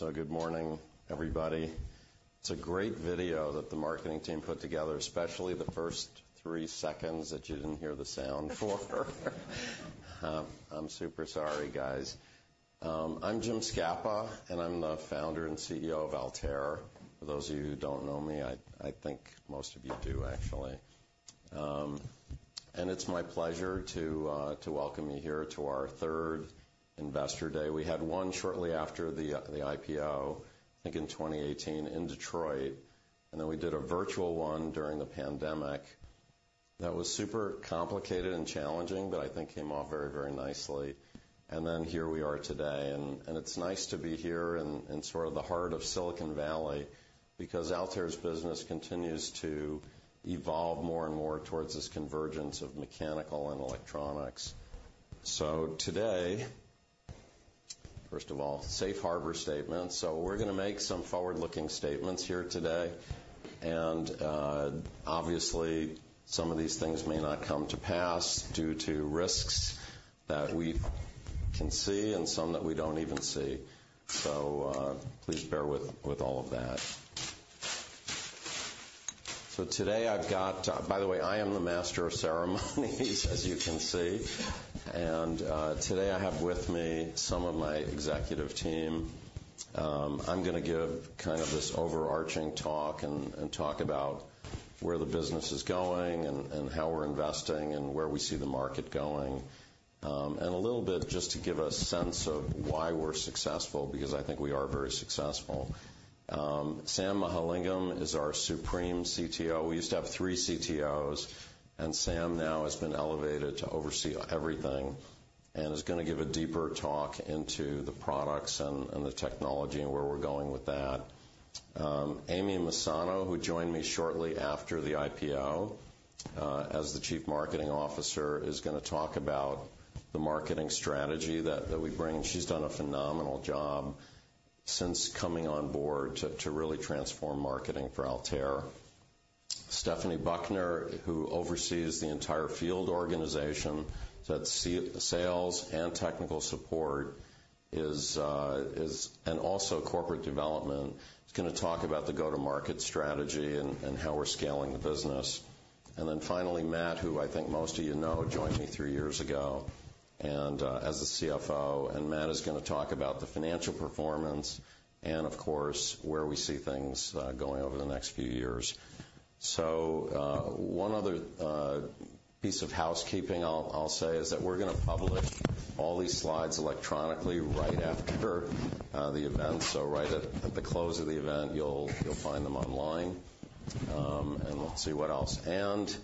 Good morning, everybody. It's a great video that the marketing team put together, especially the first three seconds that you didn't hear the sound for. I'm super sorry, guys. I'm Jim Scapa, and I'm the Founder and CEO of Altair. For those of you who don't know me, I think most of you do, actually. And it's my pleasure to welcome you here to our third Investor Day. We had one shortly after the IPO, I think, in 2018 in Detroit, and then we did a virtual one during the pandemic. That was super complicated and challenging, but I think came off very, very nicely. And then here we are today, and it's nice to be here in sort of the heart of Silicon Valley, because Altair's business continues to evolve more and more towards this convergence of mechanical and electronics. So today, first of all, safe harbor statement. So we're gonna make some forward-looking statements here today, and obviously, some of these things may not come to pass due to risks that we can see and some that we don't even see. So please bear with all of that. So today I've got. By the way, I am the master of ceremonies, as you can see. And today I have with me some of my executive team. I'm gonna give kind of this overarching talk, and talk about where the business is going and how we're investing and where we see the market going. And a little bit just to give a sense of why we're successful, because I think we are very successful. Sam Mahalingam is our supreme CTO. We used to have three CTOs, and Sam now has been elevated to oversee everything and is gonna give a deeper talk into the products and the technology and where we're going with that. Amy Messano, who joined me shortly after the IPO, as the Chief Marketing Officer, is gonna talk about the marketing strategy that we bring. She's done a phenomenal job since coming on board to really transform marketing for Altair. Stephanie Buckner, who oversees the entire field organization, so that's sales and technical support, and also corporate development, is gonna talk about the go-to-market strategy and how we're scaling the business. And then finally, Matt, who I think most of you know, joined me three years ago, and as the CFO, and Matt is gonna talk about the financial performance and, of course, where we see things going over the next few years. So, one other piece of housekeeping I'll say is that we're gonna publish all these slides electronically right after the event. So right at the close of the event, you'll find them online. And let's see, what else? And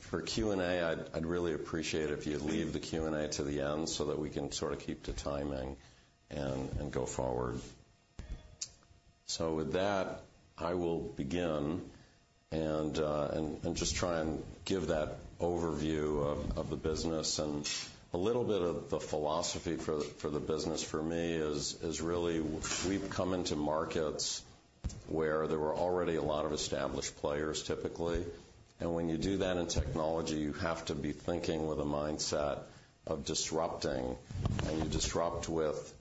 for Q&A, I'd really appreciate it if you'd leave the Q&A to the end so that we can sort of keep to timing and go forward. So with that, I will begin and just try and give that overview of the business. A little bit of the philosophy for the business for me is really we've come into markets where there were already a lot of established players, typically. And when you do that in technology, you have to be thinking with a mindset of disrupting, and you disrupt with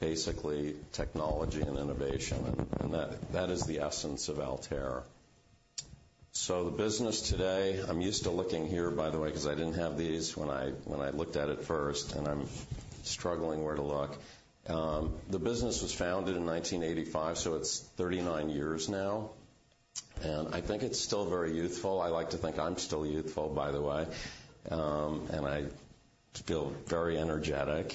basically technology and innovation, and that is the essence of Altair. So the business today... I'm used to looking here, by the way, 'cause I didn't have these when I looked at it first, and I'm struggling where to look. The business was founded in 1985, so it's 39 years now. And I think it's still very youthful. I like to think I'm still youthful, by the way, and I feel very energetic.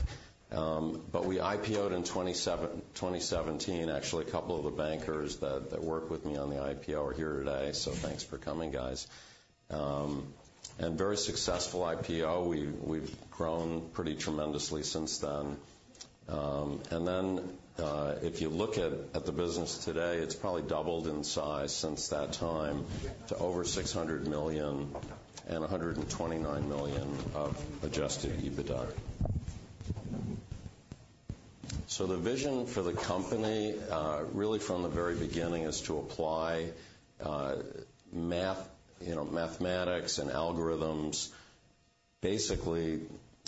But we IPO'd in 2017. Actually, a couple of the bankers that worked with me on the IPO are here today, so thanks for coming, guys. And very successful IPO. We've grown pretty tremendously since then. And then, if you look at the business today, it's probably doubled in size since that time to over $600 million and $129 million of adjusted EBITDA. So the vision for the company really from the very beginning is to apply math, you know, mathematics and algorithms, basically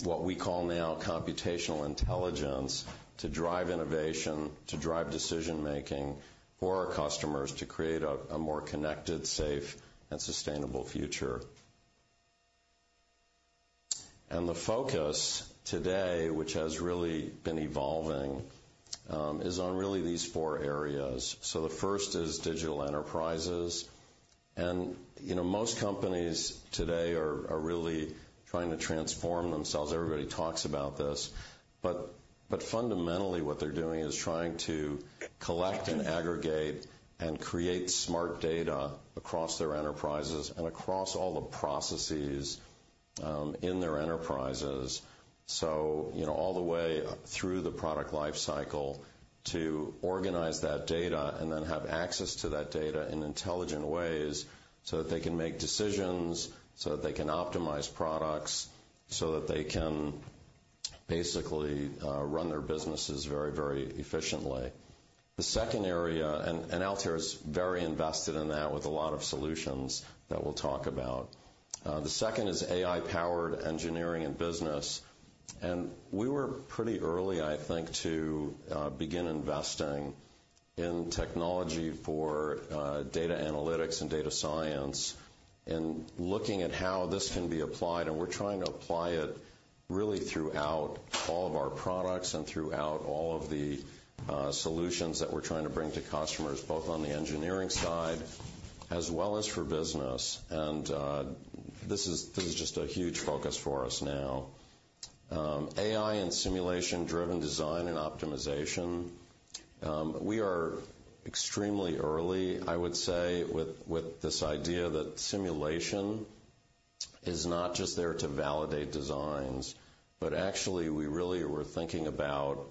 what we call now computational intelligence, to drive innovation, to drive decision making for our customers, to create a more connected, safe, and sustainable future. And the focus today, which has really been evolving, is on really these four areas. So the first is digital enterprises. You know, most companies today are really trying to transform themselves. Everybody talks about this, but fundamentally, what they're doing is trying to collect and aggregate and create smart data across their enterprises and across all the processes in their enterprises. So, you know, all the way through the product life cycle, to organize that data and then have access to that data in intelligent ways, so that they can make decisions, so that they can optimize products, so that they can basically run their businesses very, very efficiently.... The second area, and Altair is very invested in that with a lot of solutions that we'll talk about. The second is AI-powered engineering and business. And we were pretty early, I think, to begin investing in technology for data analytics and data science and looking at how this can be applied. We're trying to apply it really throughout all of our products and throughout all of the solutions that we're trying to bring to customers, both on the engineering side as well as for business. This is just a huge focus for us now. AI and simulation-driven design and optimization. We are extremely early, I would say, with this idea that simulation is not just there to validate designs, but actually, we really were thinking about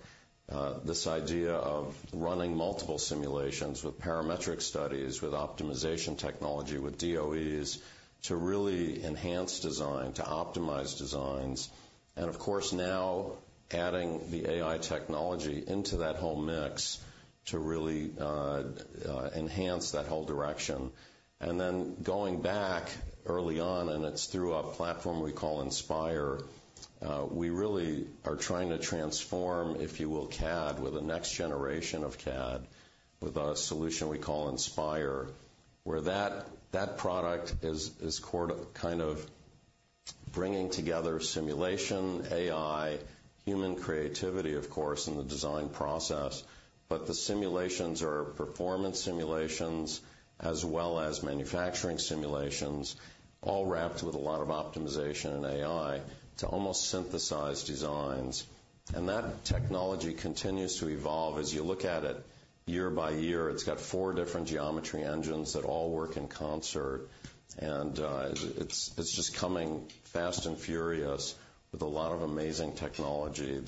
this idea of running multiple simulations with parametric studies, with optimization technology, with DOEs, to really enhance design, to optimize designs, and of course, now adding the AI technology into that whole mix to really enhance that whole direction. And then going back early on, and it's through a platform we call Inspire, we really are trying to transform, if you will, CAD with the next generation of CAD, with a solution we call Inspire, where that product is core, kind of bringing together simulation, AI, human creativity, of course, in the design process. But the simulations are performance simulations as well as manufacturing simulations, all wrapped with a lot of optimization and AI to almost synthesize designs. And that technology continues to evolve. As you look at it year by year, it's got four different geometry engines that all work in concert. And it's just coming fast and furious with a lot of amazing technology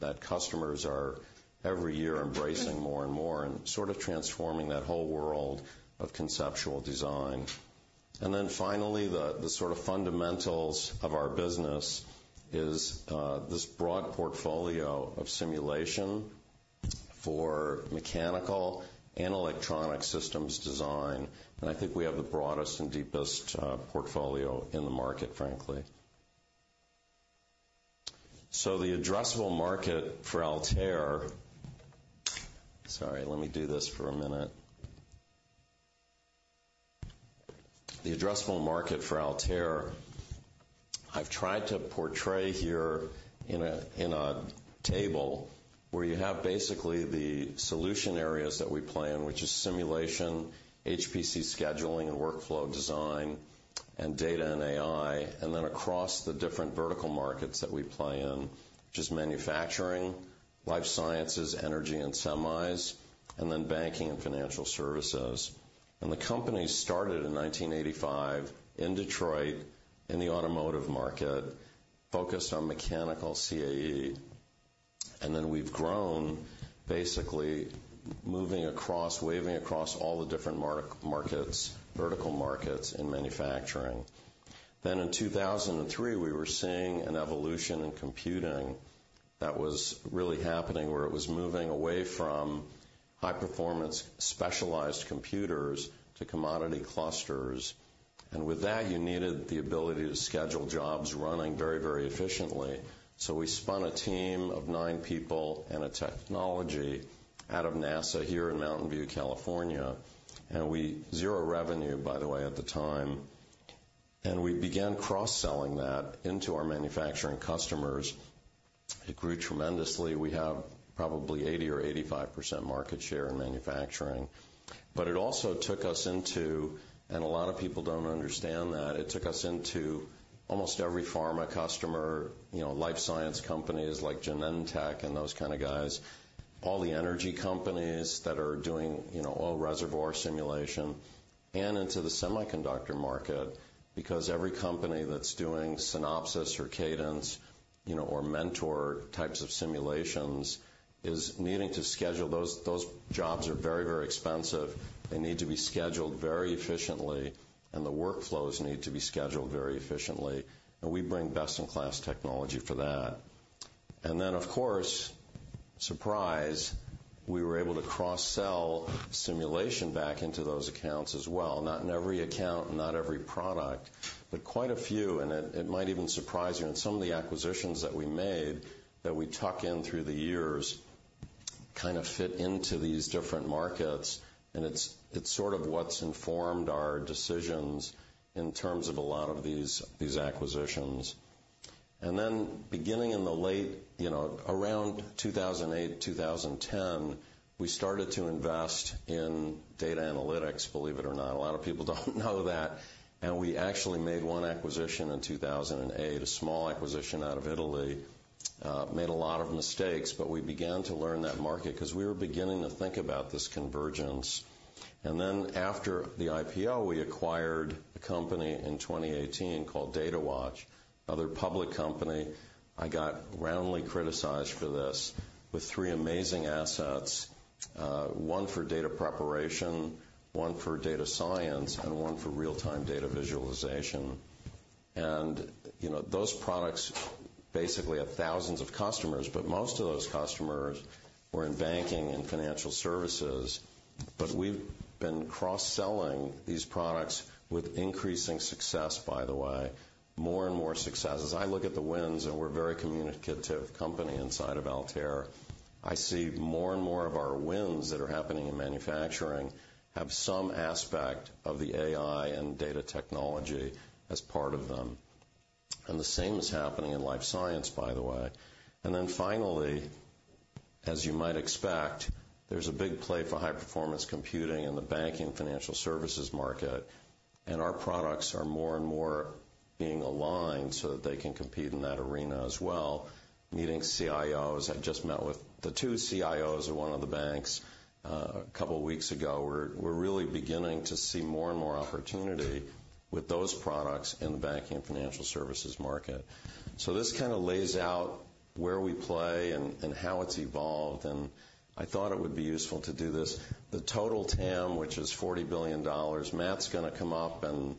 that customers are every year embracing more and more and sort of transforming that whole world of conceptual design. And then finally, the sort of fundamentals of our business is this broad portfolio of simulation for mechanical and electronic systems design. And I think we have the broadest and deepest portfolio in the market, frankly. So the addressable market for Altair... Sorry, let me do this for a minute. The addressable market for Altair, I've tried to portray here in a table where you have basically the solution areas that we play in, which is simulation, HPC scheduling, and workflow design, and data and AI, and then across the different vertical markets that we play in, which is manufacturing, life sciences, energy and semis, and then banking and financial services. And the company started in 1985 in Detroit, in the automotive market, focused on mechanical CAE. Then we've grown, basically moving across, weaving across all the different markets, vertical markets in manufacturing. Then in 2003, we were seeing an evolution in computing that was really happening, where it was moving away from high-performance, specialized computers to commodity clusters. And with that, you needed the ability to schedule jobs running very, very efficiently. So we spun a team of nine people and a technology out of NASA here in Mountain View, California, and we—zero revenue, by the way, at the time, and we began cross-selling that into our manufacturing customers. It grew tremendously. We have probably 80% or 85% market share in manufacturing, but it also took us into, and a lot of people don't understand that, it took us into almost every pharma customer, you know, life science companies like Genentech and those kind of guys, all the energy companies that are doing, you know, oil reservoir simulation and into the semiconductor market, because every company that's doing Synopsys or Cadence, you know, or Mentor types of simulations is needing to schedule those, those jobs are very, very expensive. They need to be scheduled very efficiently, and the workflows need to be scheduled very efficiently. And we bring best-in-class technology for that. And then, of course, surprise, we were able to cross-sell simulation back into those accounts as well. Not in every account and not every product, but quite a few. And it might even surprise you in some of the acquisitions that we made, that we tuck in through the years, kind of fit into these different markets. And it's sort of what's informed our decisions in terms of a lot of these acquisitions. And then beginning in the late, you know, around 2008, 2010, we started to invest in data analytics. Believe it or not, a lot of people don't know that. And we actually made one acquisition in 2008, a small acquisition out of Italy. Made a lot of mistakes, but we began to learn that market because we were beginning to think about this convergence. And then after the IPO, we acquired a company in 2018 called Datawatch, another public company. I got roundly criticized for this, with three amazing assets, one for data preparation, one for data science, and one for real-time data visualization... And, you know, those products basically have thousands of customers, but most of those customers were in banking and financial services. But we've been cross-selling these products with increasing success, by the way, more and more success. As I look at the wins, and we're a very communicative company inside of Altair, I see more and more of our wins that are happening in manufacturing have some aspect of the AI and data technology as part of them. And the same is happening in life science, by the way. Then finally, as you might expect, there's a big play for high-performance computing in the banking and financial services market, and our products are more and more being aligned so that they can compete in that arena as well. Meeting CIOs, I just met with the two CIOs of one of the banks, a couple of weeks ago. We're really beginning to see more and more opportunity with those products in the banking and financial services market. So this kind of lays out where we play and how it's evolved, and I thought it would be useful to do this. The total TAM, which is $40 billion, Matt's going to come up and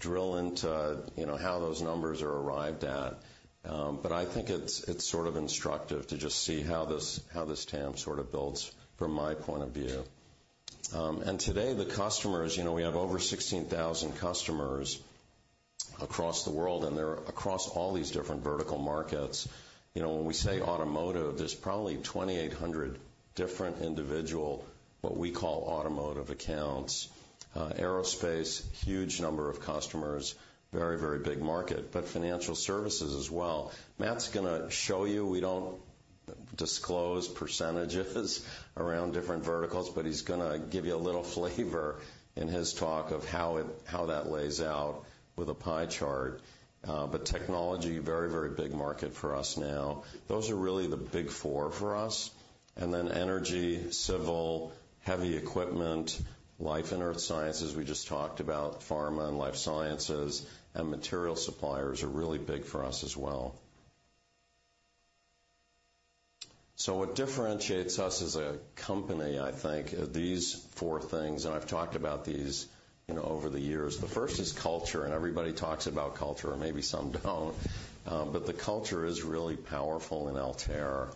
drill into, you know, how those numbers are arrived at. But I think it's, it's sort of instructive to just see how this, how this TAM sort of builds from my point of view. And today, the customers, you know, we have over 16,000 customers across the world, and they're across all these different vertical markets. You know, when we say automotive, there's probably 2,800 different individual, what we call automotive accounts. Aerospace, huge number of customers, very, very big market, but financial services as well. Matt's going to show you, we don't disclose percentages around different verticals, but he's going to give you a little flavor in his talk of how it-- how that lays out with a pie chart. But technology, very, very big market for us now. Those are really the big four for us. And then energy, civil, heavy equipment, life and earth sciences, we just talked about pharma and life sciences, and material suppliers are really big for us as well. So what differentiates us as a company, I think, are these four things, and I've talked about these, you know, over the years. The first is culture, and everybody talks about culture, or maybe some don't. But the culture is really powerful in Altair.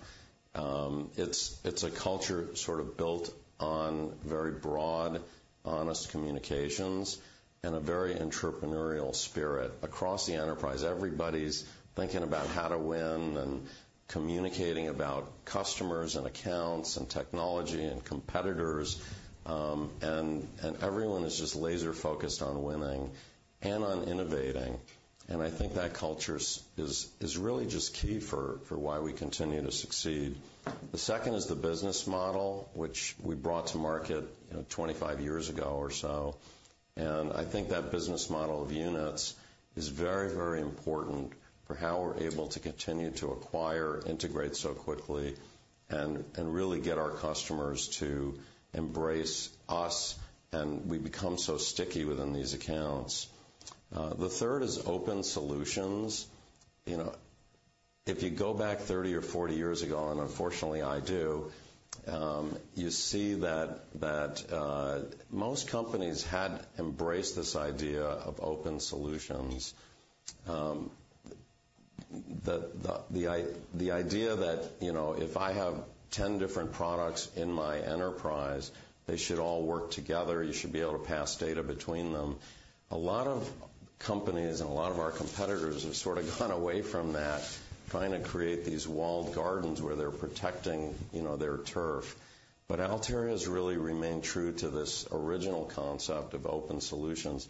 It's a culture sort of built on very broad, honest communications and a very entrepreneurial spirit across the enterprise. Everybody's thinking about how to win and communicating about customers and accounts and technology and competitors. And everyone is just laser-focused on winning and on innovating, and I think that culture is really just key for why we continue to succeed. The second is the business model, which we brought to market, you know, 25 years ago or so. And I think that business model of units is very, very important for how we're able to continue to acquire, integrate so quickly and, and really get our customers to embrace us, and we become so sticky within these accounts. The third is open solutions. You know, if you go back 30 or 40 years ago, and unfortunately, I do, you see that most companies had embraced this idea of open solutions. The idea that, you know, if I have 10 different products in my enterprise, they should all work together, you should be able to pass data between them. A lot of companies and a lot of our competitors have sort of gone away from that, trying to create these walled gardens where they're protecting, you know, their turf. But Altair has really remained true to this original concept of open solutions.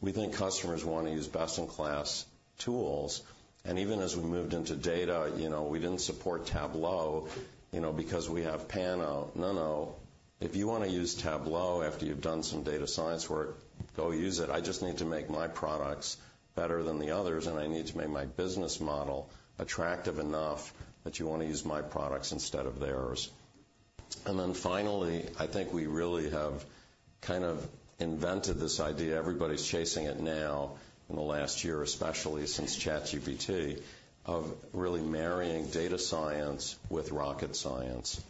We think customers want to use best-in-class tools, and even as we moved into data, you know, we didn't support Tableau, you know, because we have Pano. No, no. If you want to use Tableau after you've done some data science work, go use it. I just need to make my products better than the others, and I need to make my business model attractive enough that you want to use my products instead of theirs. And then finally, I think we really have kind of invented this idea. Everybody's chasing it now in the last year, especially since ChatGPT, of really marrying data science with rocket science.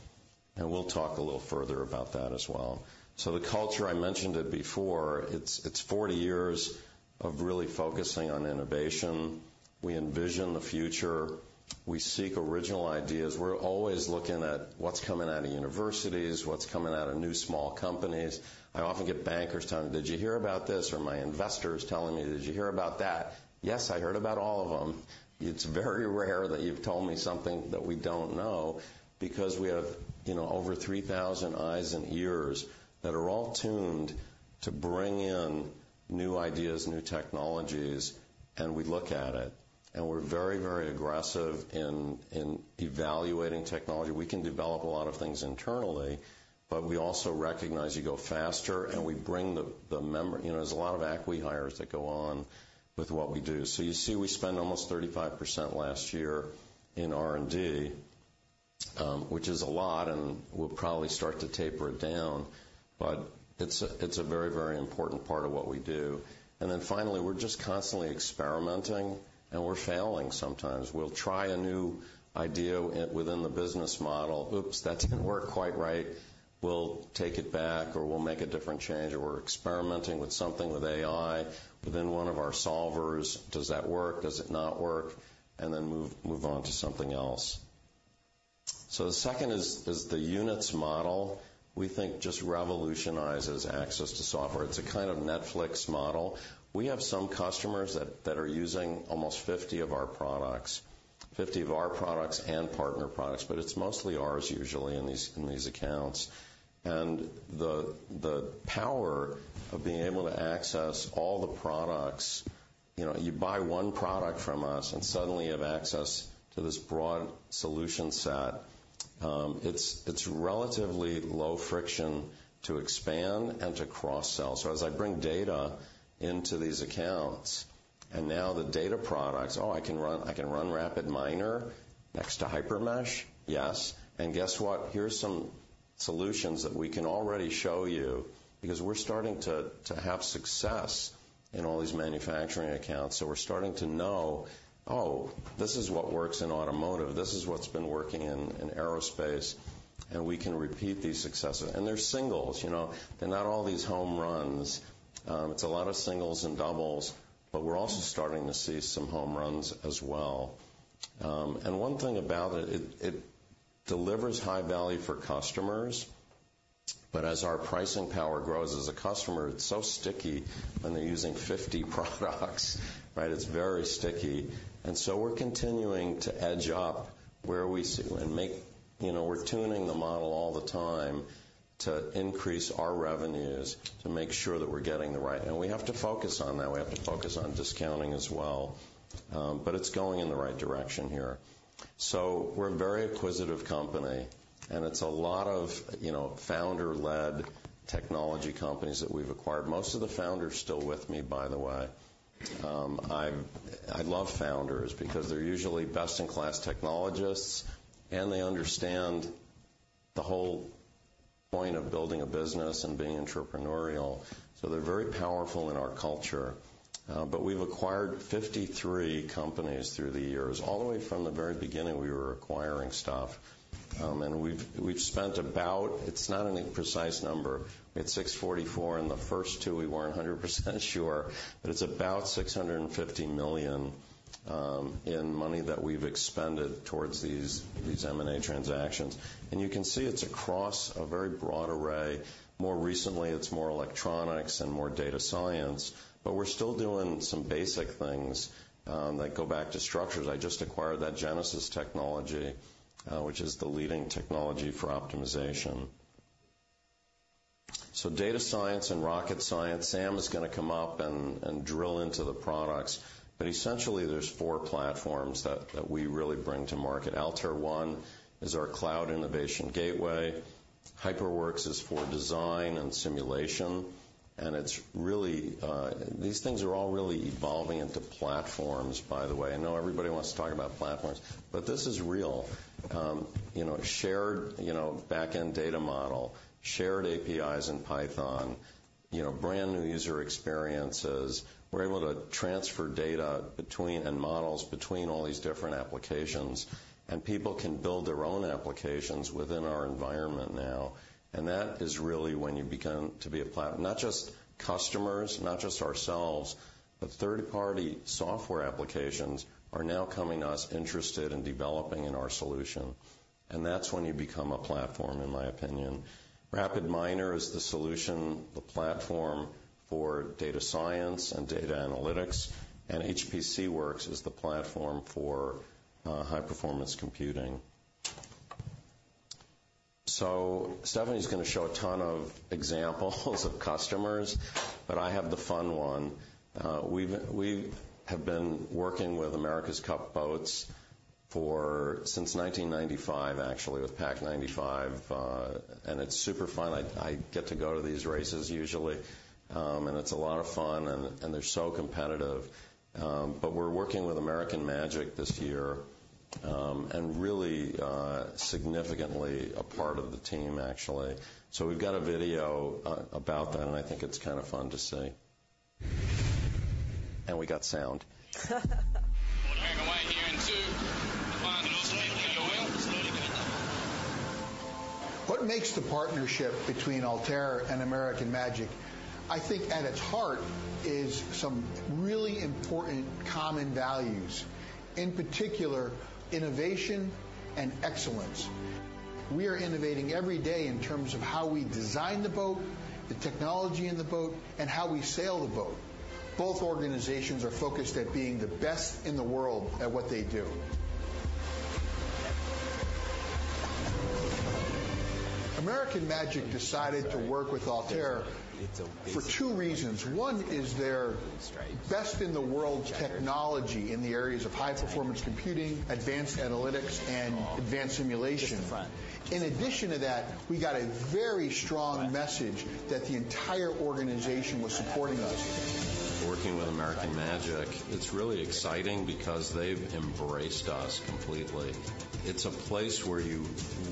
We'll talk a little further about that as well. The culture, I mentioned it before, it's 40 years of really focusing on innovation. We envision the future, we seek original ideas. We're always looking at what's coming out of universities, what's coming out of new small companies. I often get bankers telling me, "Did you hear about this?" Or my investors telling me, "Did you hear about that?" Yes, I heard about all of them. It's very rare that you've told me something that we don't know because we have, you know, over 3,000 eyes and ears that are all tuned to bring in new ideas, new technologies, and we look at it. We're very, very aggressive in evaluating technology. We can develop a lot of things internally, but we also recognize you go faster and we bring the member. You know, there's a lot of acqui-hires that go on with what we do. So you see, we spent almost 35% last year in R&D, which is a lot, and we'll probably start to taper it down, but it's a very, very important part of what we do. And then finally, we're just constantly experimenting, and we're failing sometimes. We'll try a new idea within the business model. Oops, that didn't work quite right. We'll take it back, or we'll make a different change, or we're experimenting with something with AI within one of our solvers. Does that work? Does it not work? And then move on to something else. So the second is the units model, we think, just revolutionizes access to software. It's a kind of Netflix model. We have some customers that are using almost 50 of our products and partner products, but it's mostly ours, usually, in these accounts. And the power of being able to access all the products, you know, you buy one product from us, and suddenly you have access to this broad solution set. It's relatively low friction to expand and to cross-sell. So as I bring data into these accounts, and now the data products, oh, I can run RapidMiner next to HyperMesh? Yes. And guess what? Here's some solutions that we can already show you, because we're starting to have success in all these manufacturing accounts. So we're starting to know, oh, this is what works in automotive. This is what's been working in, in aerospace, and we can repeat these successes. And they're singles, you know? They're not all these home runs. It's a lot of singles and doubles, but we're also starting to see some home runs as well. And one thing about it, it, it delivers high value for customers, but as our pricing power grows, as a customer, it's so sticky when they're using 50 products, right? It's very sticky. And so we're continuing to edge up where we see... And make-- You know, we're tuning the model all the time to increase our revenues, to make sure that we're getting the right-- And we have to focus on that. We have to focus on discounting as well, but it's going in the right direction here. So we're a very acquisitive company, and it's a lot of, you know, founder-led technology companies that we've acquired. Most of the founders are still with me, by the way. I love founders because they're usually best-in-class technologists, and they understand the whole point of building a business and being entrepreneurial, so they're very powerful in our culture. But we've acquired 53 companies through the years. All the way from the very beginning, we were acquiring stuff, and we've spent about... It's not a precise number. It's $644, and the first two we weren't 100% sure, but it's about $650 million in money that we've expended towards these M&A transactions. And you can see it's across a very broad array. More recently, it's more electronics and more data science, but we're still doing some basic things that go back to structures. I just acquired that Genesis technology, which is the leading technology for optimization. So data science and rocket science, Sam is going to come up and drill into the products, but essentially, there's four platforms that we really bring to market. Altair One is our cloud innovation gateway. HyperWorks is for design and simulation, and it's really... These things are all really evolving into platforms, by the way. I know everybody wants to talk about platforms, but this is real. You know, shared, you know, back-end data model, shared APIs in Python, you know, brand-new user experiences. We're able to transfer data between, and models between all these different applications, and people can build their own applications within our environment now, and that is really when you begin to be a platform. Not just customers, not just ourselves, but third-party software applications are now coming to us interested in developing in our solution, and that's when you become a platform, in my opinion. RapidMiner is the solution, the platform for data science and data analytics, and HPCWorks is the platform for high-performance computing. So Stephanie's going to show a ton of examples of customers, but I have the fun one. We have been working with America's Cup boats for since 1995, actually, with PACT 95, and it's super fun. I get to go to these races usually, and it's a lot of fun, and they're so competitive. But we're working with American Magic this year, and really, significantly a part of the team, actually. So we've got a video about that, and I think it's kind of fun to see.... What makes the partnership between Altair and American Magic, I think, at its heart is some really important common values, in particular, innovation and excellence. We are innovating every day in terms of how we design the boat, the technology in the boat, and how we sail the boat. Both organizations are focused at being the best in the world at what they do. American Magic decided to work with Altair for two reasons. One is their best-in-the-world technology in the areas of high-performance computing, advanced analytics, and advanced simulation. In addition to that, we got a very strong message that the entire organization was supporting us. Working with American Magic, it's really exciting because they've embraced us completely. It's a place where you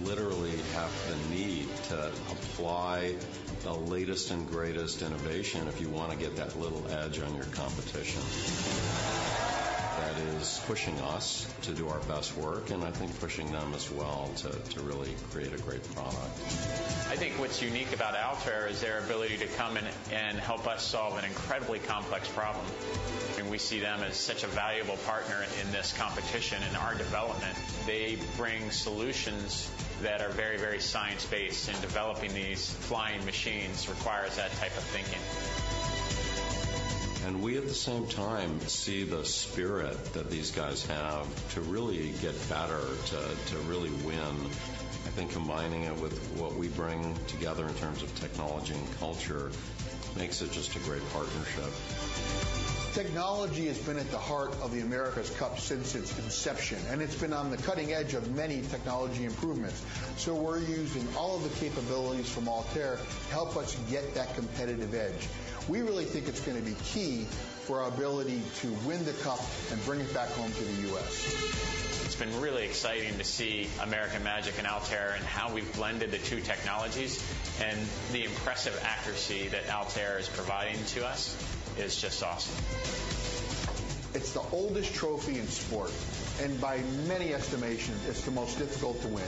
literally have the need to apply the latest and greatest innovation if you want to get that little edge on your competition. That is pushing us to do our best work, and I think pushing them as well to really create a great product. I think what's unique about Altair is their ability to come in and help us solve an incredibly complex problem, and we see them as such a valuable partner in this competition and our development. They bring solutions that are very, very science-based, and developing these flying machines requires that type of thinking. We, at the same time, see the spirit that these guys have to really get better, to really win. I think combining it with what we bring together in terms of technology and culture makes it just a great partnership. Technology has been at the heart of the America's Cup since its inception, and it's been on the cutting edge of many technology improvements. We're using all of the capabilities from Altair to help us get that competitive edge. We really think it's gonna be key for our ability to win the cup and bring it back home to the U.S. It's been really exciting to see American Magic and Altair, and how we've blended the two technologies, and the impressive accuracy that Altair is providing to us is just awesome. It's the oldest trophy in sport, and by many estimations, it's the most difficult to win.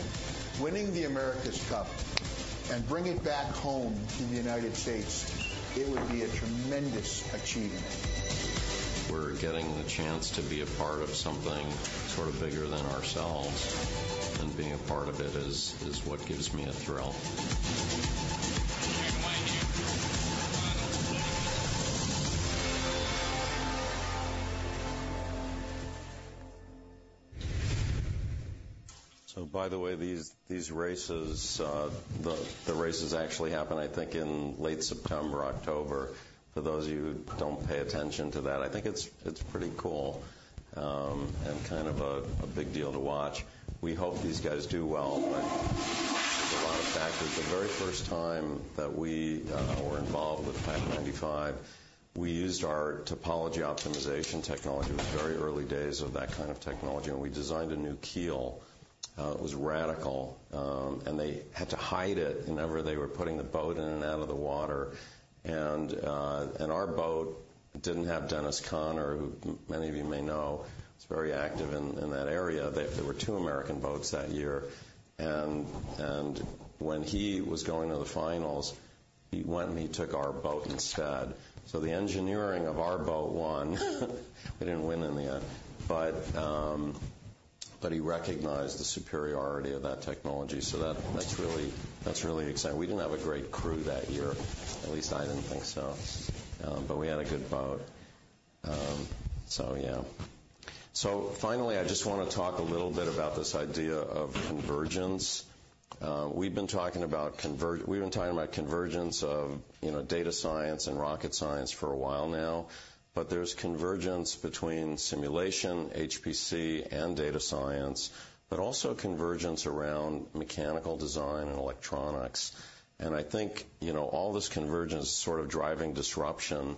Winning the America's Cup and bring it back home to the United States, it would be a tremendous achievement. We're getting the chance to be a part of something sort of bigger than ourselves, and being a part of it is, is what gives me a thrill. So by the way, these, these races, the, the races actually happen, I think, in late September or October. For those of you who don't pay attention to that, I think it's, it's pretty cool, and kind of a, a big deal to watch. We hope these guys do well, but there's a lot of factors. The very first time that we were involved, with PAC 95, we used our topology optimization technology. It was very early days of that kind of technology, and we designed a new keel. It was radical, and they had to hide it whenever they were putting the boat in and out of the water. Our boat didn't have Dennis Conner, who many of you may know, is very active in that area. There were two American boats that year, and when he was going to the finals, he went, and he took our boat instead. So the engineering of our boat won. We didn't win in the end, but he recognized the superiority of that technology. So that's really exciting. We didn't have a great crew that year, at least I didn't think so, but we had a good boat. So yeah. So finally, I just wanna talk a little bit about this idea of convergence. We've been talking about convergence of, you know, data science and rocket science for a while now, but there's convergence between simulation, HPC, and data science, but also convergence around mechanical design and electronics. And I think, you know, all this convergence is sort of driving disruption,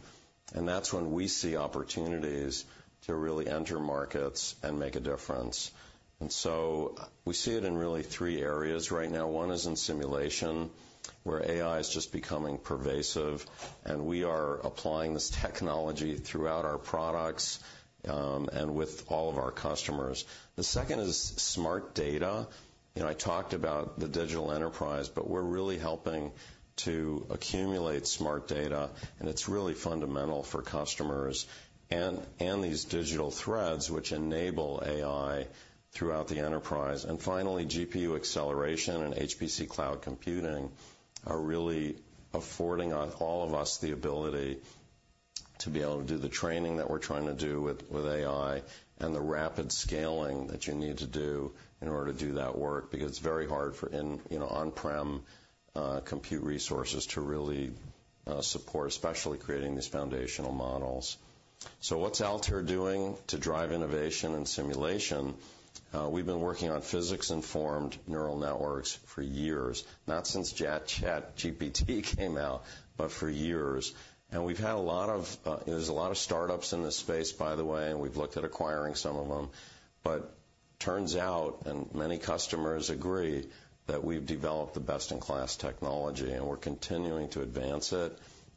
and that's when we see opportunities to really enter markets and make a difference. And so we see it in really three areas right now. One is in simulation, where AI is just becoming pervasive, and we are applying this technology throughout our products, and with all of our customers. The second is smart data, and I talked about the digital enterprise, but we're really helping to accumulate smart data, and it's really fundamental for customers and these digital threads, which enable AI throughout the enterprise. And finally, GPU acceleration and HPC cloud computing are really affording on all of us the ability to be able to do the training that we're trying to do with AI and the rapid scaling that you need to do in order to do that work, because it's very hard for, you know, on-prem compute resources to really support, especially creating these foundational models. So what's Altair doing to drive innovation and simulation? We've been working on physics-informed neural networks for years, not since ChatGPT came out, but for years. And we've had a lot of—There's a lot of startups in this space, by the way, and we've looked at acquiring some of them. But turns out, and many customers agree, that we've developed the best-in-class technology, and we're continuing to advance it,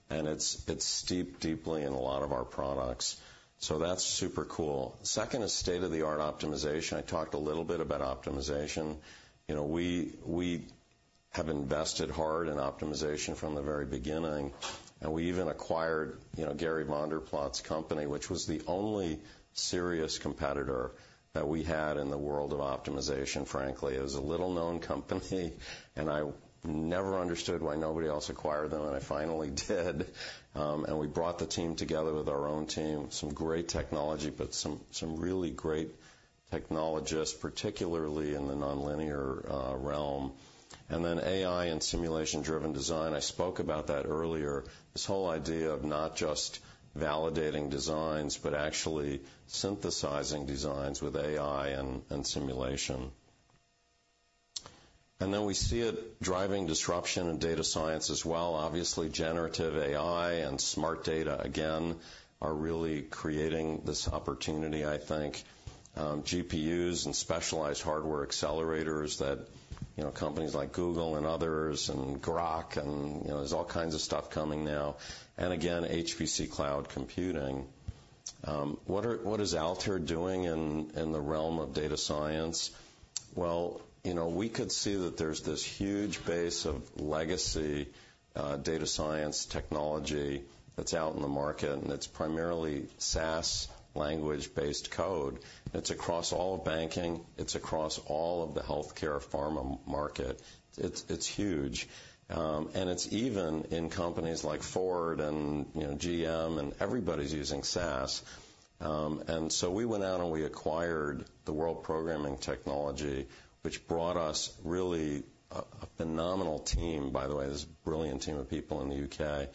and it's, it's steeped deeply in a lot of our products. So that's super cool. Second is state-of-the-art optimization. I talked a little bit about optimization. You know, we, we have invested hard in optimization from the very beginning, and we even acquired, you know, Gary Vanderplaats's company, which was the only serious competitor that we had in the world of optimization, frankly. It was a little-known company, and I never understood why nobody else acquired them, and I finally did. And we brought the team together with our own team, some great technology, but some, some really great technologists, particularly in the nonlinear realm. And then AI and simulation-driven design. I spoke about that earlier. This whole idea of not just validating designs, but actually synthesizing designs with AI and simulation. Then we see it driving disruption in data science as well. Obviously, generative AI and smart data, again, are really creating this opportunity, I think. GPUs and specialized hardware Accelerators that, you know, companies like Google and others, and Groq and, you know, there's all kinds of stuff coming now. And again, HPC cloud computing. What is Altair doing in the realm of data science? Well, you know, we could see that there's this huge base of legacy data science technology that's out in the market, and it's primarily SAS language-based code. It's across all of banking. It's across all of the healthcare pharma market. It's huge. And it's even in companies like Ford and, you know, GM, and everybody's using SAS. And so we went out, and we acquired the World Programming technology, which brought us really a phenomenal team, by the way, this brilliant team of people in the U.K.,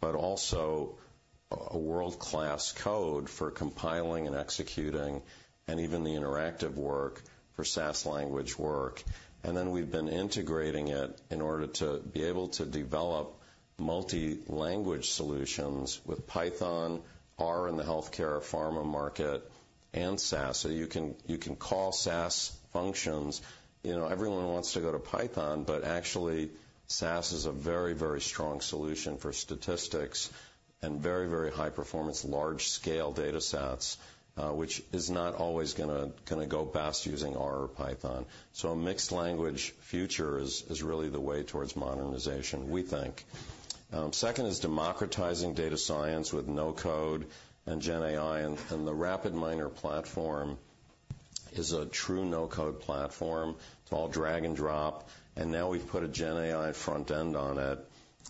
but also a world-class code for compiling and executing and even the interactive work for SAS language work. And then we've been integrating it in order to be able to develop multi-language solutions with Python, R in the healthcare pharma market, and SAS. So you can call SAS functions. You know, everyone wants to go to Python, but actually, SAS is a very, very strong solution for statistics and very, very high performance, large scale datasets, which is not always gonna go best using R or Python. So a mixed language future is really the way towards modernization, we think. Second is democratizing data science with no-code and GenAI, and the RapidMiner platform is a true no-code platform. It's all drag and drop, and now we've put a GenAI front end on it.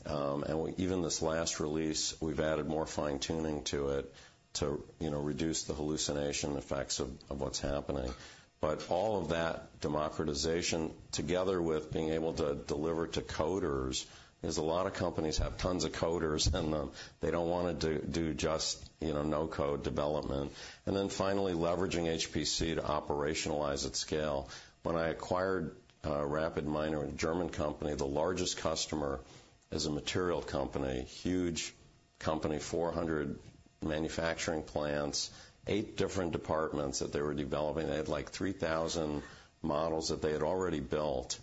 And even this last release, we've added more fine-tuning to it to, you know, reduce the hallucination effects of what's happening. But all of that democratization, together with being able to deliver to coders, is. A lot of companies have tons of coders, and they don't wanna do just, you know, no-code development. And then finally, leveraging HPC to operationalize at scale. When I acquired RapidMiner, a German company, the largest customer is a material company, huge company, 400 manufacturing plants, eight different departments that they were developing. They had, like, 3,000 models that they had already built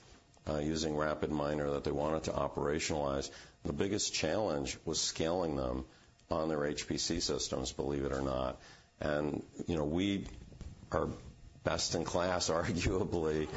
using RapidMiner that they wanted to operationalize. The biggest challenge was scaling them on their HPC systems, believe it or not. You know, we are best in class, arguably,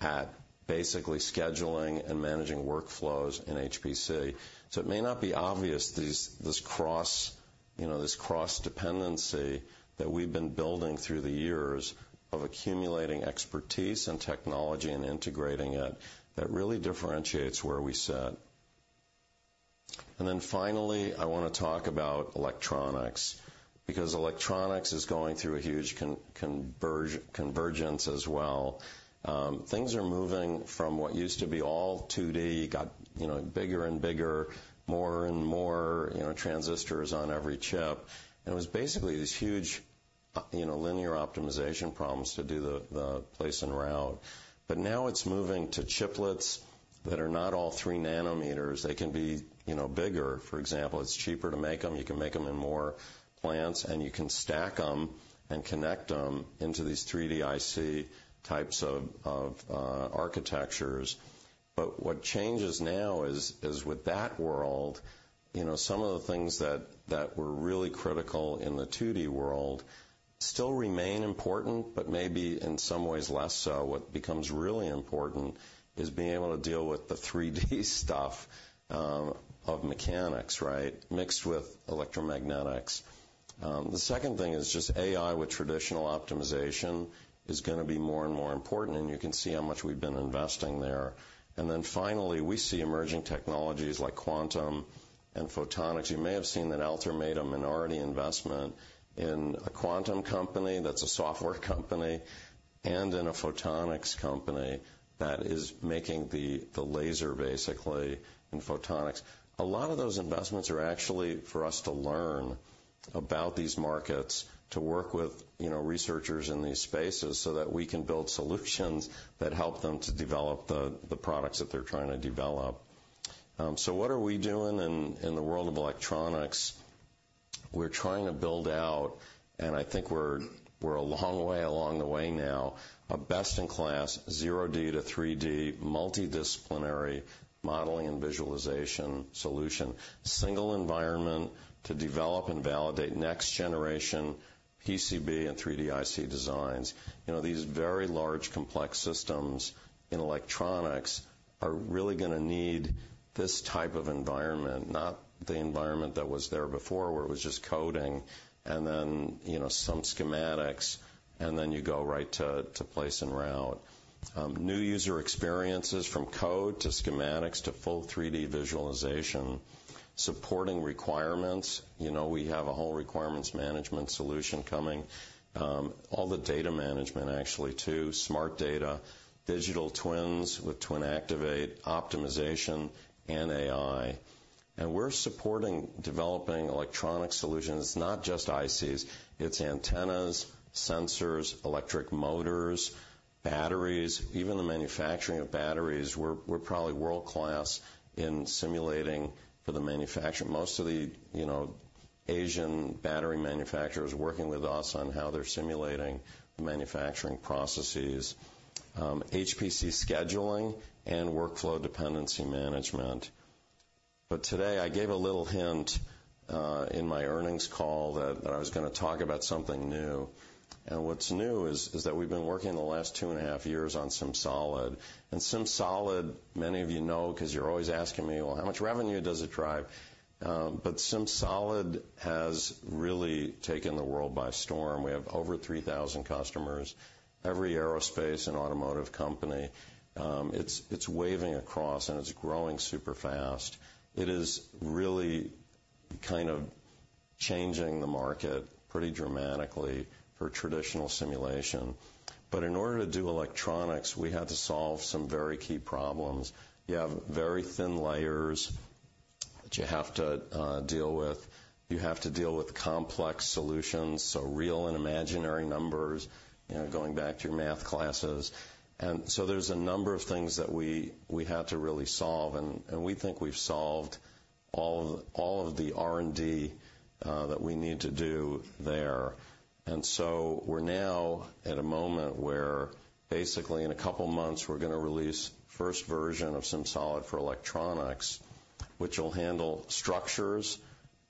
at basically scheduling and managing workflows in HPC. So it may not be obvious, these, this cross, you know, this cross-dependency that we've been building through the years of accumulating expertise and technology and integrating it, that really differentiates where we sit. Then finally, I wanna talk about electronics, because electronics is going through a huge convergence as well. Things are moving from what used to be all 2D, got, you know, bigger and bigger, more and more, you know, transistors on every chip, and it was basically these huge, linear optimization problems to do the, the place and route. But now it's moving to chiplets that are not all 3 nanometers. They can be, you know, bigger. For example, it's cheaper to make them, you can make them in more plants, and you can stack them and connect them into these 3D IC types of architectures. But what changes now is with that world, you know, some of the things that were really critical in the 2D world still remain important, but maybe in some ways less so. What becomes really important is being able to deal with the 3D stuff of mechanics, right? Mixed with electromagnetics. The second thing is just AI with traditional optimization is gonna be more and more important, and you can see how much we've been investing there. And then finally, we see emerging technologies like quantum and photonics. You may have seen that Altair made a minority investment in a quantum company that's a software company, and in a photonics company that is making the laser, basically, in photonics. A lot of those investments are actually for us to learn about these markets, to work with, you know, researchers in these spaces so that we can build solutions that help them to develop the products that they're trying to develop. So what are we doing in the world of electronics? We're trying to build out, and I think we're a long way along the way now, a best-in-class, 0D to 3D, multidisciplinary modeling and visualization solution. Single environment to develop and validate next generation PCB and 3D IC designs. You know, these very large, complex systems in electronics are really gonna need this type of environment, not the environment that was there before, where it was just coding and then, you know, some schematics, and then you go right to place and route. New user experiences from code to schematics to full 3D visualization, supporting requirements. You know, we have a whole requirements management solution coming. All the data management, actually, too, smart data, digital twins with Twin Activate, optimization, and AI. And we're supporting developing electronic solutions, not just ICs, it's antennas, sensors, electric motors, batteries, even the manufacturing of batteries. We're probably world-class in simulating for the manufacturer. Most of the, you know, Asian battery manufacturers are working with us on how they're simulating the manufacturing processes. HPC scheduling and workflow dependency management. But today, I gave a little hint in my earnings call that I was gonna talk about something new. And what's new is that we've been working the last 2.5 years on SimSolid. And SimSolid, many of you know, 'cause you're always asking me, "Well, how much revenue does it drive?" But SimSolid has really taken the world by storm. We have over 3,000 customers, every aerospace and automotive company. It's waving across, and it's growing super fast. It is really kind of changing the market pretty dramatically for traditional simulation. But in order to do electronics, we had to solve some very key problems. You have very thin layers that you have to deal with. You have to deal with complex solutions, so real and imaginary numbers, you know, going back to your math classes. There's a number of things that we had to really solve, and we think we've solved all of the R&D that we need to do there. So we're now at a moment where basically, in a couple of months, we're gonna release first version of SimSolid for electronics, which will handle structures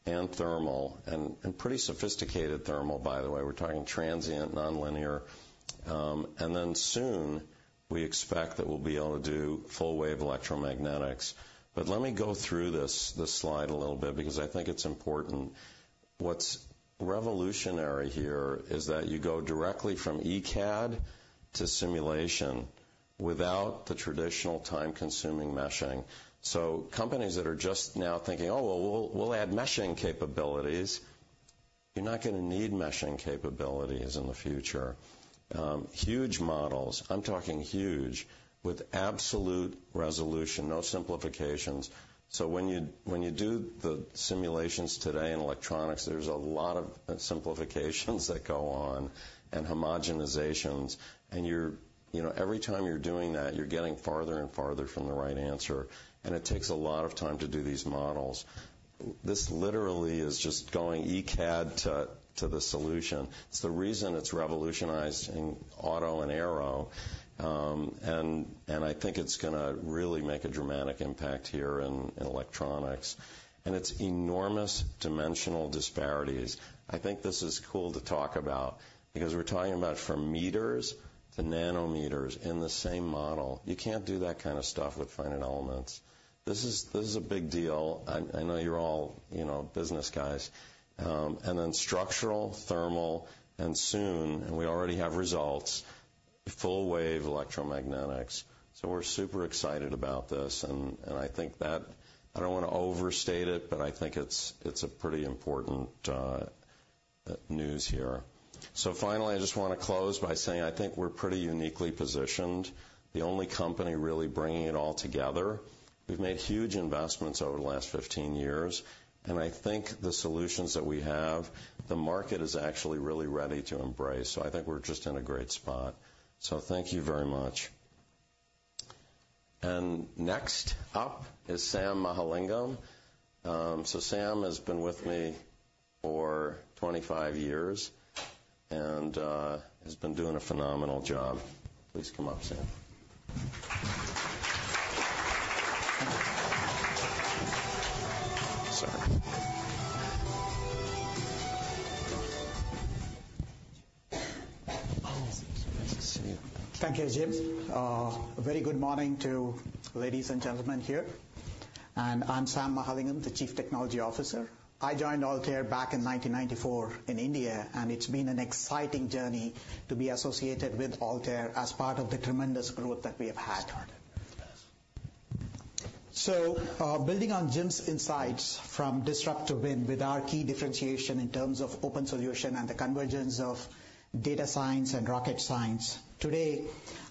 and thermal, and pretty sophisticated thermal, by the way. We're talking transient, nonlinear. And then soon, we expect that we'll be able to do full-wave electromagnetics. But let me go through this slide a little bit because I think it's important. What's revolutionary here is that you go directly from ECAD to simulation without the traditional time-consuming meshing. So companies that are just now thinking, "Oh, well, we'll add meshing capabilities," you're not gonna need meshing capabilities in the future. Huge models, I'm talking huge, with absolute resolution, no simplifications. So when you do the simulations today in electronics, there's a lot of simplifications that go on, and homogenizations, and you're, you know, every time you're doing that, you're getting farther and farther from the right answer, and it takes a lot of time to do these models. This literally is just going ECAD to the solution. It's the reason it's revolutionized in auto and aero, and I think it's gonna really make a dramatic impact here in electronics. And it's enormous dimensional disparities. I think this is cool to talk about because we're talking about from meters to nanometers in the same model. You can't do that kind of stuff with finite elements. This is a big deal. I know you're all, you know, business guys. And then structural, thermal, and soon, and we already have results, full-wave electromagnetics. So we're super excited about this, and, and I think that... I don't wanna overstate it, but I think it's, it's a pretty important news here. So finally, I just wanna close by saying I think we're pretty uniquely positioned, the only company really bringing it all together. We've made huge investments over the last 15 years, and I think the solutions that we have, the market is actually really ready to embrace. So I think we're just in a great spot. So thank you very much. And next up is Sam Mahalingam. So Sam has been with me for 25 years and has been doing a phenomenal job. Please come up, Sam. Thank you, Jim. A very good morning to ladies and gentlemen here, and I'm Sam Mahalingam, the Chief Technology Officer. I joined Altair back in 1994 in India, and it's been an exciting journey to be associated with Altair as part of the tremendous growth that we have had. It's started. Yes. So, building on Jim's insights from Disrupt to Win with our key differentiation in terms of open solution and the convergence of data science and rocket science, today,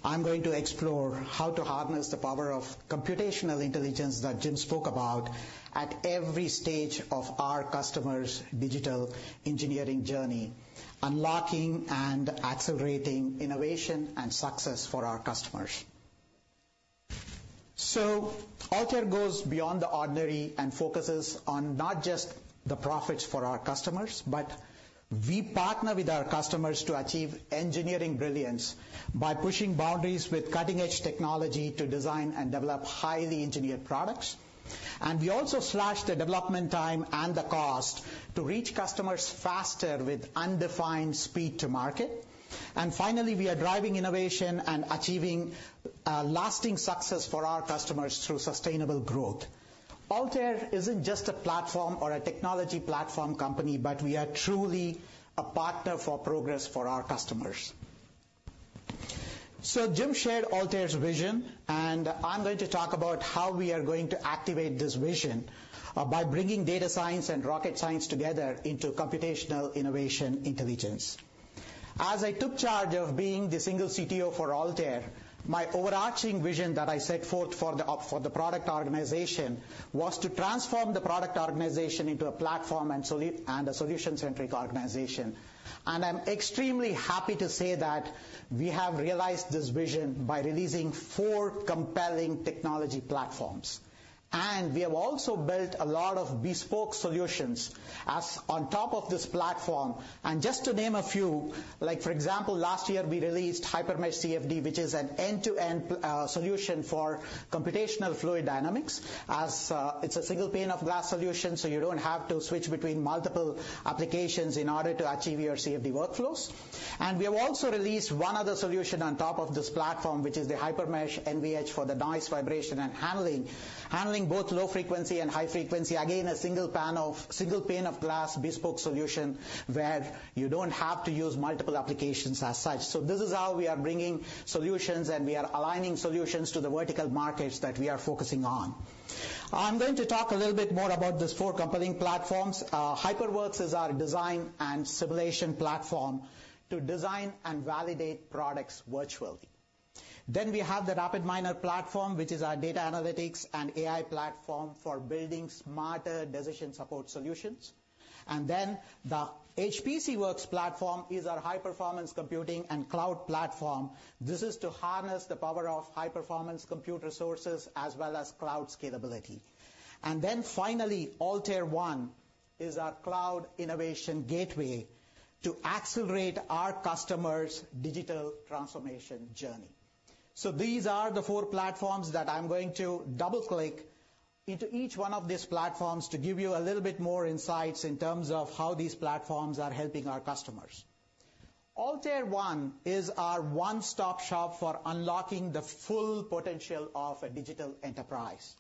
I'm going to explore how to harness the power of computational intelligence that Jim spoke about at every stage of our customers' digital engineering journey, unlocking and accelerating innovation and success for our customers. Altair goes beyond the ordinary and focuses on not just the profits for our customers, but we partner with our customers to achieve engineering brilliance by pushing boundaries with cutting-edge technology to design and develop highly engineered products. We also slash the development time and the cost to reach customers faster with undefined speed to market. Finally, we are driving innovation and achieving lasting success for our customers through sustainable growth. Altair isn't just a platform or a technology platform company, but we are truly a partner for progress for our customers. So Jim shared Altair's vision, and I'm going to talk about how we are going to activate this vision by bringing data science and rocket science together into computational innovation intelligence. As I took charge of being the single CTO for Altair, my overarching vision that I set forth for the product organization was to transform the product organization into a platform and solution-centric organization. And I'm extremely happy to say that we have realized this vision by releasing four compelling technology platforms. And we have also built a lot of bespoke solutions on top of this platform. And just to name a few, like, for example, last year, we released HyperMesh CFD, which is an end-to-end solution for computational fluid dynamics. It's a single pane of glass solution, so you don't have to switch between multiple applications in order to achieve your CFD workflows. And we have also released one other solution on top of this platform, which is the HyperMesh NVH for the noise, vibration, and harshness, handling both low frequency and high frequency. Again, a single pane of glass, bespoke solution, where you don't have to use multiple applications as such. So this is how we are bringing solutions, and we are aligning solutions to the vertical markets that we are focusing on. I'm going to talk a little bit more about these four compelling platforms. HyperWorks is our design and simulation platform to design and validate products virtually. Then we have the RapidMiner platform, which is our data analytics and AI platform for building smarter decision support solutions. And then the HPCWorks platform is our high-performance computing and cloud platform. This is to harness the power of high-performance compute resources as well as cloud scalability. And then finally, Altair One is our cloud innovation gateway to accelerate our customers' digital transformation journey. So these are the four platforms that I'm going to double-click into each one of these platforms to give you a little bit more insights in terms of how these platforms are helping our customers. Altair One is our one-stop shop for unlocking the full potential of a digital enterprise.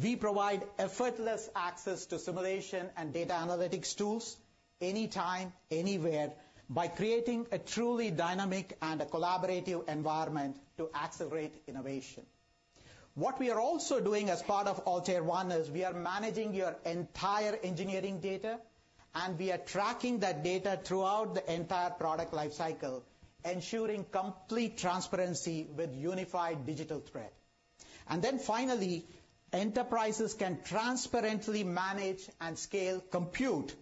We provide effortless access to simulation and data analytics tools, anytime, anywhere, by creating a truly dynamic and a collaborative environment to accelerate innovation. What we are also doing as part of Altair One is we are managing your entire engineering data, and we are tracking that data throughout the entire product life cycle, ensuring complete transparency with unified digital thread. And then finally, enterprises can transparently manage and scale compute,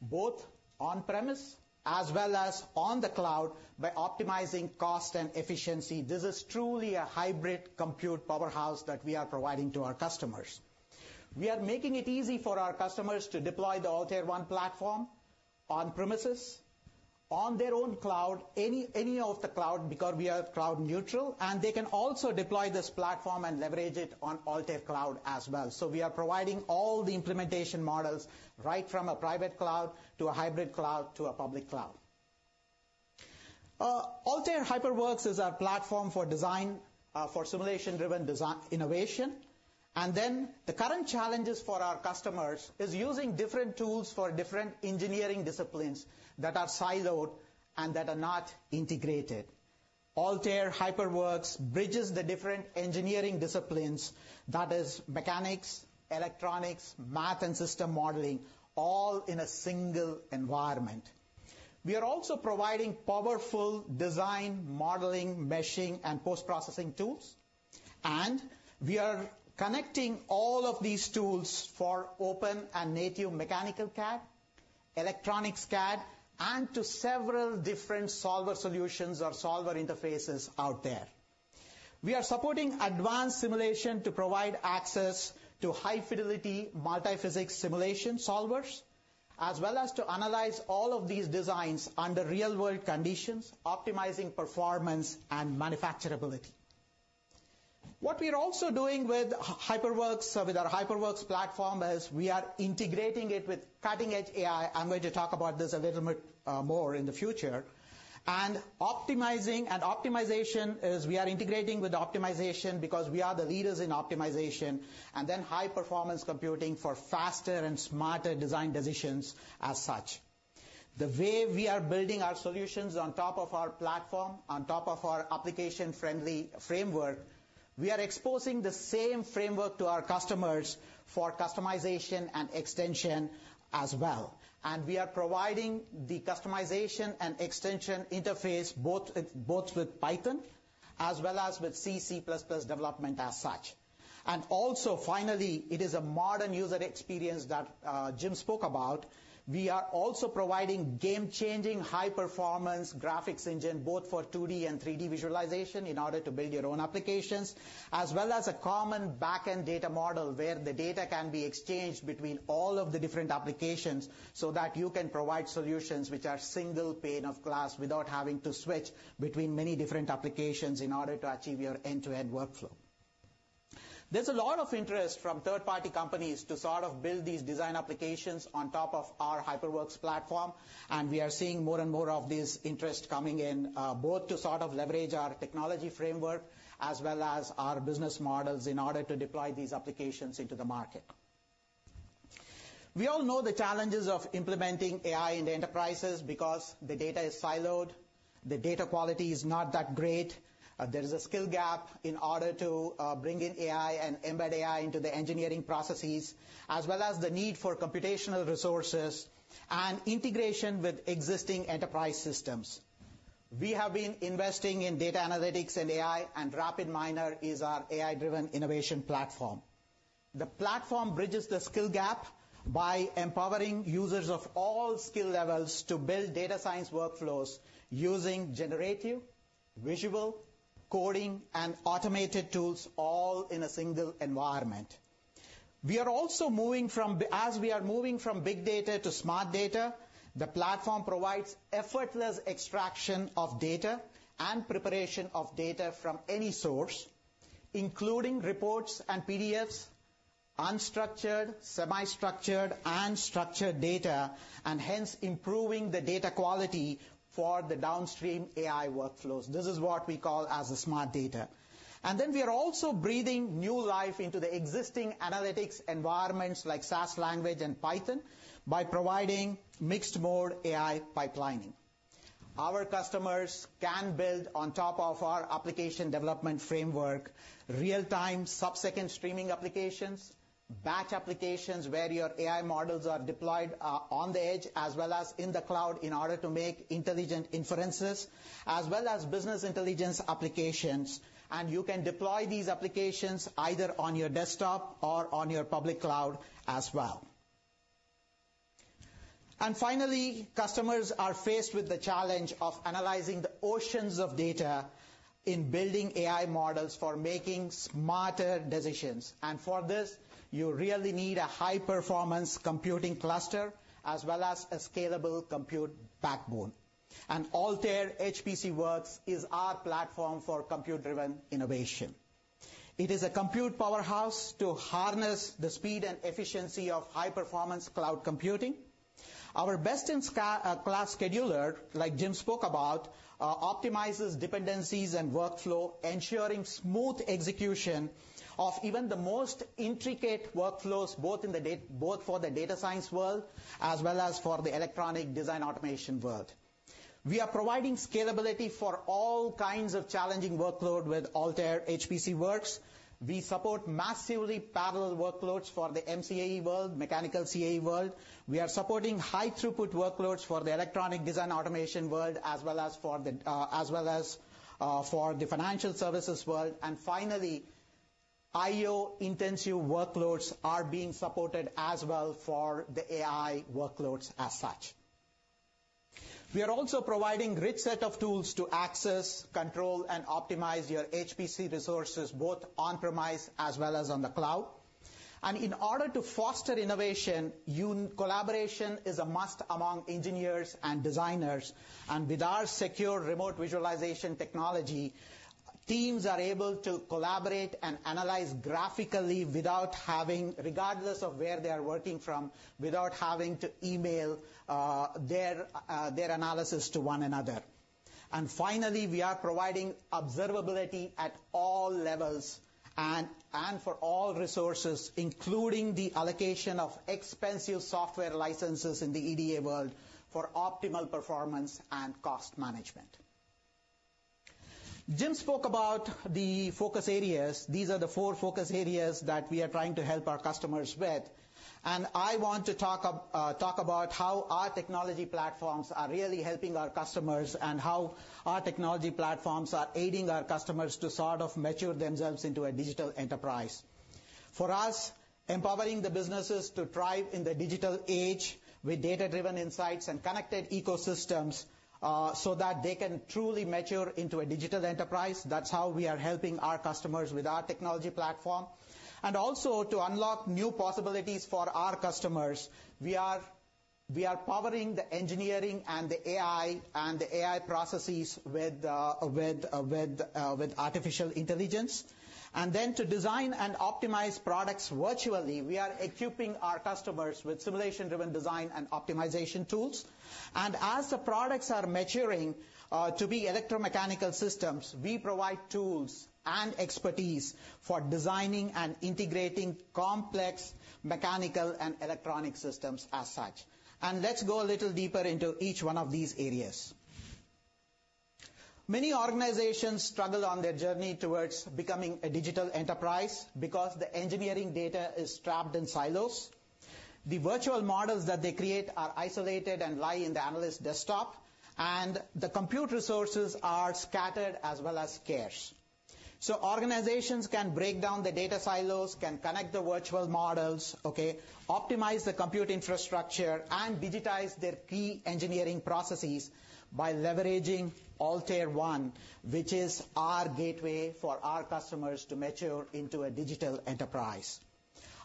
both on-premises as well as on the cloud, by optimizing cost and efficiency. This is truly a hybrid compute powerhouse that we are providing to our customers. We are making it easy for our customers to deploy the Altair One platform on-premises, on their own cloud, any, any of the cloud, because we are cloud neutral, and they can also deploy this platform and leverage it on Altair Cloud as well. So we are providing all the implementation models, right from a private cloud to a hybrid cloud to a public cloud. Altair HyperWorks is our platform for design, for simulation-driven design innovation. Then the current challenges for our customers is using different tools for different engineering disciplines that are siloed and that are not integrated. Altair HyperWorks bridges the different engineering disciplines, that is mechanics, electronics, math, and system modeling, all in a single environment. We are also providing powerful design, modeling, meshing, and post-processing tools, and we are connecting all of these tools for open and native mechanical CAD, electronics CAD, and to several different solver solutions or solver interfaces out there. We are supporting advanced simulation to provide access to high-fidelity, multi-physics simulation solvers, as well as to analyze all of these designs under real-world conditions, optimizing performance and manufacturability. What we are also doing with HyperWorks, with our HyperWorks platform, is we are integrating it with cutting-edge AI. I'm going to talk about this a little bit more in the future. And optimizing... And optimization is we are integrating with optimization because we are the leaders in optimization, and then high-performance computing for faster and smarter design decisions as such. The way we are building our solutions on top of our platform, on top of our application-friendly framework, we are exposing the same framework to our customers for customization and extension as well. And we are providing the customization and extension interface, both with, both with Python as well as with C/C++ development as such. And also, finally, it is a modern user experience that Jim spoke about. We are also providing game-changing, high-performance graphics engine, both for 2D and 3D visualization, in order to build your own applications, as well as a common backend data model, where the data can be exchanged between all of the different applications so that you can provide solutions which are single pane of glass, without having to switch between many different applications in order to achieve your end-to-end workflow. There's a lot of interest from third-party companies to sort of build these design applications on top of our HyperWorks platform, and we are seeing more and more of this interest coming in, both to sort of leverage our technology framework as well as our business models in order to deploy these applications into the market. We all know the challenges of implementing AI in the enterprises because the data is siloed.... The data quality is not that great. There is a skill gap in order to bring in AI and embed AI into the engineering processes, as well as the need for computational resources and integration with existing enterprise systems. We have been investing in data analytics and AI, and RapidMiner is our AI-driven innovation platform. The platform bridges the skill gap by empowering users of all skill levels to build data science workflows using generative, visual, coding and automated tools, all in a single environment. We are also moving from big data to smart data, the platform provides effortless extraction of data and preparation of data from any source, including reports and PDFs, unstructured, semi-structured, and structured data, and hence improving the data quality for the downstream AI workflows. This is what we call as a smart data. We are also breathing new life into the existing analytics environments, like SAS language and Python, by providing mixed-mode AI pipelining. Our customers can build on top of our application development framework, real-time, sub-second streaming applications, batch applications, where your AI models are deployed on the edge as well as in the cloud, in order to make intelligent inferences, as well as business intelligence applications. You can deploy these applications either on your desktop or on your public cloud as well. Finally, customers are faced with the challenge of analyzing the oceans of data in building AI models for making smarter decisions. For this, you really need a high-performance computing cluster, as well as a scalable compute backbone. Altair HPCWorks is our platform for compute-driven innovation. It is a compute powerhouse to harness the speed and efficiency of high-performance cloud computing. Our best-in-class scheduler, like Jim spoke about, optimizes dependencies and workflow, ensuring smooth execution of even the most intricate workflows, both for the data science world, as well as for the electronic design automation world. We are providing scalability for all kinds of challenging workload with Altair HPCWorks. We support massively parallel workloads for the MCAE world, mechanical CAE world. We are supporting high-throughput workloads for the electronic design automation world, as well as for the financial services world. And finally, IO-intensive workloads are being supported as well for the AI workloads as such. We are also providing rich set of tools to access, control, and optimize your HPC resources, both on-premise as well as on the cloud. And in order to foster innovation, collaboration is a must among engineers and designers. With our secure remote visualization technology, teams are able to collaborate and analyze graphically without having... regardless of where they are working from, without having to email their analysis to one another. And finally, we are providing observability at all levels and for all resources, including the allocation of expensive software licenses in the EDA world for optimal performance and cost management. Jim spoke about the focus areas. These are the four focus areas that we are trying to help our customers with, and I want to talk about how our technology platforms are really helping our customers, and how our technology platforms are aiding our customers to sort of mature themselves into a digital enterprise. For us, empowering the businesses to thrive in the digital age with data-driven insights and connected ecosystems, so that they can truly mature into a digital enterprise, that's how we are helping our customers with our technology platform. And also, to unlock new possibilities for our customers, we are powering the engineering and the AI, and the AI processes with artificial intelligence. And then to design and optimize products virtually, we are equipping our customers with simulation-driven design and optimization tools. And as the products are maturing to be electromechanical systems, we provide tools and expertise for designing and integrating complex mechanical and electronic systems as such. And let's go a little deeper into each one of these areas. Many organizations struggle on their journey towards becoming a digital enterprise because the engineering data is trapped in silos. The virtual models that they create are isolated and lie in the analyst's desktop, and the compute resources are scattered as well as scarce. So organizations can break down the data silos, can connect the virtual models, okay, optimize the compute infrastructure, and digitize their key engineering processes by leveraging Altair One, which is our gateway for our customers to mature into a digital enterprise.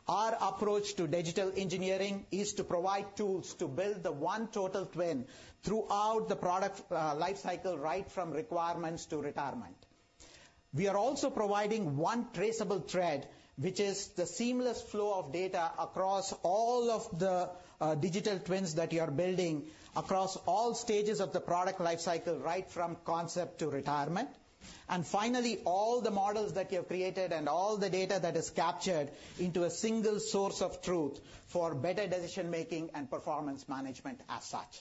Our approach to digital engineering is to provide tools to build the One Total Twin throughout the product, life cycle, right from requirements to retirement. We are also providing One Traceable Thread, which is the seamless flow of data across all of the, digital twins that you are building, across all stages of the product life cycle, right from concept to retirement. And finally, all the models that you have created and all the data that is captured into a single source of truth for better decision-making and performance management as such.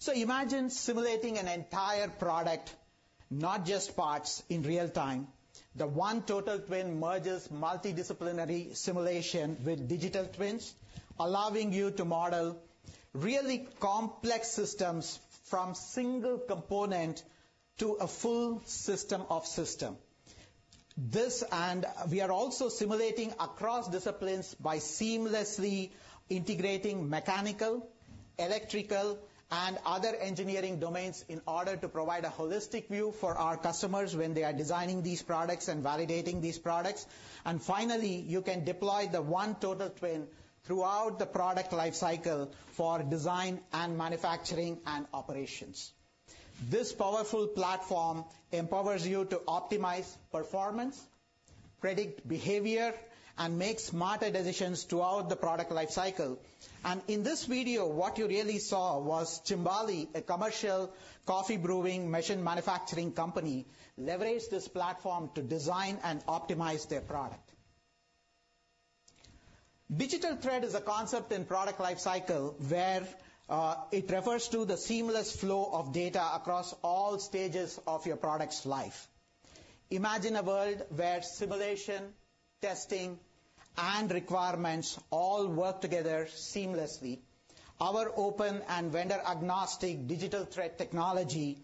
So imagine simulating an entire product, not just parts, in real time. The One Total Twin merges multidisciplinary simulation with digital twins, allowing you to model really complex systems from single component to a full system of systems. This, and we are also simulating across disciplines by seamlessly integrating mechanical, electrical, and other engineering domains in order to provide a holistic view for our customers when they are designing these products and validating these products. And finally, you can deploy the One Total Twin throughout the product life cycle for design and manufacturing and operations. This powerful platform empowers you to optimize performance, predict behavior, and make smarter decisions throughout the product life cycle. In this video, what you really saw was Cimbali, a commercial coffee brewing machine manufacturing company, leverage this platform to design and optimize their product. Digital thread is a concept in product life cycle, where it refers to the seamless flow of data across all stages of your product's life. Imagine a world where simulation, testing, and requirements all work together seamlessly. Our open and vendor-agnostic digital thread technology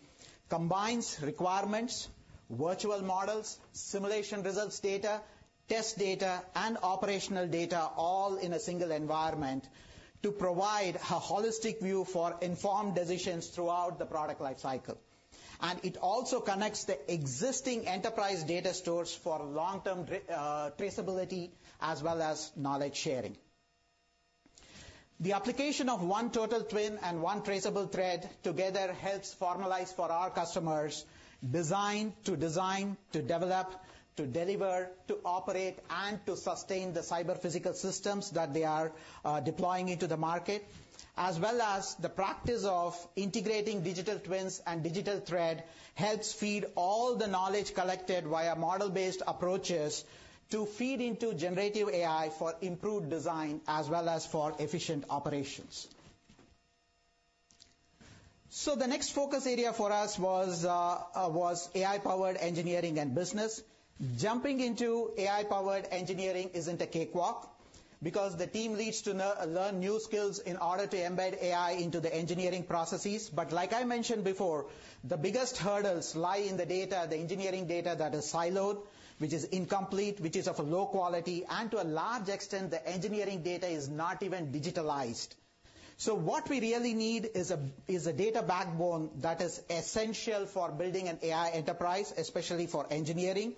combines requirements, virtual models, simulation results data, test data, and operational data all in a single environment to provide a holistic view for informed decisions throughout the product life cycle. It also connects the existing enterprise data stores for long-term traceability as well as knowledge sharing. The application of digital twin and digital thread together helps formalize for our customers design to design, to develop, to deliver, to operate, and to sustain the cyber-physical systems that they are deploying into the market, as well as the practice of integrating digital twins and digital thread helps feed all the knowledge collected via model-based approaches to feed into generative AI for improved design as well as for efficient operations. So the next focus area for us was AI-powered engineering and business. Jumping into AI-powered engineering isn't a cakewalk, because the team needs to learn new skills in order to embed AI into the engineering processes. Like I mentioned before, the biggest hurdles lie in the data, the engineering data that is siloed, which is incomplete, which is of low quality, and to a large extent, the engineering data is not even digitalized. What we really need is a, is a data backbone that is essential for building an AI enterprise, especially for engineering.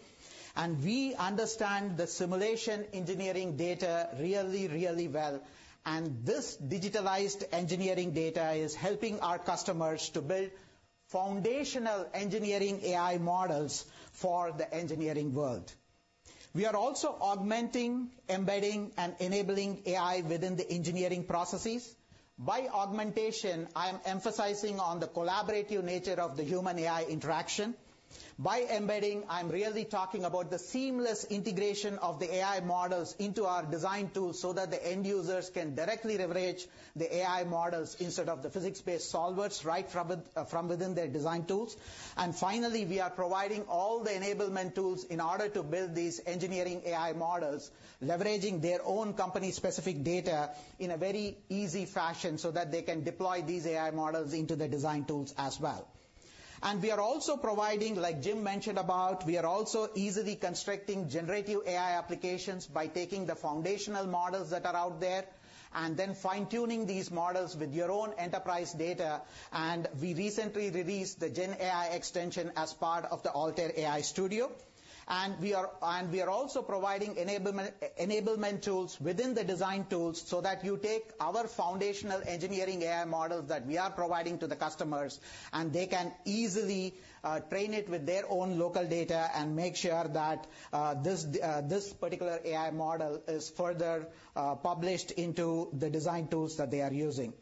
We understand the simulation engineering data really, really well, and this digitalized engineering data is helping our customers to build foundational engineering AI models for the engineering world. We are also augmenting, embedding, and enabling AI within the engineering processes. By augmentation, I am emphasizing on the collaborative nature of the human-AI interaction. By embedding, I'm really talking about the seamless integration of the AI models into our design tools, so that the end users can directly leverage the AI models instead of the physics-based solvers, right from within their design tools. Finally, we are providing all the enablement tools in order to build these engineering AI models, leveraging their own company-specific data in a very easy fashion, so that they can deploy these AI models into their design tools as well. We are also providing, like Jim mentioned about, we are also easily constructing generative AI applications by taking the foundational models that are out there and then fine-tuning these models with your own enterprise data. We recently released the GenAI extension as part of the Altair AI Studio. We are also providing enablement tools within the design tools so that you take our foundational engineering AI models that we are providing to the customers, and they can easily train it with their own local data and make sure that this particular AI model is further published into the design tools that they are using.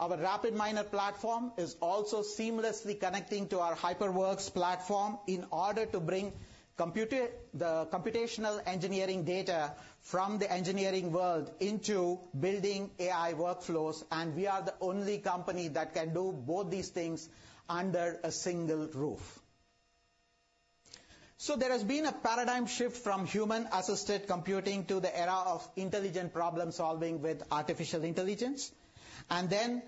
Our RapidMiner platform is also seamlessly connecting to our HyperWorks platform in order to bring the computational engineering data from the engineering world into building AI workflows, and we are the only company that can do both these things under a single roof. So there has been a paradigm shift from human-assisted computing to the era of intelligent problem-solving with artificial intelligence. And then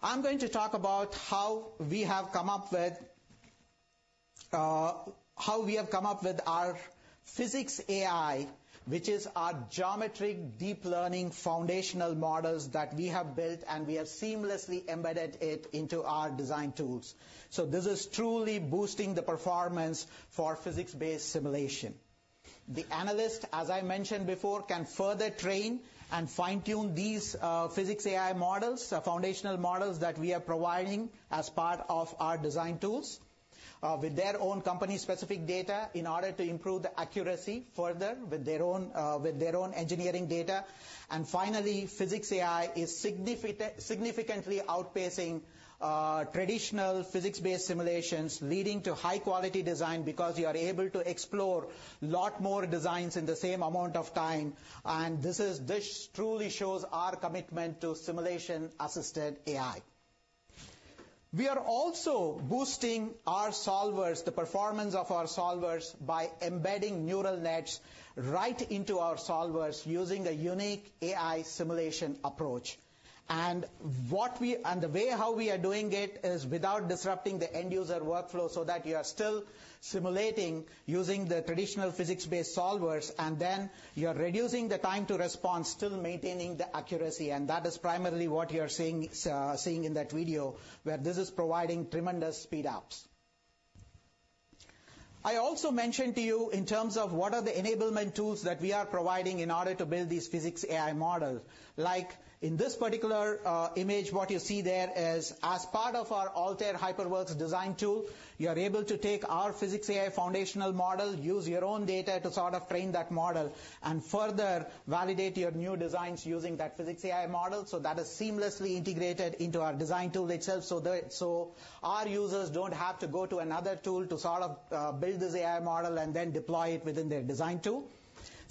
I'm going to talk about how we have come up with our PhysicsAI, which is our geometric deep learning foundational models that we have built, and we have seamlessly embedded it into our design tools. So this is truly boosting the performance for physics-based simulation. The analyst, as I mentioned before, can further train and fine-tune these PhysicsAI models, foundational models that we are providing as part of our design tools with their own company-specific data in order to improve the accuracy further with their ownengineering data. And finally, Physics AI is significantly outpacing traditional physics-based simulations, leading to high-quality design because you are able to explore a lot more designs in the same amount of time. And this is... This truly shows our commitment to simulation-assisted AI.... We are also boosting our solvers, the performance of our solvers, by embedding neural nets right into our solvers using a unique AI simulation approach. And what we- and the way how we are doing it is without disrupting the end-user workflow, so that you are still simulating using the traditional physics-based solvers, and then you are reducing the time to respond, still maintaining the accuracy. And that is primarily what you are seeing in that video, where this is providing tremendous speed ups. I also mentioned to you in terms of what are the enablement tools that we are providing in order to build these PhysicsAI models. Like, in this particular image, what you see there is, as part of our Altair HyperWorks design tool, you are able to take our PhysicsAI foundational model, use your own data to sort of train that model, and further validate your new designs using that PhysicsAI model. So that is seamlessly integrated into our design tool itself, so our users don't have to go to another tool to sort of build this AI model and then deploy it within their design tool.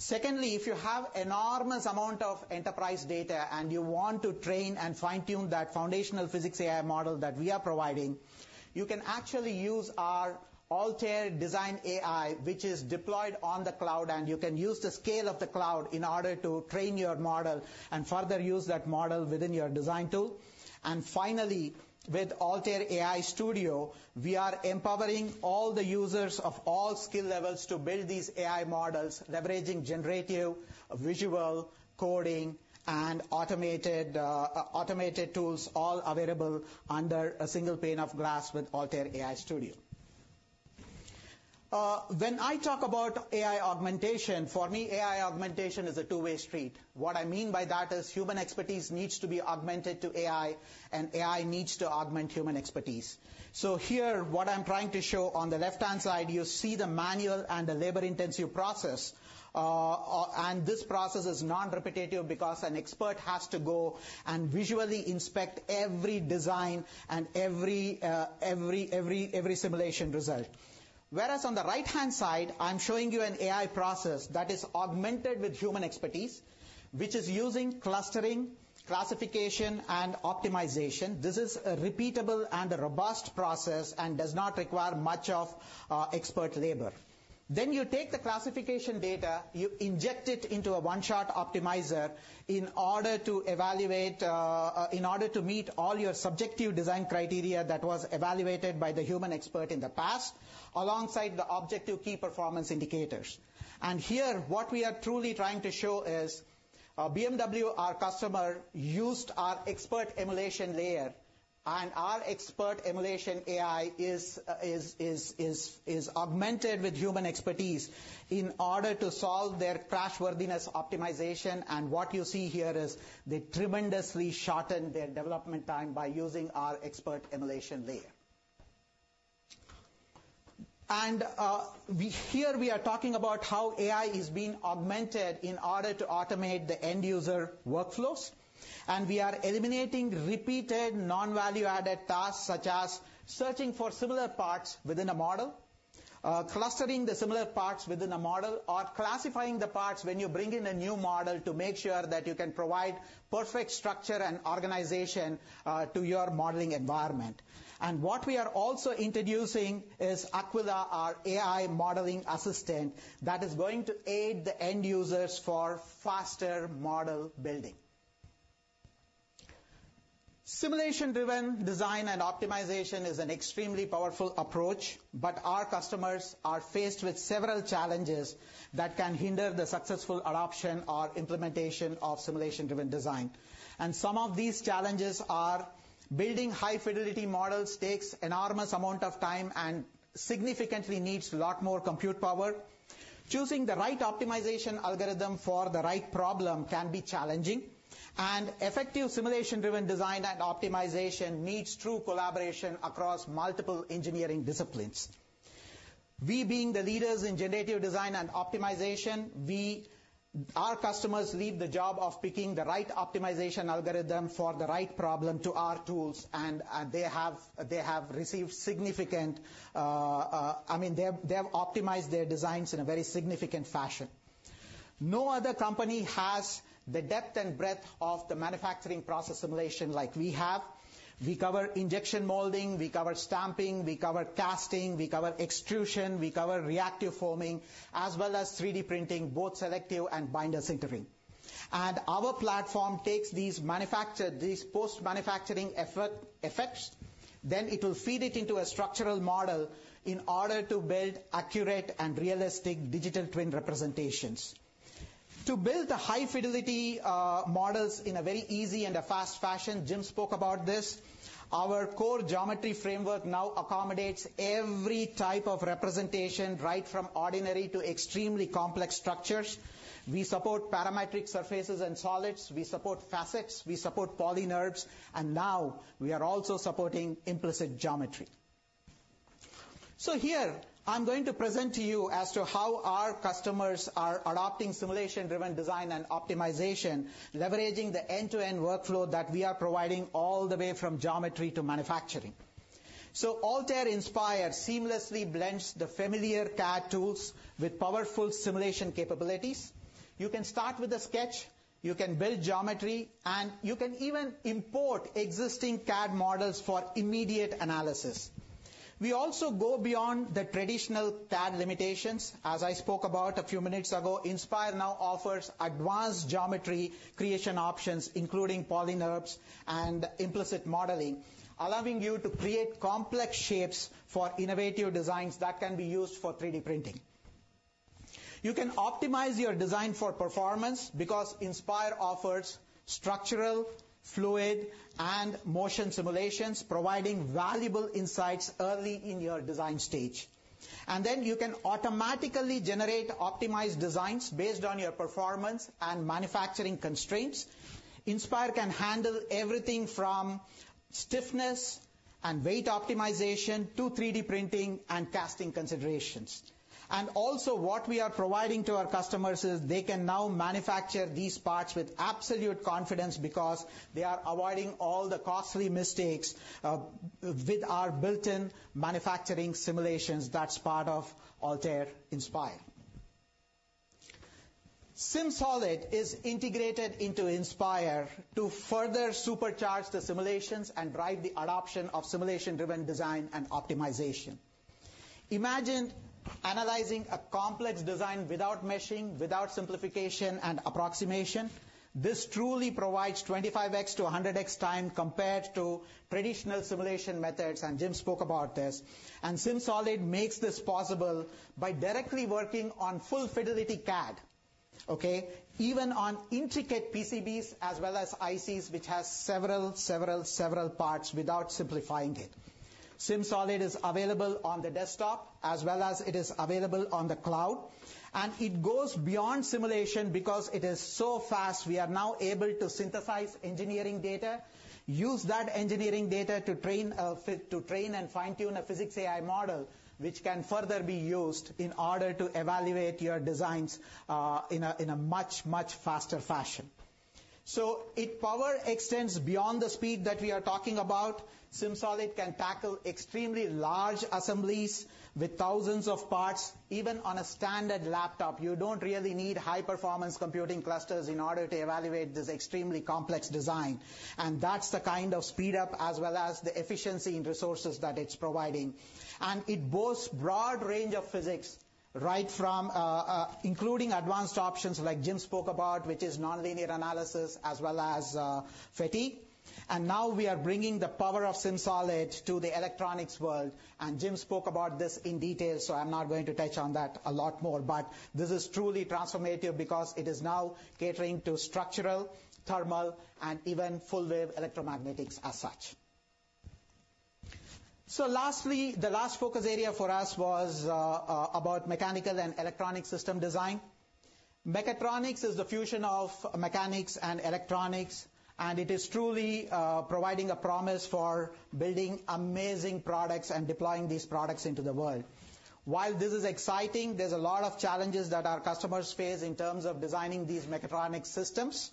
Secondly, if you have enormous amount of enterprise data and you want to train and fine-tune that foundational PhysicsAI model that we are providing, you can actually use our Altair DesignAI, which is deployed on the cloud, and you can use the scale of the cloud in order to train your model and further use that model within your design tool. And finally, with Altair AI Studio, we are empowering all the users of all skill levels to build these AI models, leveraging generative, visual, coding, and automated tools, all available under a single pane of glass with Altair AI Studio. When I talk about AI augmentation, for me, AI augmentation is a two-way street. What I mean by that is human expertise needs to be augmented to AI, and AI needs to augment human expertise. So here, what I'm trying to show on the left-hand side, you see the manual and the labor-intensive process. And this process is non-repetitive because an expert has to go and visually inspect every design and every simulation result. Whereas on the right-hand side, I'm showing you an AI process that is augmented with human expertise, which is using clustering, classification, and optimization. This is a repeatable and a robust process and does not require much of expert labor. Then you take the classification data, you inject it into a one-shot optimizer in order to meet all your subjective design criteria that was evaluated by the human expert in the past, alongside the objective key performance indicators. And here, what we are truly trying to show is, BMW, our customer, used our expert emulation layer, and our expert emulation AI is augmented with human expertise in order to solve their crashworthiness optimization. And we here are talking about how AI is being augmented in order to automate the end-user workflows. And we are eliminating repeated non-value-added tasks, such as searching for similar parts within a model, clustering the similar parts within a model, or classifying the parts when you bring in a new model to make sure that you can provide perfect structure and organization to your modeling environment. What we are also introducing is Aquila, our AI modeling assistant, that is going to aid the end users for faster model building. Simulation-driven design and optimization is an extremely powerful approach, but our customers are faced with several challenges that can hinder the successful adoption or implementation of simulation-driven design. Some of these challenges are: building high-fidelity models takes enormous amount of time and significantly needs a lot more compute power. Choosing the right optimization algorithm for the right problem can be challenging. And effective simulation-driven design and optimization needs true collaboration across multiple engineering disciplines. We, being the leaders in generative design and optimization, our customers leave the job of picking the right optimization algorithm for the right problem to our tools, and they have received significant. I mean, they have, they have optimized their designs in a very significant fashion. No other company has the depth and breadth of the manufacturing process simulation like we have. We cover injection molding, we cover stamping, we cover casting, we cover extrusion, we cover reactive foaming, as well as 3D printing, both selective and binder sintering. And our platform takes these post-manufacturing after-effects, then it will feed it into a structural model in order to build accurate and realistic digital twin representations. To build the high-fidelity models in a very easy and a fast fashion, Jim spoke about this, our core geometry framework now accommodates every type of representation, right from ordinary to extremely complex structures. We support parametric surfaces and solids, we support facets, we support PolyNURBS, and now we are also supporting implicit geometry. So here, I'm going to present to you as to how our customers are adopting simulation-driven design and optimization, leveraging the end-to-end workflow that we are providing all the way from geometry to manufacturing. So Altair Inspire seamlessly blends the familiar CAD tools with powerful simulation capabilities. You can start with a sketch, you can build geometry, and you can even import existing CAD models for immediate analysis. We also go beyond the traditional CAD limitations. As I spoke about a few minutes ago, Inspire now offers advanced geometry creation options, including PolyNURBS and implicit modeling, allowing you to create complex shapes for innovative designs that can be used for 3D printing. You can optimize your design for performance because Inspire offers structural, fluid, and motion simulations, providing valuable insights early in your design stage. And then you can automatically generate optimized designs based on your performance and manufacturing constraints. Inspire can handle everything from stiffness and weight optimization to 3D printing and casting considerations. And also, what we are providing to our customers is they can now manufacture these parts with absolute confidence because they are avoiding all the costly mistakes with our built-in manufacturing simulations, that's part of Altair Inspire. SimSolid is integrated into Inspire to further supercharge the simulations and drive the adoption of simulation-driven design and optimization. Imagine analyzing a complex design without meshing, without simplification and approximation. This truly provides 25x-100x time compared to traditional simulation methods, and Jim spoke about this. And SimSolid makes this possible by directly working on full-fidelity CAD, okay? Even on intricate PCBs as well as ICs, which has several, several, several parts without simplifying it. SimSolid is available on the desktop as well as it is available on the cloud, and it goes beyond simulation because it is so fast, we are now able to synthesize engineering data, use that engineering data to train and fine-tune a PhysicsAI model, which can further be used in order to evaluate your designs in a much, much faster fashion. So its power extends beyond the speed that we are talking about. SimSolid can tackle extremely large assemblies with thousands of parts, even on a standard laptop. You don't really need high-performance computing clusters in order to evaluate this extremely complex design, and that's the kind of speed-up as well as the efficiency in resources that it's providing. And it boasts broad range of physics, right from... Including advanced options like Jim spoke about, which is nonlinear analysis as well as fatigue. And now we are bringing the power of SimSolid to the electronics world, and Jim spoke about this in detail, so I'm not going to touch on that a lot more. But this is truly transformative because it is now catering to structural, thermal, and even full-wave electromagnetics as such. So lastly, the last focus area for us was about mechanical and electronic system design. Mechatronics is the fusion of mechanics and electronics, and it is truly providing a promise for building amazing products and deploying these products into the world. While this is exciting, there's a lot of challenges that our customers face in terms of designing these mechatronics systems.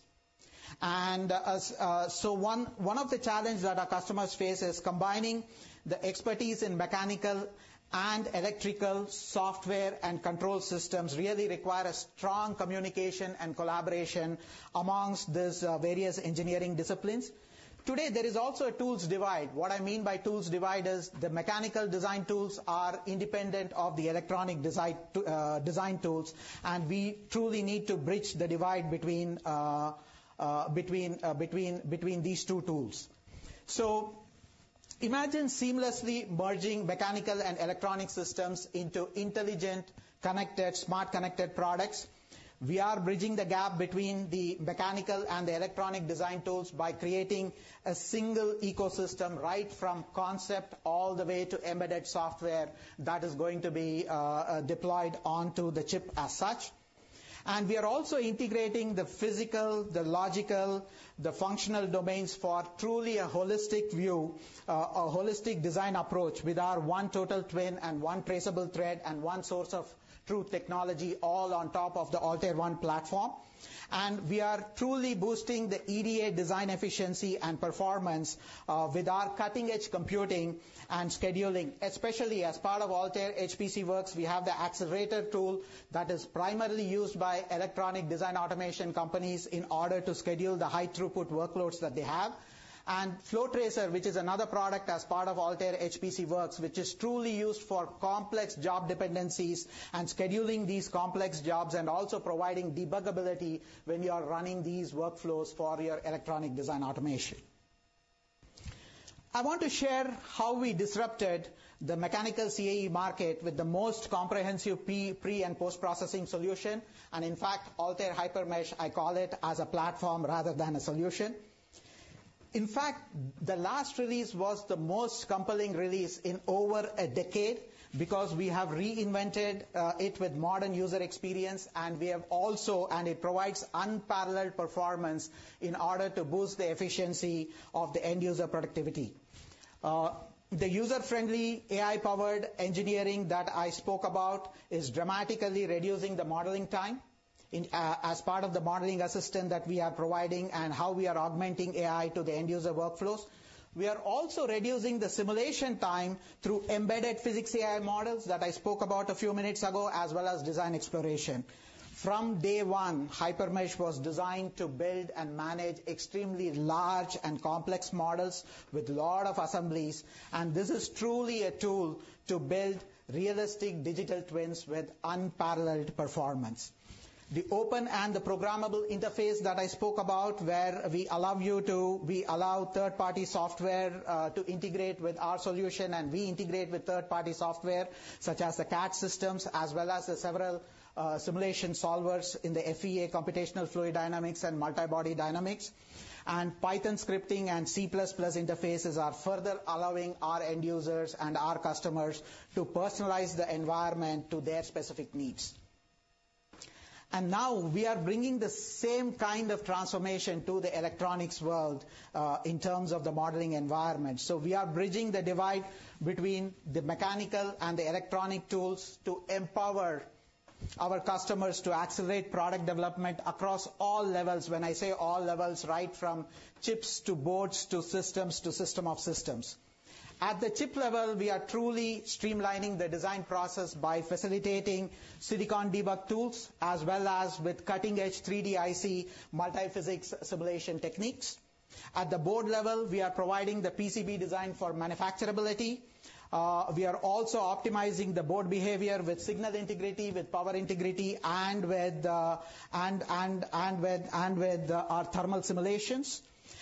So one of the challenges that our customers face is combining the expertise in mechanical and electrical software, and control systems really require a strong communication and collaboration among these various engineering disciplines. Today, there is also a tools divide. What I mean by tools divide is the mechanical design tools are independent of the electronic design tools, and we truly need to bridge the divide between these two tools. So imagine seamlessly merging mechanical and electronic systems into intelligent, connected, smart, connected products. We are bridging the gap between the mechanical and the electronic design tools by creating a single ecosystem, right from concept all the way to embedded software that is going to be deployed onto the chip as such. We are also integrating the physical, the logical, the functional domains for truly a holistic view, a holistic design approach with our One Total Twin and One Traceable Thread and one source of truth technology, all on top of the Altair One platform. We are truly boosting the EDA design efficiency and performance, with our cutting-edge computing and scheduling. Especially as part of Altair HPCWorks, we have the Accelerator tool that is primarily used by electronic design automation companies in order to schedule the high-throughput workloads that they have. FlowTracer, which is another product as part of Altair HPCWorks, which is truly used for complex job dependencies and scheduling these complex jobs, and also providing debug ability when you are running these workflows for your electronic design automation. I want to share how we disrupted the mechanical CAE market with the most comprehensive pre and post-processing solution, and in fact, Altair HyperMesh, I call it, as a platform rather than a solution. In fact, the last release was the most compelling release in over a decade because we have reinvented it with modern user experience, and we have also and it provides unparalleled performance in order to boost the efficiency of the end-user productivity. The user-friendly, AI-powered engineering that I spoke about is dramatically reducing the modeling time in as part of the modeling assistant that we are providing and how we are augmenting AI to the end user workflows. We are also reducing the simulation time through embedded PhysicsAI models that I spoke about a few minutes ago, as well as design exploration. From day one, HyperMesh was designed to build and manage extremely large and complex models with a lot of assemblies, and this is truly a tool to build realistic digital twins with unparalleled performance. The open and the programmable interface that I spoke about, where we allow third-party software to integrate with our solution, and we integrate with third-party software, such as the CAD systems, as well as the several simulation solvers in the FEA, computational fluid dynamics, and multi-body dynamics. Python scripting and C++ interfaces are further allowing our end users and our customers to personalize the environment to their specific needs. Now we are bringing the same kind of transformation to the electronics world in terms of the modeling environment. So we are bridging the divide between the mechanical and the electronic tools to empower our customers to accelerate product development across all levels. When I say all levels, right from chips to boards, to systems, to system of systems. At the chip level, we are truly streamlining the design process by facilitating silicon debug tools, as well as with cutting-edge 3D IC multi-physics simulation techniques. At the board level, we are providing the PCB design for manufacturability. We are also optimizing the board behavior with signal integrity, with power integrity, and with our thermal simulations.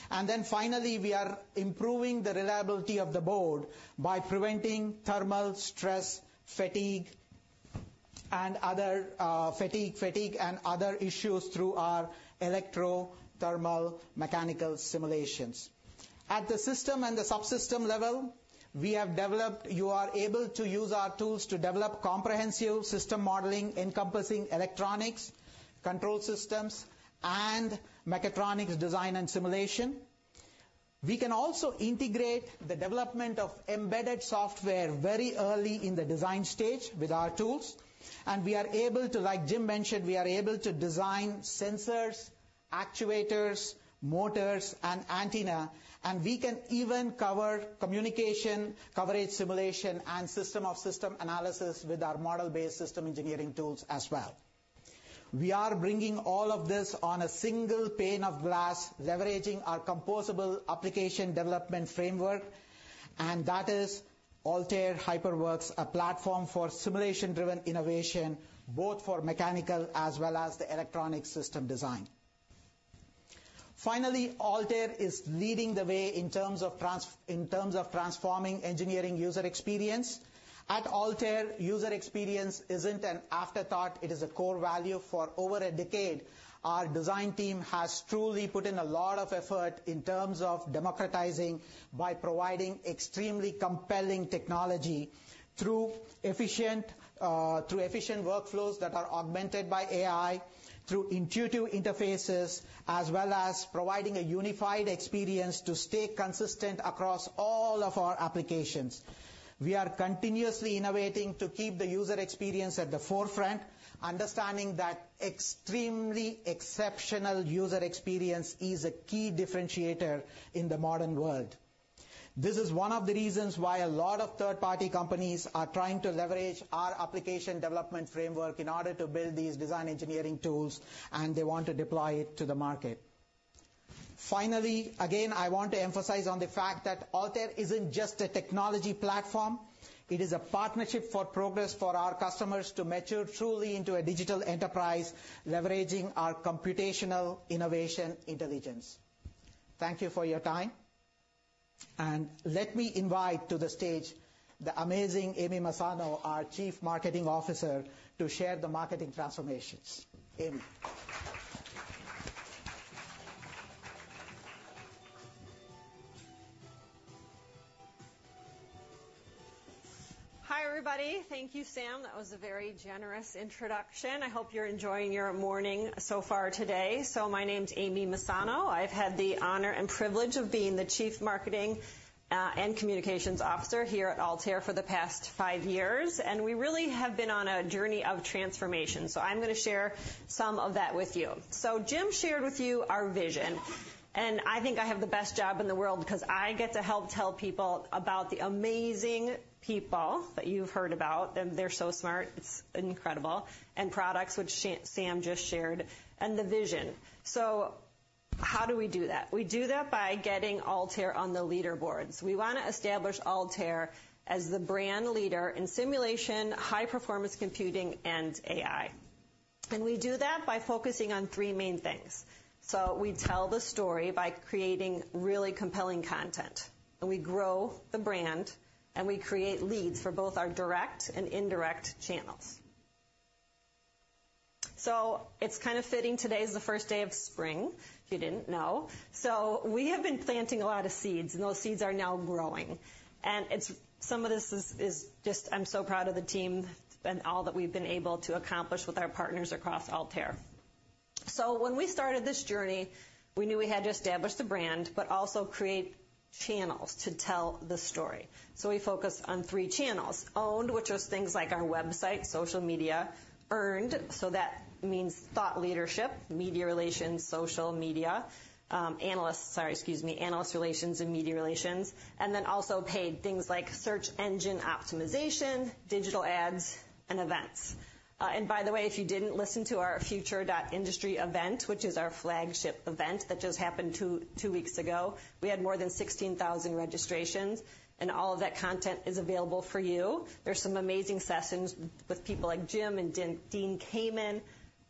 And then finally, we are improving the reliability of the board by preventing thermal stress, fatigue, and other issues through our electro-thermal mechanical simulations. At the system and the subsystem level, we have developed... You are able to use our tools to develop comprehensive system modeling, encompassing electronics, control systems, and mechatronics design and simulation. We can also integrate the development of embedded software very early in the design stage with our tools, and we are able to, like Jim mentioned, we are able to design sensors, actuators, motors, and antenna, and we can even cover communication, coverage simulation, and system of system analysis with our model-based system engineering tools as well. We are bringing all of this on a single pane of glass, leveraging our composable application development framework, and that is Altair HyperWorks, a platform for simulation-driven innovation, both for mechanical as well as the electronic system design. Finally, Altair is leading the way in terms of transforming engineering user experience. At Altair, user experience isn't an afterthought, it is a core value. For over a decade, our design team has truly put in a lot of effort in terms of democratizing by providing extremely compelling technology through efficient, through efficient workflows that are augmented by AI, through intuitive interfaces, as well as providing a unified experience to stay consistent across all of our applications. We are continuously innovating to keep the user experience at the forefront, understanding that extremely exceptional user experience is a key differentiator in the modern world. This is one of the reasons why a lot of third-party companies are trying to leverage our application development framework in order to build these design engineering tools, and they want to deploy it to the market. Finally, again, I want to emphasize on the fact that Altair isn't just a technology platform. It is a partnership for progress for our customers to mature truly into a digital enterprise, leveraging our computational innovation intelligence. Thank you for your time, and let me invite to the stage the amazing Amy Messano, our Chief Marketing Officer, to share the marketing transformations. Amy. Hi, everybody. Thank you, Sam. That was a very generous introduction. I hope you're enjoying your morning so far today. So my name's Amy Messano. I've had the honor and privilege of being the Chief Marketing and Communications Officer here at Altair for the past five years, and we really have been on a journey of transformation. So I'm going to share some of that with you. So Jim shared with you our vision, and I think I have the best job in the world because I get to help tell people about the amazing people that you've heard about, and they're so smart, it's incredible, and products which Sam just shared, and the vision. So how do we do that? We do that by getting Altair on the leaderboards. We want to establish Altair as the brand leader in simulation, high-performance computing, and AI. And we do that by focusing on three main things. So we tell the story by creating really compelling content, and we grow the brand, and we create leads for both our direct and indirect channels. So it's kind of fitting, today is the first day of spring, if you didn't know. So we have been planting a lot of seeds, and those seeds are now growing. And it's... Some of this is just, I'm so proud of the team and all that we've been able to accomplish with our partners across Altair... So when we started this journey, we knew we had to establish the brand, but also create channels to tell the story. So we focused on three channels: owned, which was things like our website, social media. Earned, so that means thought leadership, media relations, social media, analysts—sorry, excuse me, analyst relations and media relations. And then also paid, things like search engine optimization, digital ads, and events. And by the way, if you didn't listen to our Future.Industry event, which is our flagship event, that just happened two, two weeks ago, we had more than 16,000 registrations, and all of that content is available for you. There's some amazing sessions with people like Jim and Dean Kamen,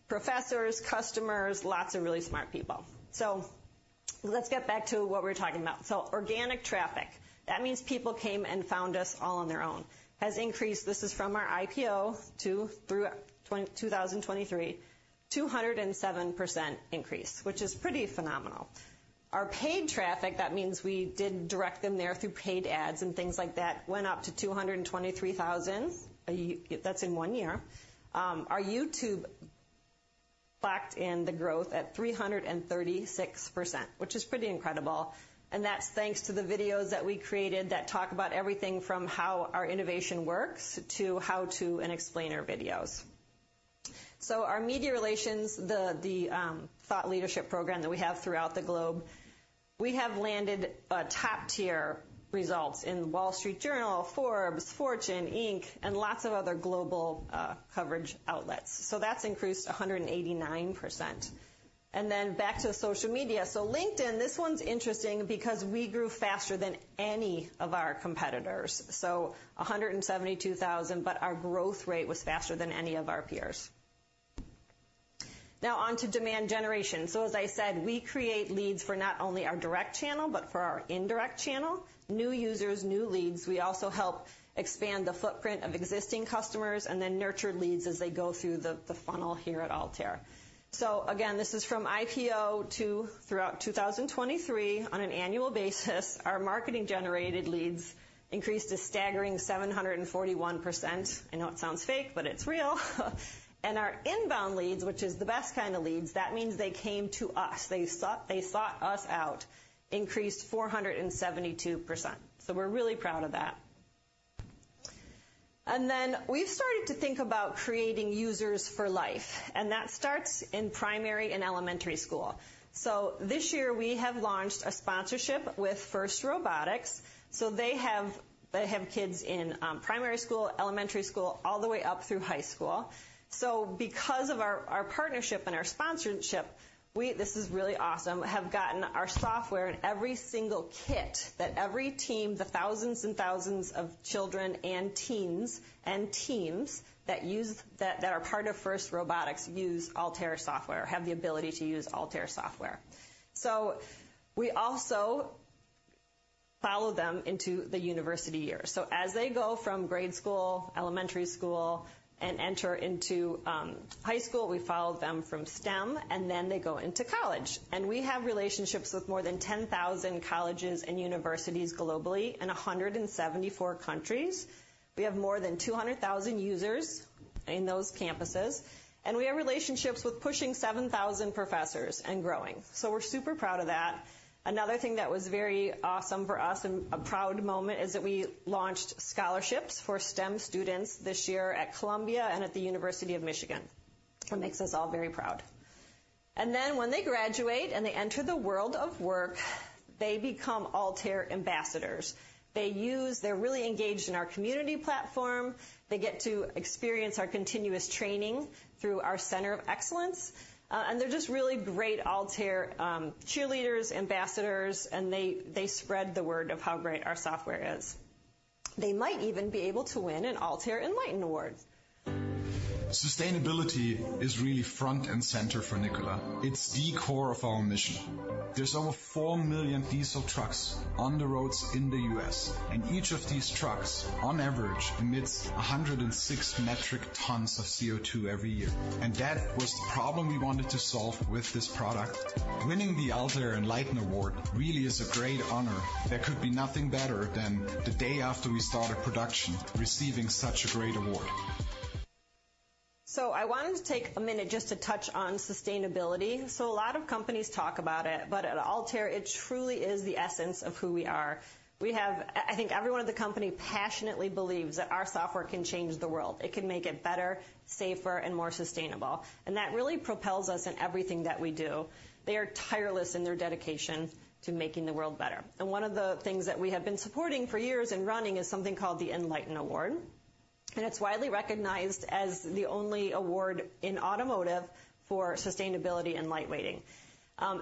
professors, customers, lots of really smart people. So let's get back to what we were talking about. So organic traffic, that means people came and found us all on their own, has increased. This is from our IPO to through 2023, 207% increase, which is pretty phenomenal. Our paid traffic, that means we did direct them there through paid ads and things like that, went up to 223,000. That's in one year. Our YouTube clocked in the growth at 336%, which is pretty incredible, and that's thanks to the videos that we created that talk about everything from how our innovation works to how to and explainer videos. So our media relations, the thought leadership program that we have throughout the globe, we have landed top-tier results in Wall Street Journal, Forbes, Fortune, Inc, and lots of other global coverage outlets. So that's increased 189%. And then back to social media. So LinkedIn, this one's interesting because we grew faster than any of our competitors, so 172,000, but our growth rate was faster than any of our peers. Now on to demand generation. So as I said, we create leads for not only our direct channel, but for our indirect channel, new users, new leads. We also help expand the footprint of existing customers, and then nurture leads as they go through the, the funnel here at Altair. So again, this is from IPO to throughout 2023. On an annual basis, our marketing-generated leads increased a staggering 741%. I know it sounds fake, but it's real. And our inbound leads, which is the best kind of leads, that means they came to us, they sought, they sought us out, increased 472%. So we're really proud of that. And then we've started to think about creating users for life, and that starts in primary and elementary school. So this year, we have launched a sponsorship with FIRST Robotics. So they have, they have kids in primary school, elementary school, all the way up through high school. So because of our, our partnership and our sponsorship, we, this is really awesome, have gotten our software in every single kit that every team, the thousands and thousands of children and teens and teams that are part of FIRST Robotics, use Altair software, have the ability to use Altair software. So we also follow them into the university years. So as they go from grade school, elementary school, and enter into high school, we follow them from STEM, and then they go into college. We have relationships with more than 10,000 colleges and universities globally, in 174 countries. We have more than 200,000 users in those campuses, and we have relationships with pushing 7,000 professors and growing. So we're super proud of that. Another thing that was very awesome for us and a proud moment is that we launched scholarships for STEM students this year at Columbia and at the University of Michigan. It makes us all very proud. And then when they graduate, and they enter the world of work, they become Altair ambassadors. They use... They're really engaged in our community platform. They get to experience our continuous training through our Center of Excellence, and they're just really great Altair cheerleaders, ambassadors, and they spread the word of how great our software is. They might even be able to win an Altair Enlighten Award. Sustainability is really front and center for Nikola. It's the core of our mission. There's over 4 million diesel trucks on the roads in the U.S., and each of these trucks, on average, emits 106 metric tons of CO2 every year, and that was the problem we wanted to solve with this product. Winning the Altair Enlighten Award really is a great honor. There could be nothing better than the day after we started production, receiving such a great award. So I wanted to take a minute just to touch on sustainability. A lot of companies talk about it, but at Altair, it truly is the essence of who we are. I think everyone at the company passionately believes that our software can change the world. It can make it better, safer, and more sustainable, and that really propels us in everything that we do. They are tireless in their dedication to making the world better. And one of the things that we have been supporting for years and running is something called the Enlighten Award, and it's widely recognized as the only award in automotive for sustainability and lightweighting.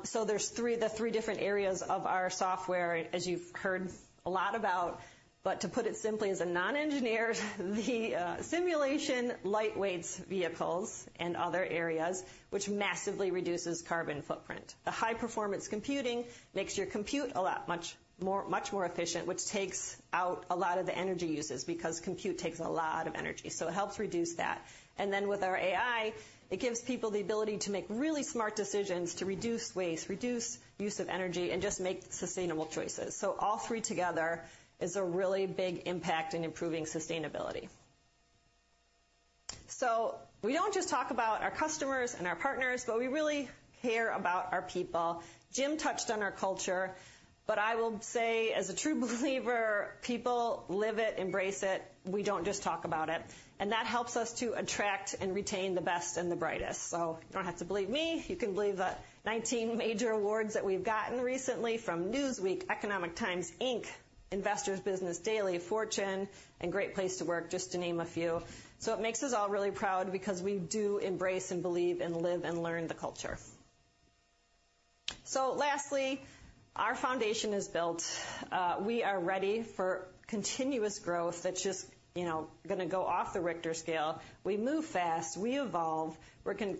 So there's three, the three different areas of our software, as you've heard a lot about, but to put it simply, as a non-engineer, the simulation, lightweight vehicles and other areas, which massively reduces carbon footprint. The high-performance computing makes your compute a lot, much more, much more efficient, which takes out a lot of the energy uses because compute takes a lot of energy, so it helps reduce that. And then with our AI, it gives people the ability to make really smart decisions to reduce waste, reduce use of energy, and just make sustainable choices. So all three together is a really big impact in improving sustainability. So we don't just talk about our customers and our partners, but we really care about our people. Jim touched on our culture, but I will say, as a true believer, people live it, embrace it, we don't just talk about it, and that helps us to attract and retain the best and the brightest. So you don't have to believe me, you can believe the 19 major awards that we've gotten recently from Newsweek, Economic Times, Inc., Investor's Business Daily, Fortune, and Great Place to Work, just to name a few. So it makes us all really proud because we do embrace and believe, and live, and learn the culture. So lastly, our foundation is built. We are ready for continuous growth that's just, you know, gonna go off the Richter scale. We move fast, we evolve, we're going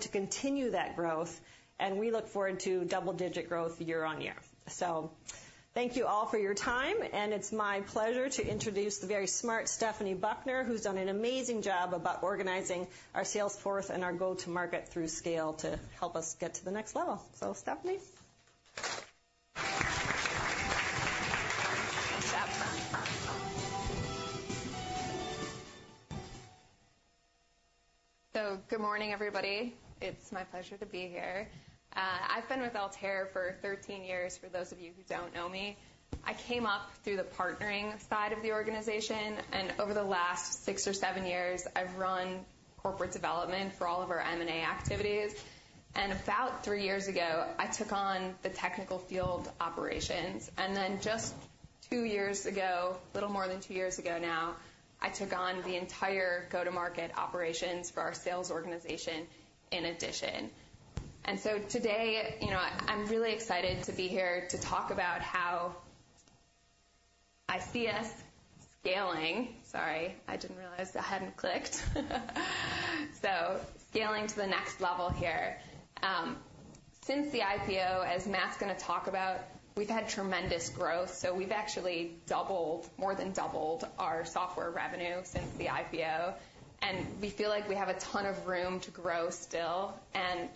to continue that growth, and we look forward to double-digit growth year on year. Thank you all for your time, and it's my pleasure to introduce the very smart Stephanie Buckner, who's done an amazing job about organizing our sales force and our go-to-market through scale to help us get to the next level. So, Stephanie. Good morning, everybody. It's my pleasure to be here. I've been with Altair for 13 years, for those of you who don't know me. I came up through the partnering side of the organization, and over the last 6 or 7 years, I've run corporate development for all of our M&A activities. And about 3 years ago, I took on the technical field operations, and then just 2 years ago, a little more than 2 years ago now, I took on the entire go-to-market operations for our sales organization in addition. And so today, you know, I'm really excited to be here to talk about how I see us scaling. Sorry, I didn't realize that hadn't clicked. So scaling to the next level here. Since the IPO, as Matt's gonna talk about, we've had tremendous growth, so we've actually doubled, more than doubled our software revenue since the IPO, and we feel like we have a ton of room to grow still.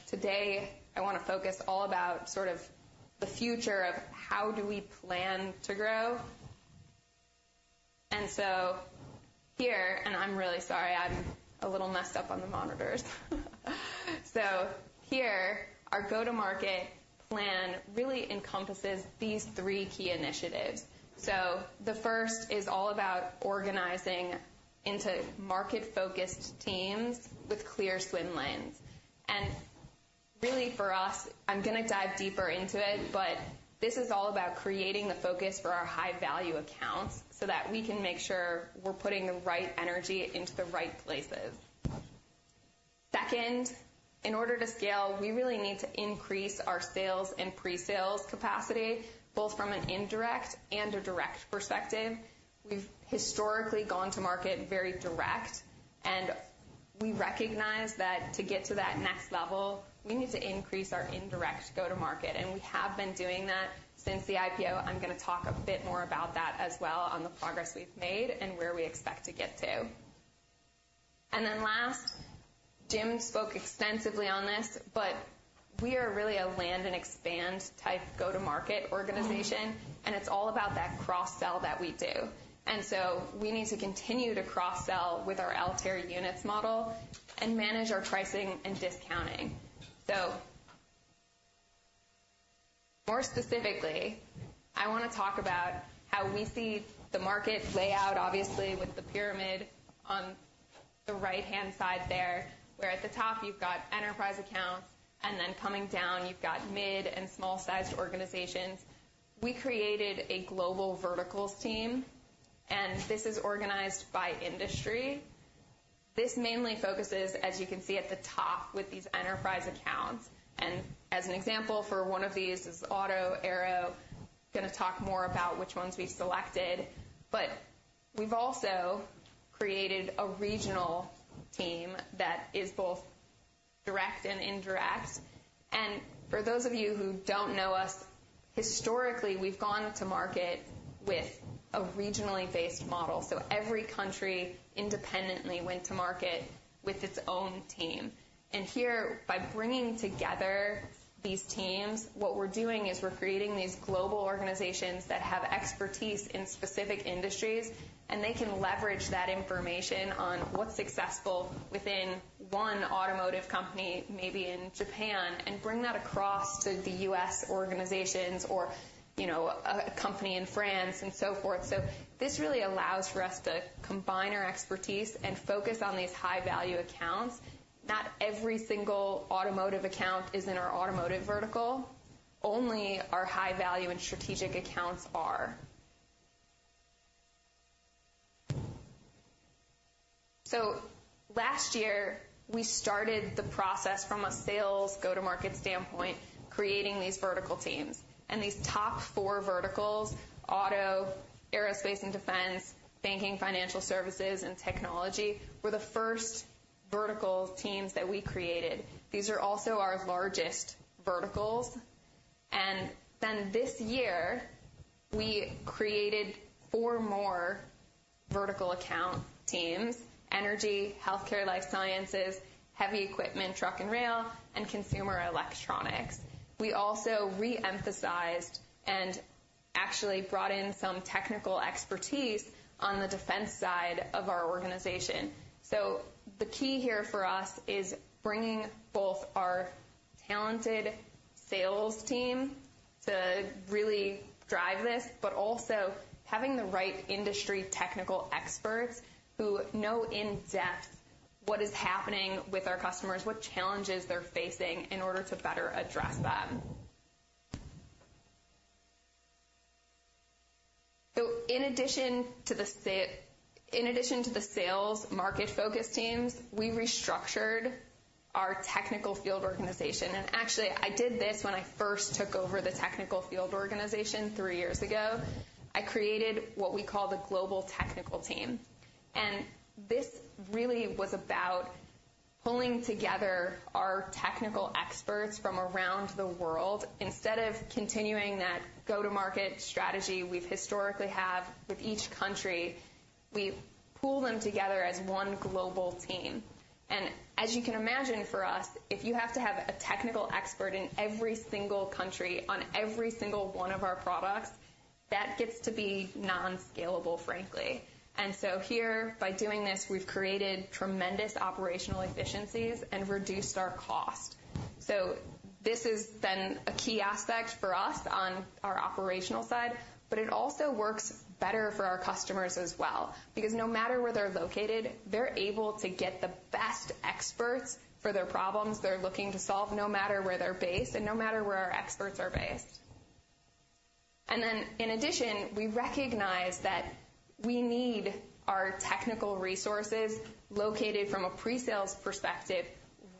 Today, I wanna focus all about sort of the future of how do we plan to grow. I'm really sorry, I'm a little messed up on the monitors. So here, our go-to-market plan really encompasses these three key initiatives. So the first is all about organizing into market-focused teams with clear swim lanes. And really for us, I'm gonna dive deeper into it, but this is all about creating the focus for our high-value accounts, so that we can make sure we're putting the right energy into the right places. Second, in order to scale, we really need to increase our sales and pre-sales capacity, both from an indirect and a direct perspective. We've historically gone to market very direct, and we recognize that to get to that next level, we need to increase our indirect go-to-market, and we have been doing that since the IPO. I'm gonna talk a bit more about that as well, on the progress we've made and where we expect to get to. And then last, Jim spoke extensively on this, but we are really a land and expand type go-to-market organization, and it's all about that cross-sell that we do. And so we need to continue to cross-sell with our Altair Units model and manage our pricing and discounting. So more specifically, I wanna talk about how we see the market play out, obviously, with the pyramid on the right-hand side there, where at the top you've got enterprise accounts, and then coming down, you've got mid and small-sized organizations. We created a global verticals team, and this is organized by industry. This mainly focuses, as you can see at the top, with these enterprise accounts. And as an example for one of these is auto and aero. Gonna talk more about which ones we've selected, but we've also created a regional team that is both direct and indirect. And for those of you who don't know us, historically, we've gone to market with a regionally based model. So every country independently went to market with its own team, and here, by bringing together these teams, what we're doing is we're creating these global organizations that have expertise in specific industries, and they can leverage that information on what's successful within one automotive company, maybe in Japan, and bring that across to the U.S. organizations or, you know, a company in France and so forth. So this really allows for us to combine our expertise and focus on these high-value accounts. Not every single automotive account is in our automotive vertical. Only our high-value and strategic accounts are. So last year, we started the process from a sales go-to-market standpoint, creating these vertical teams. And these top four verticals, auto, aerospace and defense, banking, financial services, and technology, were the first vertical teams that we created. These are also our largest verticals. And then this year, we created four more vertical account teams: energy, healthcare, life sciences, heavy equipment, truck and rail, and consumer electronics. We also re-emphasized, actually, brought in some technical expertise on the defense side of our organization. So the key here for us is bringing both our talented sales team to really drive this, but also having the right industry technical experts who know in-depth what is happening with our customers, what challenges they're facing, in order to better address that. So in addition to the sales market focus teams, we restructured our technical field organization. Actually, I did this when I first took over the technical field organization three years ago. I created what we call the global technical team, and this really was about pulling together our technical experts from around the world. Instead of continuing that go-to-market strategy we've historically have with each country, we pool them together as one global team. As you can imagine, for us, if you have to have a technical expert in every single country on every single one of our products, that gets to be non-scalable, frankly. So here, by doing this, we've created tremendous operational efficiencies and reduced our cost. This is then a key aspect for us on our operational side, but it also works better for our customers as well, because no matter where they're located, they're able to get the best experts for their problems they're looking to solve, no matter where they're based and no matter where our experts are based. Then, in addition, we recognize that we need our technical resources located from a pre-sales perspective,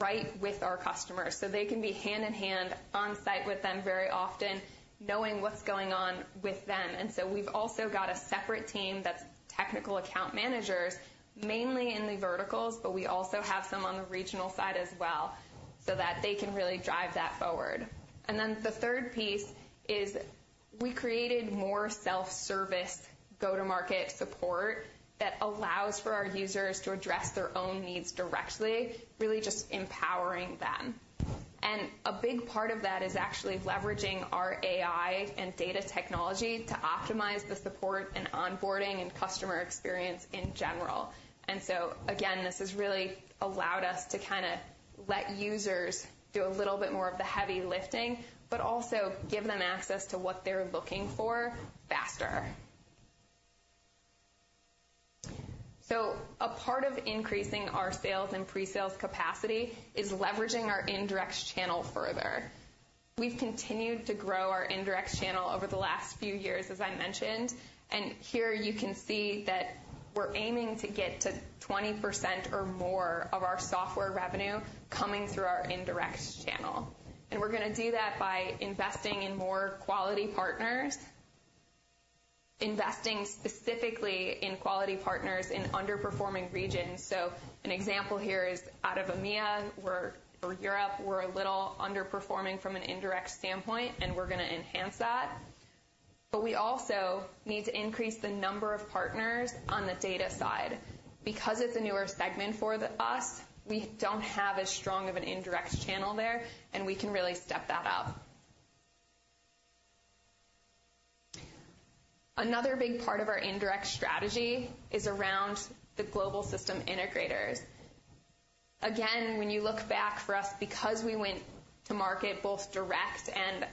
right with our customers, so they can be hand in hand on-site with them, very often knowing what's going on with them. So we've also got a separate team that's technical account managers, mainly in the verticals, but we also have some on the regional side as well, so that they can really drive that forward. Then the third piece is we created more self-service go-to-market support that allows for our users to address their own needs directly, really just empowering them. And a big part of that is actually leveraging our AI and data technology to optimize the support and onboarding and customer experience in general. And so, again, this has really allowed us to kinda let users do a little bit more of the heavy lifting, but also give them access to what they're looking for faster. So a part of increasing our sales and pre-sales capacity is leveraging our indirect channel further. We've continued to grow our indirect channel over the last few years, as I mentioned, and here you can see that we're aiming to get to 20% or more of our software revenue coming through our indirect channel. And we're gonna do that by investing in more quality partners, investing specifically in quality partners in underperforming regions. So an example here is out of EMEA or, or Europe. We're a little underperforming from an indirect standpoint, and we're gonna enhance that. But we also need to increase the number of partners on the data side. Because it's a newer segment for us, we don't have as strong of an indirect channel there, and we can really step that up. Another big part of our indirect strategy is around the global system integrators. Again, when you look back for us, because we went to market both direct and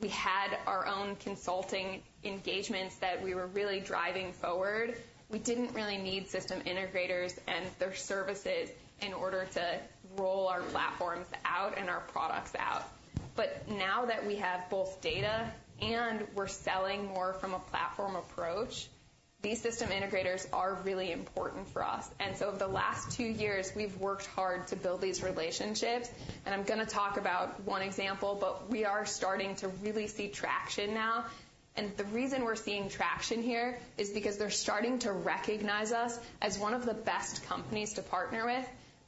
we had our own consulting engagements that we were really driving forward, we didn't really need system integrators and their services in order to roll our platforms out and our products out. But now that we have both data and we're selling more from a platform approach, these system integrators are really important for us. And so over the last two years, we've worked hard to build these relationships, and I'm gonna talk about one example, but we are starting to really see traction now. The reason we're seeing traction here is because they're starting to recognize us as one of the best companies to partner with,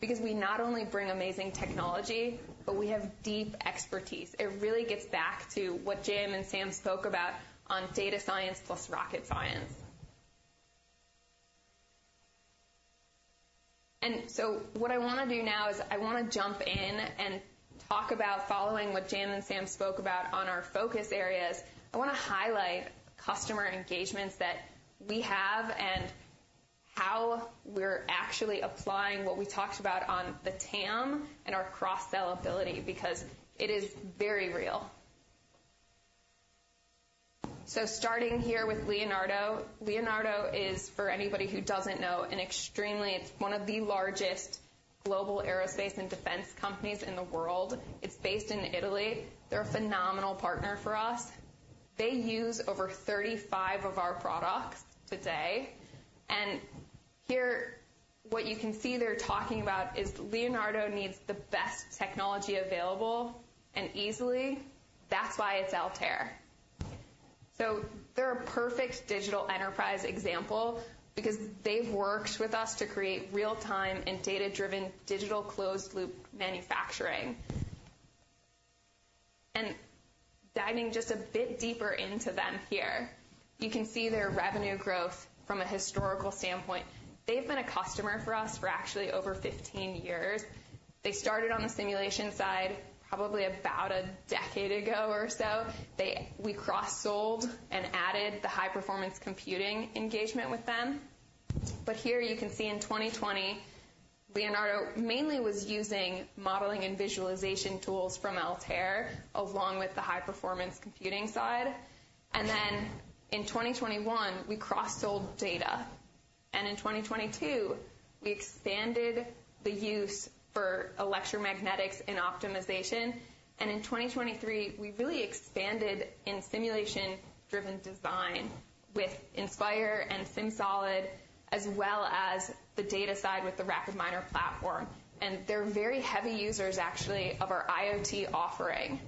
because we not only bring amazing technology, but we have deep expertise. It really gets back to what Jim and Sam spoke about on data science plus rocket science. So what I wanna do now is I wanna jump in and talk about following what Jim and Sam spoke about on our focus areas. I wanna highlight customer engagements that we have and how we're actually applying what we talked about on the TAM and our cross-sell ability, because it is very real. Starting here with Leonardo. Leonardo is, for anybody who doesn't know, an extremely... It's one of the largest global aerospace and defense companies in the world. It's based in Italy. They're a phenomenal partner for us. They use over 35 of our products today, and here, what you can see they're talking about is Leonardo needs the best technology available and easily. That's why it's Altair. So they're a perfect digital enterprise example because they've worked with us to create real-time and data-driven digital closed-loop manufacturing. And diving just a bit deeper into them here. You can see their revenue growth from a historical standpoint. They've been a customer for us for actually over 15 years. They started on the simulation side, probably about 10 years ago or so. We cross-sold and added the high-performance computing engagement with them. But here you can see in 2020, Leonardo mainly was using modeling and visualization tools from Altair, along with the high-performance computing side. And then in 2021, we cross-sold data, and in 2022, we expanded the use for electromagnetics and optimization, and in 2023, we really expanded in simulation-driven design with Inspire and SimSolid, as well as the data side with the RapidMiner platform. And they're very heavy users, actually, of our IoT offering.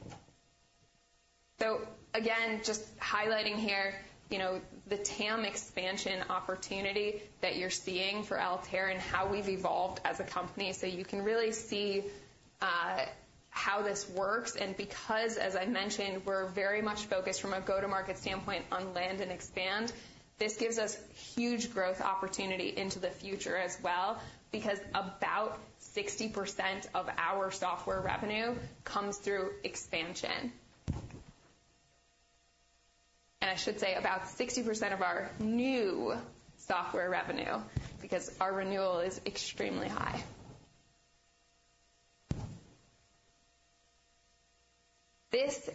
So again, just highlighting here, you know, the TAM expansion opportunity that you're seeing for Altair and how we've evolved as a company. So you can really see, how this works, and because, as I mentioned, we're very much focused from a go-to-market standpoint on land and expand, this gives us huge growth opportunity into the future as well, because about 60% of our software revenue comes through expansion. And I should say about 60% of our new software revenue, because our renewal is extremely high. This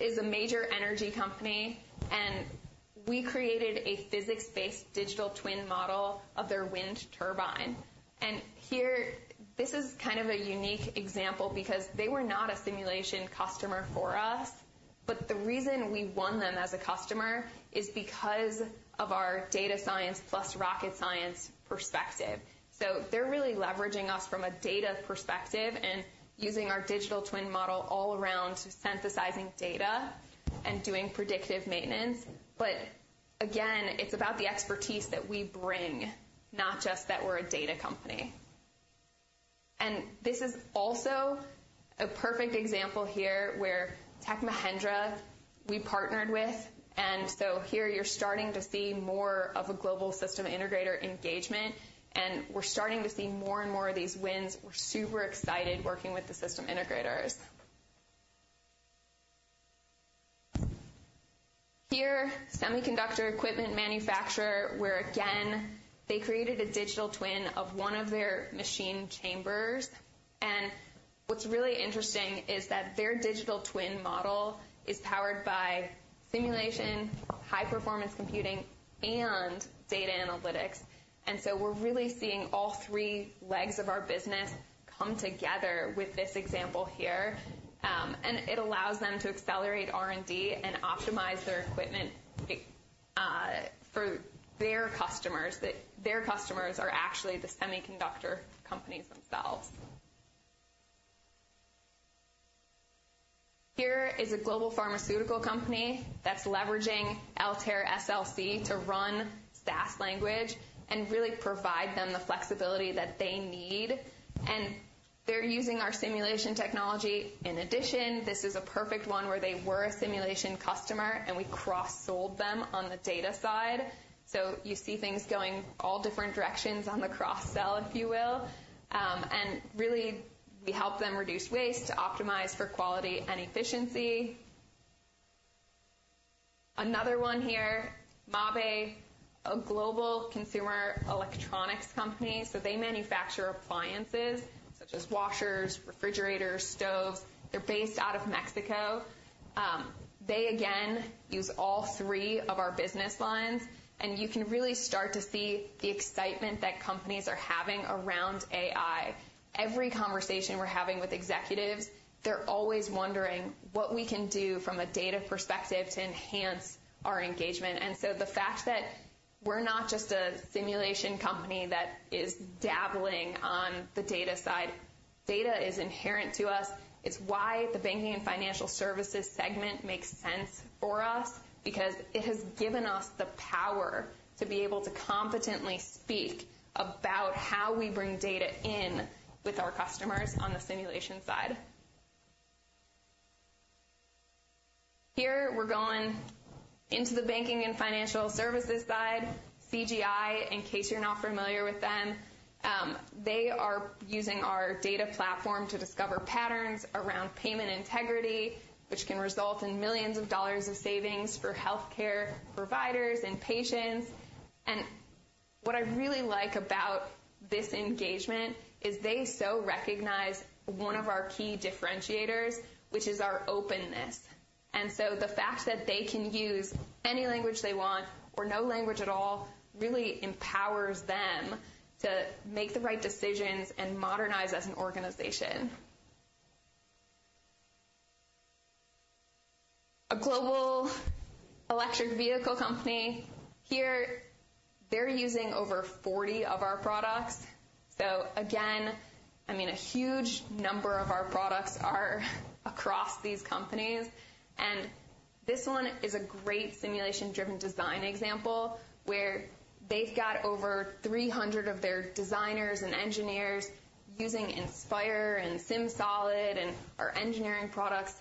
is a major energy company, and we created a physics-based digital twin model of their wind turbine. And here, this is kind of a unique example because they were not a simulation customer for us, but the reason we won them as a customer is because of our data science plus rocket science perspective. So they're really leveraging us from a data perspective and using our digital twin model all around synthesizing data and doing predictive maintenance. But again, it's about the expertise that we bring, not just that we're a data company. And this is also a perfect example here where Tech Mahindra, we partnered with, and so here you're starting to see more of a global system integrator engagement, and we're starting to see more and more of these wins. We're super excited working with the system integrators. Here, semiconductor equipment manufacturer, where again, they created a digital twin of one of their machine chambers. What's really interesting is that their digital twin model is powered by simulation, high-performance computing, and data analytics. So we're really seeing all three legs of our business come together with this example here, and it allows them to accelerate R&D and optimize their equipment, for their customers, that their customers are actually the semiconductor companies themselves. Here is a global pharmaceutical company that's leveraging Altair SLC to run SAS language and really provide them the flexibility that they need, and they're using our simulation technology. In addition, this is a perfect one where they were a simulation customer, and we cross-sold them on the data side. So you see things going all different directions on the cross-sell, if you will. And really, we help them reduce waste to optimize for quality and efficiency. Another one here, Mabe, a global consumer electronics company. So they manufacture appliances such as washers, refrigerators, stoves. They're based out of Mexico. They again use all three of our business lines, and you can really start to see the excitement that companies are having around AI. Every conversation we're having with executives, they're always wondering what we can do from a data perspective to enhance our engagement. And so the fact that we're not just a simulation company that is dabbling on the data side, data is inherent to us. It's why the banking and financial services segment makes sense for us, because it has given us the power to be able to competently speak about how we bring data in with our customers on the simulation side. Here, we're going into the banking and financial services side. CGI, in case you're not familiar with them, they are using our data platform to discover patterns around payment integrity, which can result in millions of dollar savings for healthcare providers and patients. And what I really like about this engagement is they so recognize one of our key differentiators, which is our openness. And so the fact that they can use any language they want or no language at all, really empowers them to make the right decisions and modernize as an organization. A global electric vehicle company, here, they're using over 40 of our products. So again, I mean, a huge number of our products are across these companies, and this one is a great simulation-driven design example where...... They've got over 300 of their designers and engineers using Inspire and SimSolid and our engineering products.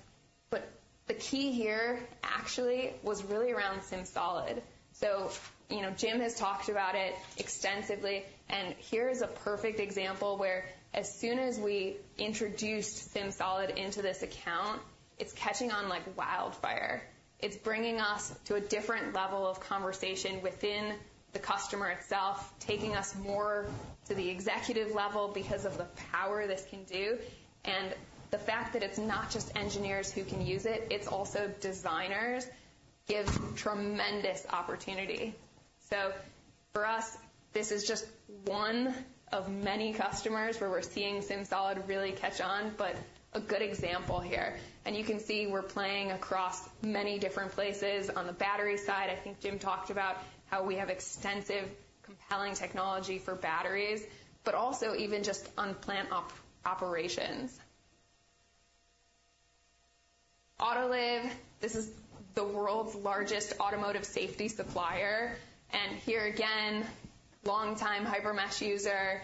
But the key here actually was really around SimSolid. So, you know, Jim has talked about it extensively, and here is a perfect example where as soon as we introduced SimSolid into this account, it's catching on like wildfire. It's bringing us to a different level of conversation within the customer itself, taking us more to the executive level because of the power this can do. And the fact that it's not just engineers who can use it, it's also designers, gives tremendous opportunity. So for us, this is just one of many customers where we're seeing SimSolid really catch on, but a good example here. You can see we're playing across many different places. On the battery side, I think Jim talked about how we have extensive, compelling technology for batteries, but also even just on plant operations. Autoliv, this is the world's largest automotive safety supplier, and here again, long-time HyperMesh user,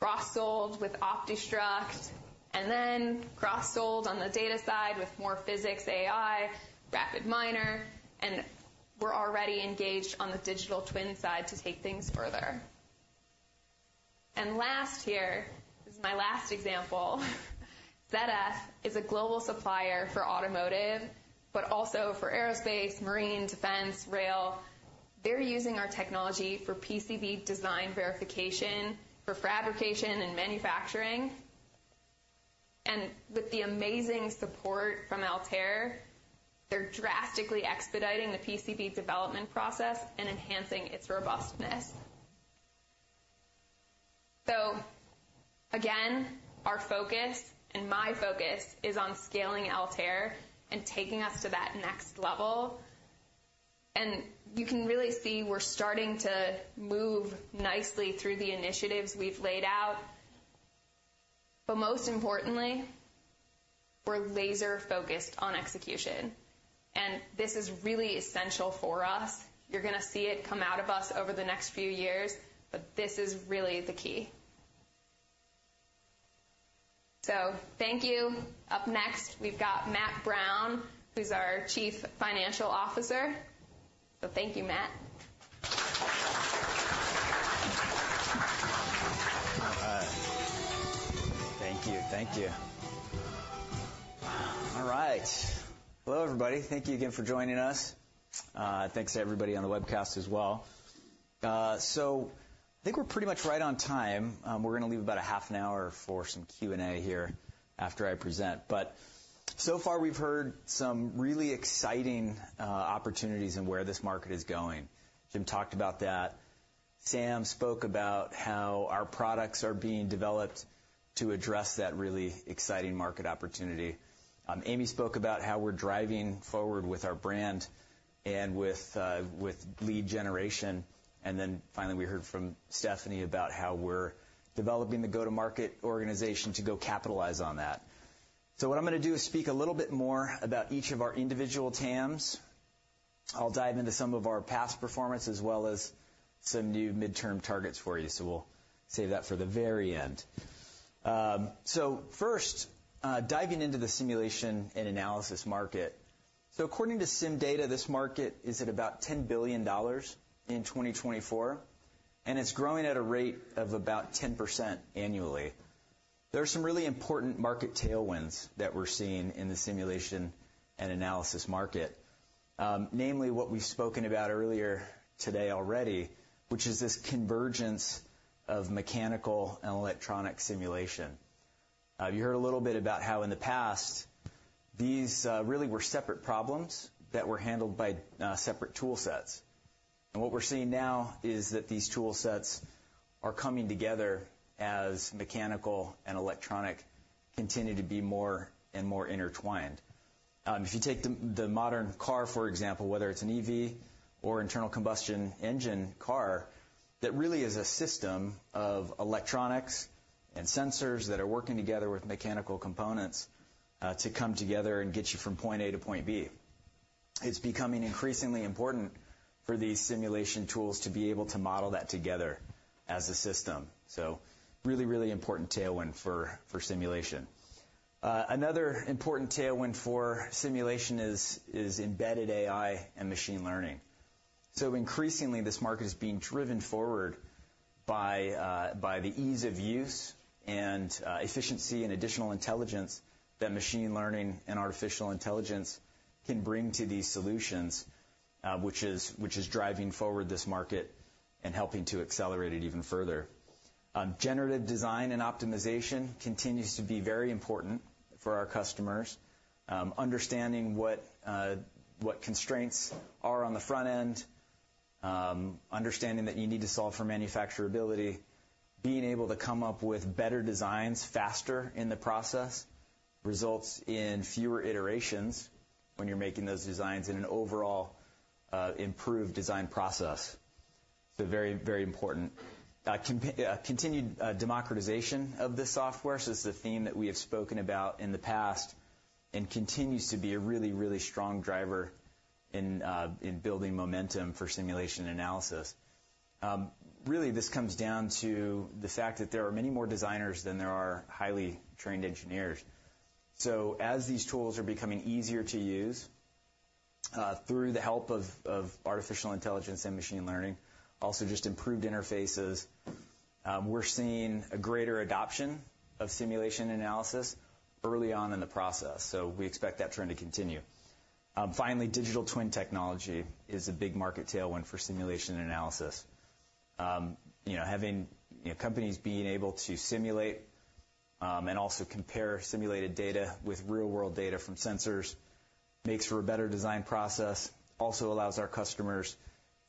cross-sold with OptiStruct, and then cross-sold on the data side with more PhysicsAI, RapidMiner, and we're already engaged on the digital twin side to take things further. And last here, this is my last example. ZF is a global supplier for automotive, but also for aerospace, marine, defense, rail. They're using our technology for PCB design verification, for fabrication and manufacturing. And with the amazing support from Altair, they're drastically expediting the PCB development process and enhancing its robustness. So again, our focus and my focus is on scaling Altair and taking us to that next level. You can really see we're starting to move nicely through the initiatives we've laid out. But most importantly, we're laser-focused on execution, and this is really essential for us. You're going to see it come out of us over the next few years, but this is really the key. So thank you. Up next, we've got Matt Brown, who's our Chief Financial Officer. So thank you, Matt. All right. Thank you. Thank you. All right. Hello, everybody. Thank you again for joining us. Thanks to everybody on the webcast as well. So I think we're pretty much right on time. We're going to leave about a half an hour for some Q&A here after I present. But so far, we've heard some really exciting opportunities in where this market is going. Jim talked about that. Sam spoke about how our products are being developed to address that really exciting market opportunity. Amy spoke about how we're driving forward with our brand and with lead generation. And then finally, we heard from Stephanie about how we're developing the go-to-market organization to go capitalize on that. So what I'm going to do is speak a little bit more about each of our individual TAMs. I'll dive into some of our past performance, as well as some new midterm targets for you, so we'll save that for the very end. So first, diving into the simulation and analysis market. So according to CIMdata, this market is at about $10 billion in 2024, and it's growing at a rate of about 10% annually. There are some really important market tailwinds that we're seeing in the simulation and analysis market, namely what we've spoken about earlier today already, which is this convergence of mechanical and electronic simulation. You heard a little bit about how in the past, these really were separate problems that were handled by separate tool sets. And what we're seeing now is that these tool sets are coming together as mechanical and electronic continue to be more and more intertwined. If you take the modern car, for example, whether it's an EV or internal combustion engine car, that really is a system of electronics and sensors that are working together with mechanical components to come together and get you from point A to point B. It's becoming increasingly important for these simulation tools to be able to model that together as a system. Really, really important tailwind for simulation. Another important tailwind for simulation is embedded AI and machine learning. So increasingly, this market is being driven forward by the ease of use and efficiency and additional intelligence that machine learning and artificial intelligence can bring to these solutions, which is driving forward this market and helping to accelerate it even further. Generative design and optimization continues to be very important for our customers. Understanding what constraints are on the front end, understanding that you need to solve for manufacturability, being able to come up with better designs faster in the process, results in fewer iterations when you're making those designs in an overall, improved design process. So very, very important. Continued democratization of this software. So this is a theme that we have spoken about in the past and continues to be a really, really strong driver in building momentum for simulation analysis. Really, this comes down to the fact that there are many more designers than there are highly trained engineers. So as these tools are becoming easier to use, through the help of, of artificial intelligence and machine learning, also just improved interfaces, we're seeing a greater adoption of simulation analysis early on in the process, so we expect that trend to continue. Finally, digital twin technology is a big market tailwind for simulation analysis. You know, having, you know, companies being able to simulate, and also compare simulated data with real-world data from sensors makes for a better design process, also allows our customers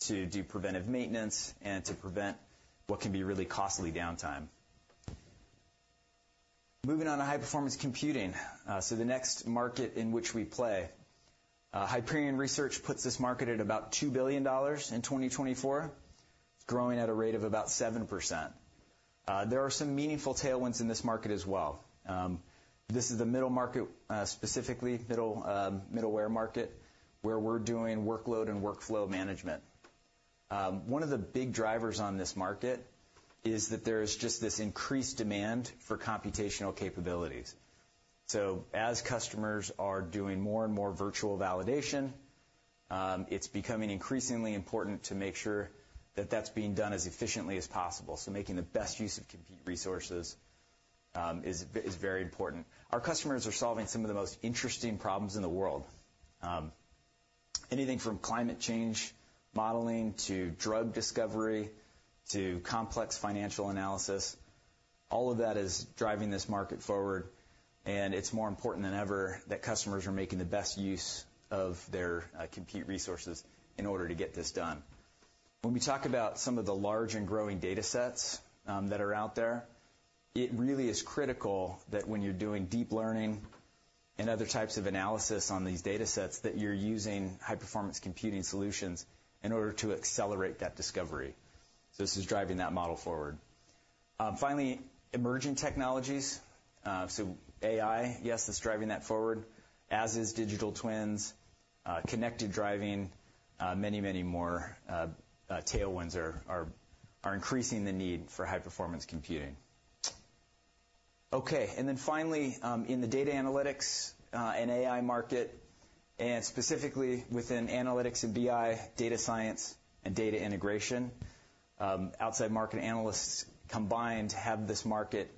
to do preventive maintenance and to prevent what can be really costly downtime. Moving on to high-performance computing, so the next market in which we play. Hyperion Research puts this market at about $2 billion in 2024. It's growing at a rate of about 7%. There are some meaningful tailwinds in this market as well. This is the middle market, specifically middle, middleware market, where we're doing workload and workflow management. One of the big drivers on this market is that there is just this increased demand for computational capabilities. So as customers are doing more and more virtual validation, it's becoming increasingly important to make sure that that's being done as efficiently as possible, so making the best use of compute resources is very important. Our customers are solving some of the most interesting problems in the world. Anything from climate change modeling, to drug discovery, to complex financial analysis, all of that is driving this market forward, and it's more important than ever that customers are making the best use of their compute resources in order to get this done. When we talk about some of the large and growing datasets that are out there, it really is critical that when you're doing deep learning and other types of analysis on these datasets, that you're using high-performance computing solutions in order to accelerate that discovery. So this is driving that model forward. Finally, emerging technologies. So AI, yes, that's driving that forward, as is digital twins, connected driving, many, many more tailwinds are increasing the need for high-performance computing. Okay, and then finally, in the data analytics and AI market, and specifically within analytics and BI, data science and data integration, outside market analysts combined have this market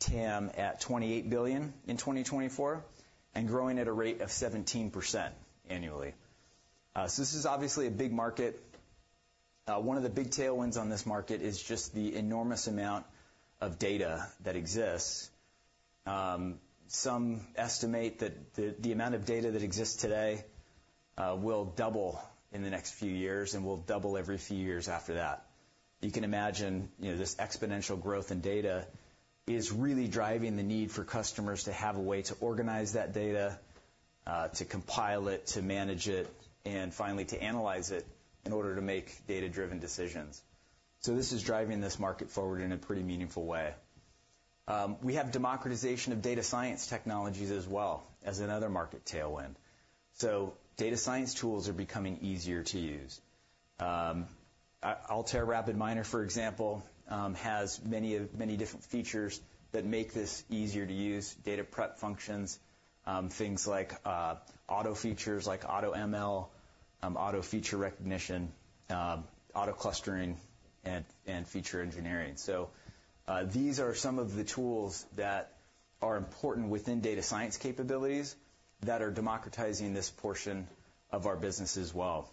TAM at $28 billion in 2024, and growing at a rate of 17% annually. So this is obviously a big market. One of the big tailwinds on this market is just the enormous amount of data that exists. Some estimate that the amount of data that exists today will double in the next few years and will double every few years after that. You can imagine, you know, this exponential growth in data is really driving the need for customers to have a way to organize that data, to compile it, to manage it, and finally, to analyze it in order to make data-driven decisions. So this is driving this market forward in a pretty meaningful way. We have democratization of data science technologies as well as another market tailwind. So data science tools are becoming easier to use. Altair RapidMiner, for example, has many different features that make this easier to use, data prep functions, things like auto features like AutoML, auto feature recognition, auto clustering, and feature engineering. So, these are some of the tools that are important within data science capabilities that are democratizing this portion of our business as well.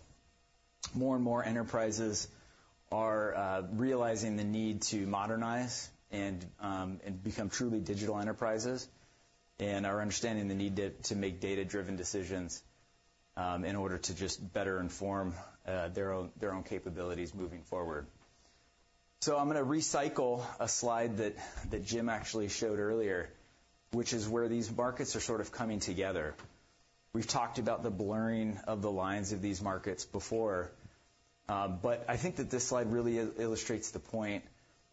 More and more enterprises are realizing the need to modernize and become truly digital enterprises, and are understanding the need to make data-driven decisions in order to just better inform their own capabilities moving forward. So I'm gonna recycle a slide that Jim actually showed earlier, which is where these markets are sort of coming together. We've talked about the blurring of the lines of these markets before, but I think that this slide really illustrates the point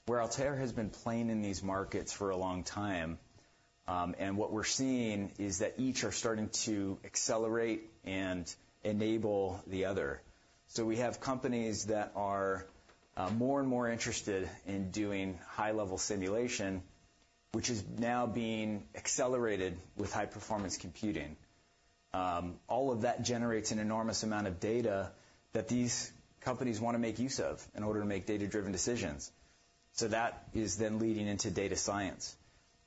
where Altair has been playing in these markets for a long time, and what we're seeing is that each are starting to accelerate and enable the other. So we have companies that are more and more interested in doing high-level simulation, which is now being accelerated with high-performance computing. All of that generates an enormous amount of data that these companies wanna make use of in order to make data-driven decisions. So that is then leading into data science.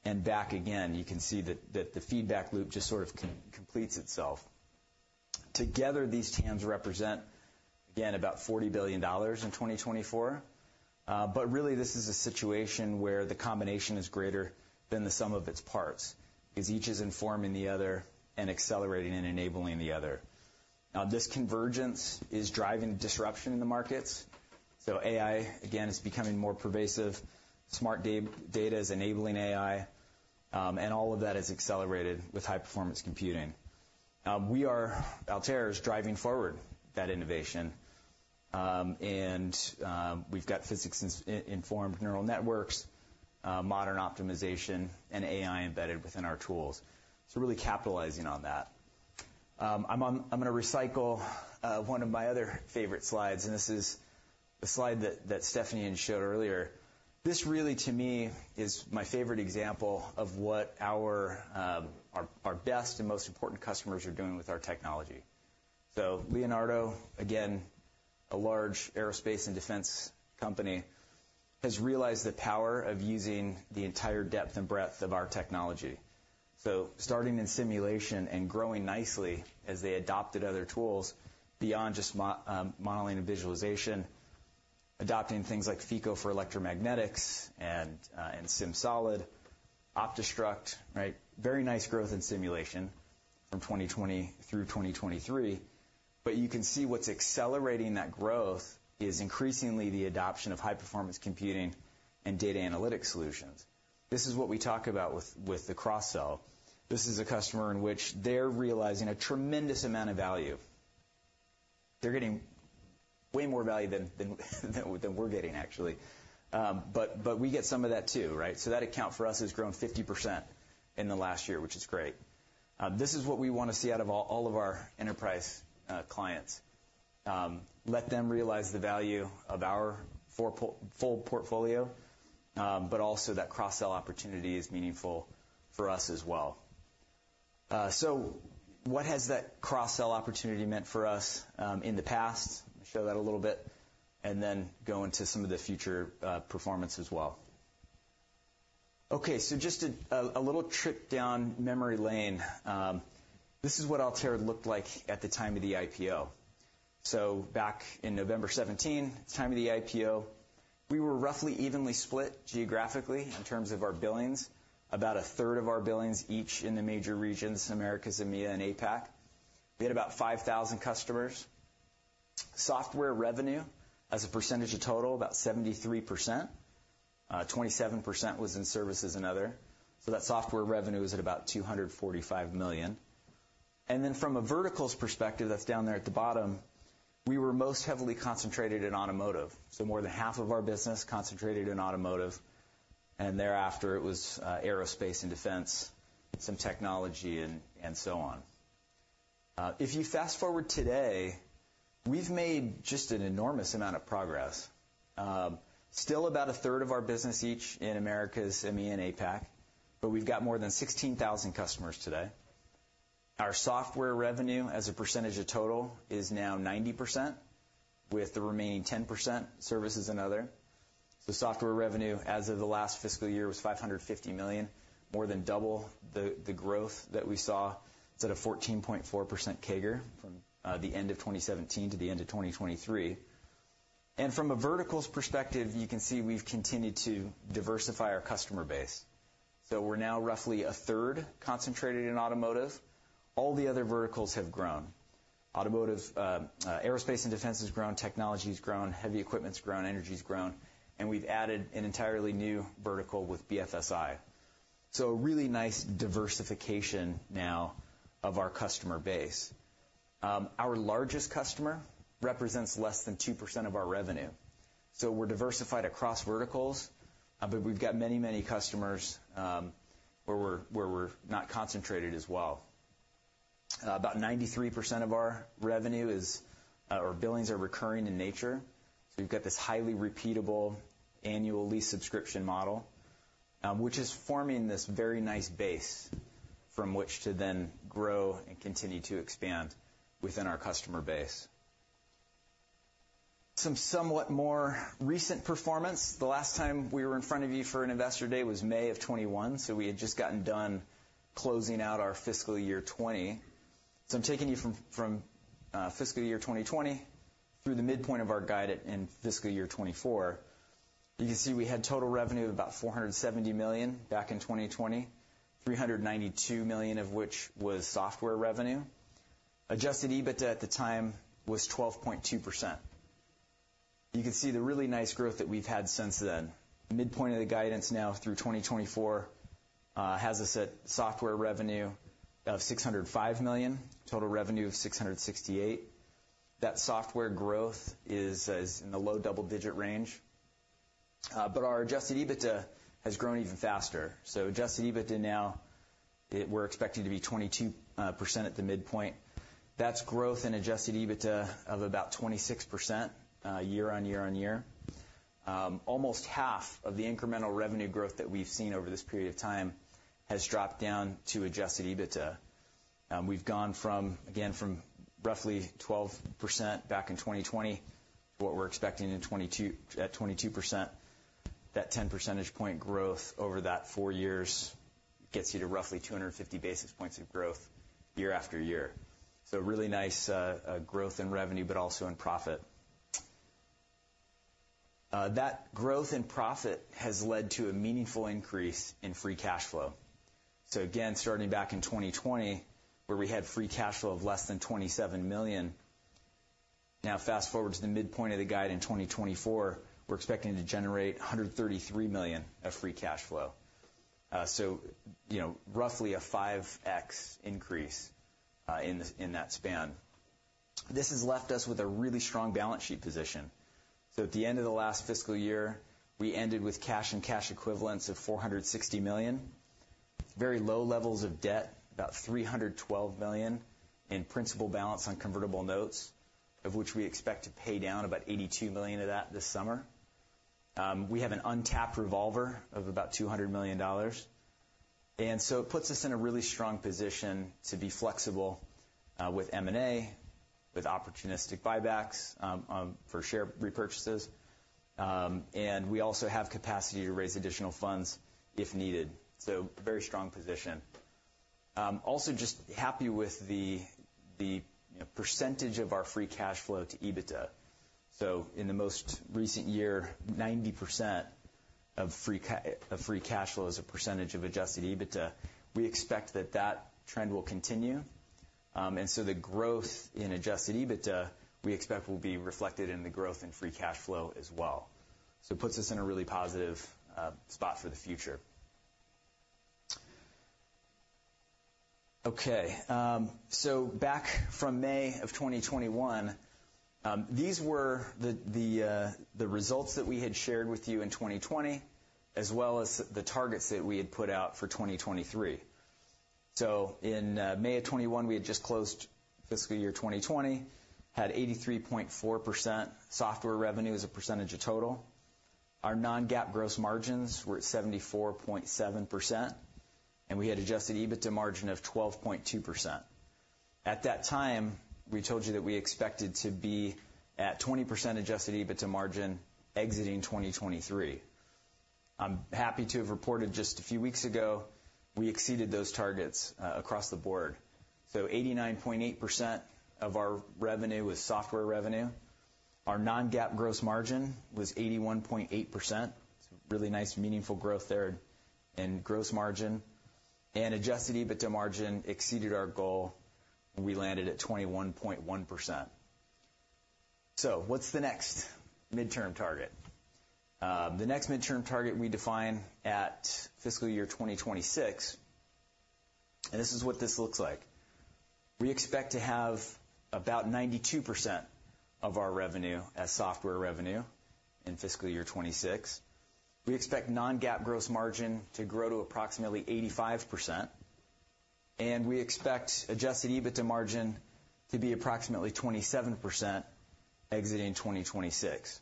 And back again, you can see that, that the feedback loop just sort of completes itself. Together, these TAMs represent, again, about $40 billion in 2024. But really, this is a situation where the combination is greater than the sum of its parts, because each is informing the other and accelerating and enabling the other. Now, this convergence is driving disruption in the markets, so AI, again, is becoming more pervasive. Smart data is enabling AI, and all of that is accelerated with high-performance computing. Altair is driving forward that innovation. And we've got physics-informed neural networks, modern optimization, and AI embedded within our tools, so really capitalizing on that. I'm gonna recycle one of my other favorite slides, and this is a slide that Stephanie had showed earlier. This really, to me, is my favorite example of what our best and most important customers are doing with our technology. So Leonardo, again, a large aerospace and defense company, has realized the power of using the entire depth and breadth of our technology. So starting in simulation and growing nicely as they adopted other tools beyond just modeling and visualization, adopting things like Feko for electromagnetics and SimSolid, OptiStruct, right? Very nice growth in simulation from 2020 through 2023. But you can see what's accelerating that growth is increasingly the adoption of high-performance computing and data analytics solutions. This is what we talk about with the cross-sell. This is a customer in which they're realizing a tremendous amount of value. They're getting way more value than we're getting, actually. But we get some of that, too, right? So that account for us has grown 50% in the last year, which is great. This is what we wanna see out of all of our enterprise clients. Let them realize the value of our full portfolio, but also that cross-sell opportunity is meaningful for us as well. So what has that cross-sell opportunity meant for us in the past? Show that a little bit, and then go into some of the future performance as well. Okay, so just a little trip down memory lane. This is what Altair looked like at the time of the IPO. So back in November 2017, the time of the IPO, we were roughly evenly split geographically in terms of our billings. About a third of our billings each in the major regions, Americas, EMEA, and APAC. We had about 5,000 customers. Software revenue, as a percentage of total, about 73%. 27% was in services and other. So that software revenue was at about $245 million. And then from a verticals perspective, that's down there at the bottom, we were most heavily concentrated in automotive. So more than half of our business concentrated in automotive, and thereafter, it was aerospace and defense, some technology, and, and so on. If you fast-forward today, we've made just an enormous amount of progress. Still about a third of our business each in Americas, EMEA, and APAC, but we've got more than 16,000 customers today. Our software revenue, as a percentage of total, is now 90%, with the remaining 10%, services and other. So software revenue, as of the last fiscal year, was $550 million, more than double the growth that we saw. It's at a 14.4% CAGR from the end of 2017 to the end of 2023. From a verticals perspective, you can see we've continued to diversify our customer base. We're now roughly a third concentrated in automotive. All the other verticals have grown. Automotive, aerospace and defense has grown, technology's grown, heavy equipment's grown, energy's grown, and we've added an entirely new vertical with BFSI. A really nice diversification now of our customer base. Our largest customer represents less than 2% of our revenue, so we're diversified across verticals, but we've got many, many customers, where we're, where we're not concentrated as well. About 93% of our revenue is, or billings, are recurring in nature. So we've got this highly repeatable annual lease subscription model, which is forming this very nice base from which to then grow and continue to expand within our customer base. Some somewhat more recent performance. The last time we were in front of you for an Investor Day was May 2021, so we had just gotten done closing out our fiscal year 2020. So I'm taking you from fiscal year 2020 through the midpoint of our guide at, in fiscal year 2024. You can see we had total revenue of about $470 million back in 2020, $392 million of which was software revenue. Adjusted EBITDA at the time was 12.2%. You can see the really nice growth that we've had since then. Midpoint of the guidance now through 2024 has us at software revenue of $605 million, total revenue of $668 million. That software growth is in the low double-digit range, but our adjusted EBITDA has grown even faster. Adjusted EBITDA now, we're expecting to be 22% at the midpoint. That's growth in adjusted EBITDA of about 26% year-over-year. Almost half of the incremental revenue growth that we've seen over this period of time has dropped down to adjusted EBITDA. We've gone from, again, from roughly 12% back in 2020, what we're expecting in 2022, at 22%. That 10 percentage point growth over that four years gets you to roughly 250 basis points of growth year after year. So really nice growth in revenue, but also in profit. That growth in profit has led to a meaningful increase in free cash flow. So again, starting back in 2020, where we had free cash flow of less than $27 million. Now fast-forward to the midpoint of the guide in 2024, we're expecting to generate $133 million of free cash flow. So, you know, roughly a 5x increase, in that span. This has left us with a really strong balance sheet position. So at the end of the last fiscal year, we ended with cash and cash equivalents of $460 million. Very low levels of debt, about $312 million, in principal balance on convertible notes, of which we expect to pay down about $82 million of that this summer. We have an untapped revolver of about $200 million, and so it puts us in a really strong position to be flexible with M&A, with opportunistic buybacks, for share repurchases. We also have capacity to raise additional funds if needed. So very strong position. Also just happy with the you know percentage of our free cash flow to EBITDA. So in the most recent year, 90% of free cash flow as a percentage of adjusted EBITDA, we expect that that trend will continue. And so the growth in adjusted EBITDA, we expect, will be reflected in the growth in free cash flow as well. So it puts us in a really positive spot for the future. Okay, so back from May of 2021, these were the results that we had shared with you in 2020, as well as the targets that we had put out for 2023. So in May of 2021, we had just closed fiscal year 2020, had 83.4% software revenue as a percentage of total. Our non-GAAP gross margins were at 74.7%, and we had adjusted EBITDA margin of 12.2%. At that time, we told you that we expected to be at 20% adjusted EBITDA margin exiting 2023. I'm happy to have reported just a few weeks ago, we exceeded those targets across the board. So 89.8% of our revenue was software revenue. Our non-GAAP gross margin was 81.8%. It's a really nice, meaningful growth there in gross margin, and adjusted EBITDA margin exceeded our goal, and we landed at 21.1%. So what's the next midterm target? The next midterm target we define at fiscal year 2026, and this is what this looks like. We expect to have about 92% of our revenue as software revenue in fiscal year 2026. We expect non-GAAP gross margin to grow to approximately 85%, and we expect adjusted EBITDA margin to be approximately 27% exiting 2026.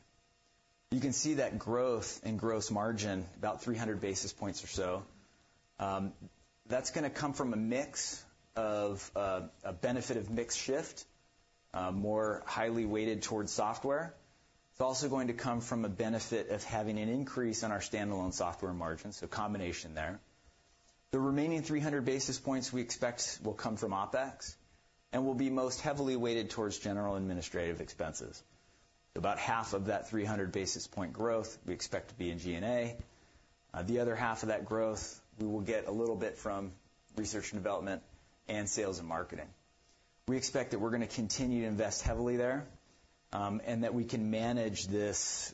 You can see that growth in gross margin, about 300 basis points or so. That's gonna come from a mix of, a benefit of mix shift, more highly weighted towards software. It's also going to come from a benefit of having an increase on our standalone software margin, so combination there. The remaining 300 basis points we expect will come from OpEx and will be most heavily weighted towards general administrative expenses. About half of that 300 basis point growth, we expect to be in G&A. The other half of that growth, we will get a little bit from research and development and sales and marketing. We expect that we're gonna continue to invest heavily there, and that we can manage this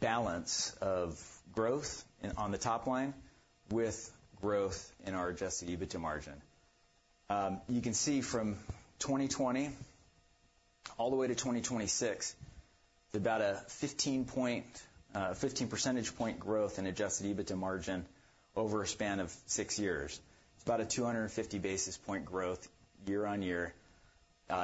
balance of growth in on the top line with growth in our adjusted EBITDA margin. You can see from 2020 all the way to 2026, about a 15 percentage point growth in adjusted EBITDA margin over a span of six years. It's about a 250 basis point growth year on year,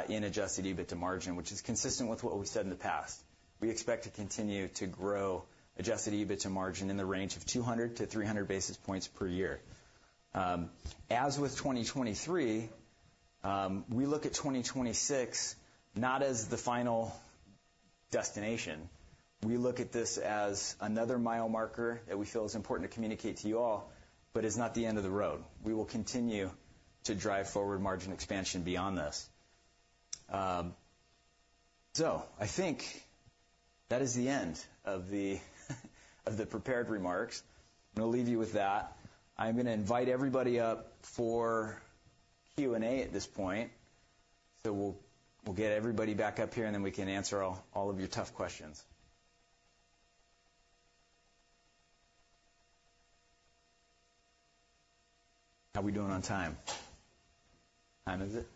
in adjusted EBITDA margin, which is consistent with what we've said in the past. We expect to continue to grow adjusted EBITDA margin in the range of 200-300 basis points per year. As with 2023, we look at 2026 not as the final destination. We look at this as another mile marker that we feel is important to communicate to you all, but is not the end of the road. We will continue to drive forward margin expansion beyond this. So I think that is the end of the prepared remarks. I'm gonna leave you with that. I'm gonna invite everybody up for Q&A at this point. So we'll get everybody back up here, and then we can answer all of your tough questions. How we doing on time? What time is it?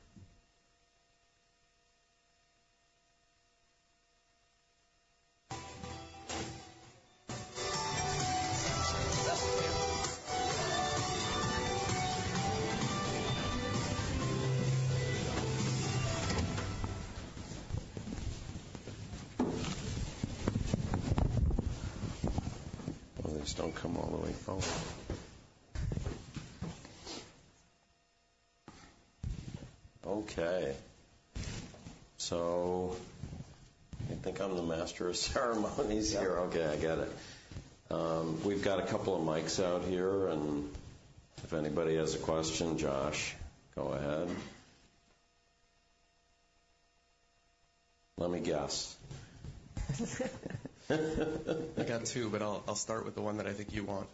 Well, these don't come all the way off. Okay, so you think I'm the master of ceremonies here? Okay, I get it. We've got a couple of mics out here, and if anybody has a question... Josh, go ahead. Let me guess. I got two, but I'll, I'll start with the one that I think you want.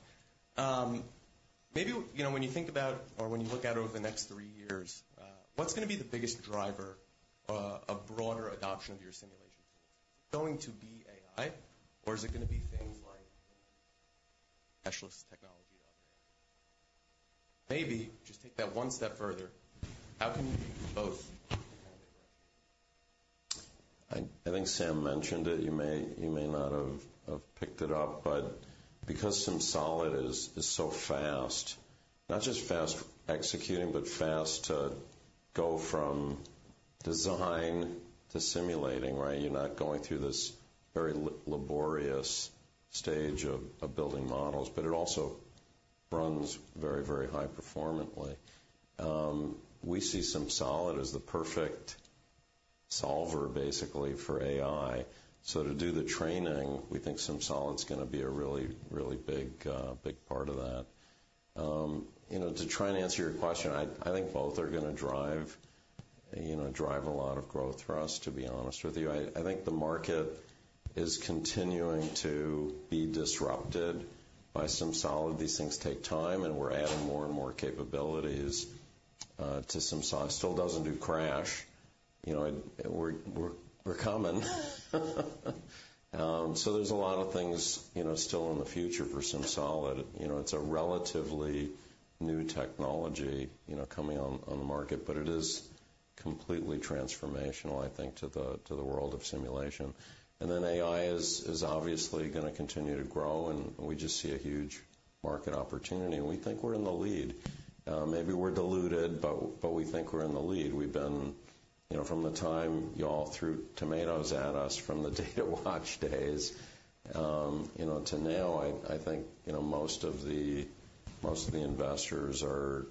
Maybe, you know, when you think about or when you look out over the next three years, what's gonna be the biggest driver of broader adoption of your simulation tools? Is it going to be AI, or is it gonna be things like specialist technology out there? Maybe just take that one step further. How can you do both? I think Sam mentioned it. You may not have picked it up, but because SimSolid is so fast, not just fast executing, but fast to go from design to simulating, right? You're not going through this very laborious stage of building models, but it also runs very, very highly performant. We see SimSolid as the perfect solver, basically, for AI. So to do the training, we think SimSolid's gonna be a really, really big part of that. You know, to try and answer your question, I think both are gonna drive you know a lot of growth for us, to be honest with you. I think the market is continuing to be disrupted by SimSolid. These things take time, and we're adding more and more capabilities to SimSolid. Still doesn't do crash. You know, we're coming. So there's a lot of things, you know, still in the future for SimSolid. You know, it's a relatively new technology, you know, coming on the market, but it is completely transformational, I think, to the world of simulation. And then AI is obviously gonna continue to grow, and we just see a huge market opportunity, and we think we're in the lead. Maybe we're deluded, but we think we're in the lead. We've been... You know, from the time y'all threw tomatoes at us from the Datawatch days, you know, to now, I think, you know, most of the investors are,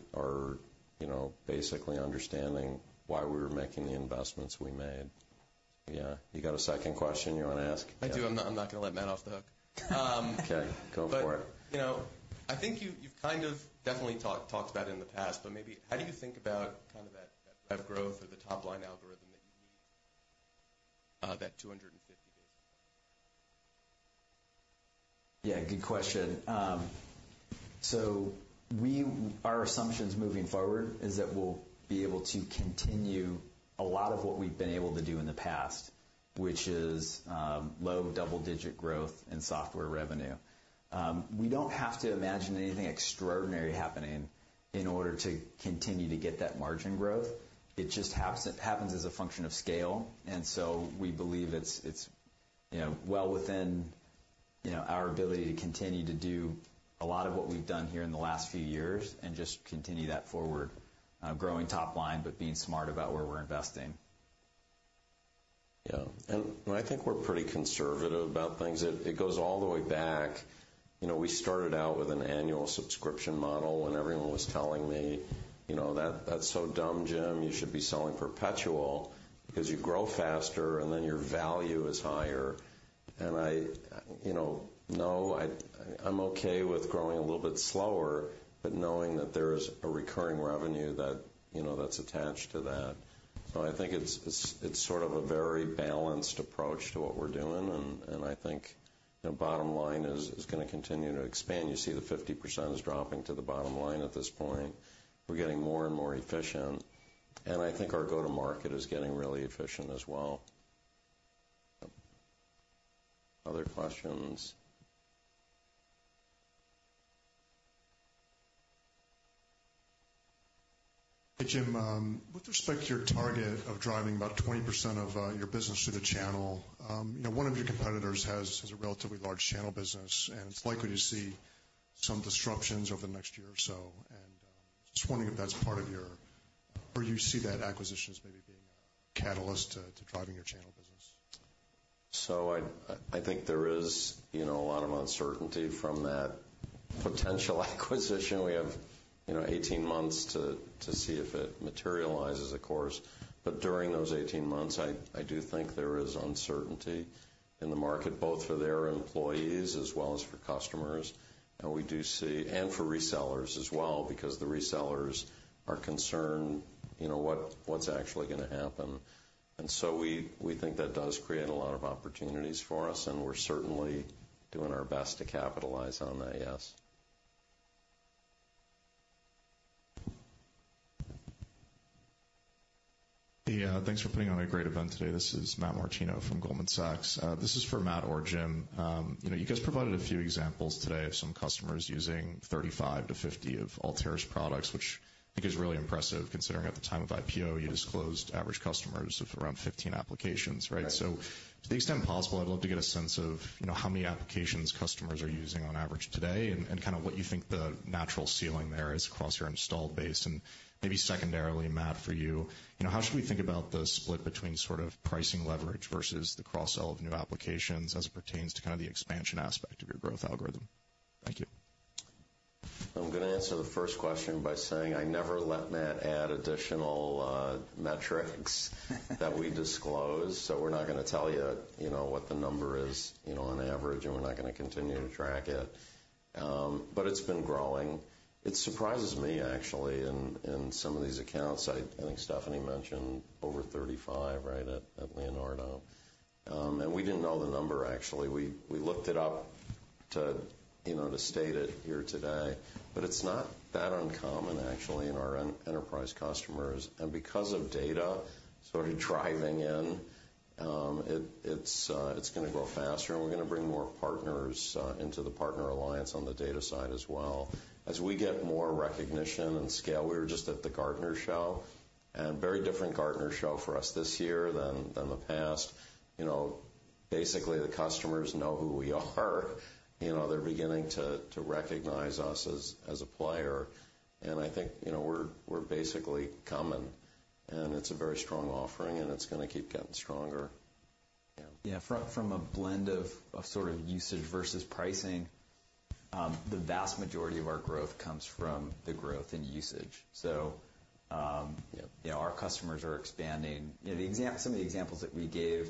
you know, basically understanding why we were making the investments we made. Yeah. You got a second question you wanna ask? I do. I'm not, I'm not gonna let Matt off the hook. Okay, go for it. But, you know, I think you've kind of definitely talked about it in the past, but maybe how do you think about kind of that rev growth or the top-line algorithm that you need, that 250 basis points? Yeah, good question. So our assumptions moving forward is that we'll be able to continue a lot of what we've been able to do in the past, which is low double-digit growth in software revenue. We don't have to imagine anything extraordinary happening in order to continue to get that margin growth. It just happens, it happens as a function of scale, and so we believe it's, it's, you know, well within, you know, our ability to continue to do a lot of what we've done here in the last few years and just continue that forward, growing top line, but being smart about where we're investing. Yeah. And I think we're pretty conservative about things. It goes all the way back. You know, we started out with an annual subscription model, and everyone was telling me, "You know, that's so dumb, Jim. You should be selling perpetual because you grow faster, and then your value is higher." And I, you know, no, I'm okay with growing a little bit slower, but knowing that there is a recurring revenue that, you know, that's attached to that. So I think it's sort of a very balanced approach to what we're doing, and I think the bottom line is gonna continue to expand. You see the 50% is dropping to the bottom line at this point. We're getting more and more efficient, and I think our go-to-market is getting really efficient as well. Other questions? Hey, Jim, with respect to your target of driving about 20% of your business through the channel, you know, one of your competitors has a relatively large channel business, and it's likely to see some disruptions over the next year or so. Just wondering if that's part of your... or you see that acquisition as maybe being a catalyst to driving your channel business? So I think there is, you know, a lot of uncertainty from that potential acquisition. We have, you know, 18 months to see if it materializes, of course. But during those 18 months, I do think there is uncertainty in the market, both for their employees as well as for customers, and we do see, and for resellers as well, because the resellers are concerned, you know, what, what's actually gonna happen. And so we think that does create a lot of opportunities for us, and we're certainly doing our best to capitalize on that, yes. Yeah, thanks for putting on a great event today. This is Matt Martino from Goldman Sachs. This is for Matt or Jim. You know, you guys provided a few examples today of some customers using 35-50 of Altair's products, which I think is really impressive, considering at the time of IPO, you disclosed average customers of around 15 applications, right? Right. To the extent possible, I'd love to get a sense of, you know, how many applications customers are using on average today, and kind of what you think the natural ceiling there is across your installed base. Maybe secondarily, Matt, for you, you know, how should we think about the split between sort of pricing leverage versus the cross-sell of new applications as it pertains to kind of the expansion aspect of your growth algorithm? Thank you. I'm gonna answer the first question by saying I never let Matt add additional metrics that we disclose, so we're not gonna tell you, you know, what the number is, you know, on average, and we're not gonna continue to track it. But it's been growing. It surprises me, actually, in some of these accounts. I think Stephanie mentioned over 35, right, at Leonardo. And we didn't know the number, actually. We looked it up to, you know, to state it here today, but it's not that uncommon, actually, in our enterprise customers. And because of data sort of driving in, it's gonna grow faster, and we're gonna bring more partners into the partner alliance on the data side as well. As we get more recognition and scale, we were just at the Gartner show, and very different Gartner show for us this year than the past. You know, basically, the customers know who we are. You know, they're beginning to recognize us as a player, and I think, you know, we're basically coming, and it's a very strong offering, and it's gonna keep getting stronger. Yeah. Yeah, from a blend of sort of usage versus pricing, the vast majority of our growth comes from the growth in usage. So, Yep... you know, our customers are expanding. You know, some of the examples that we gave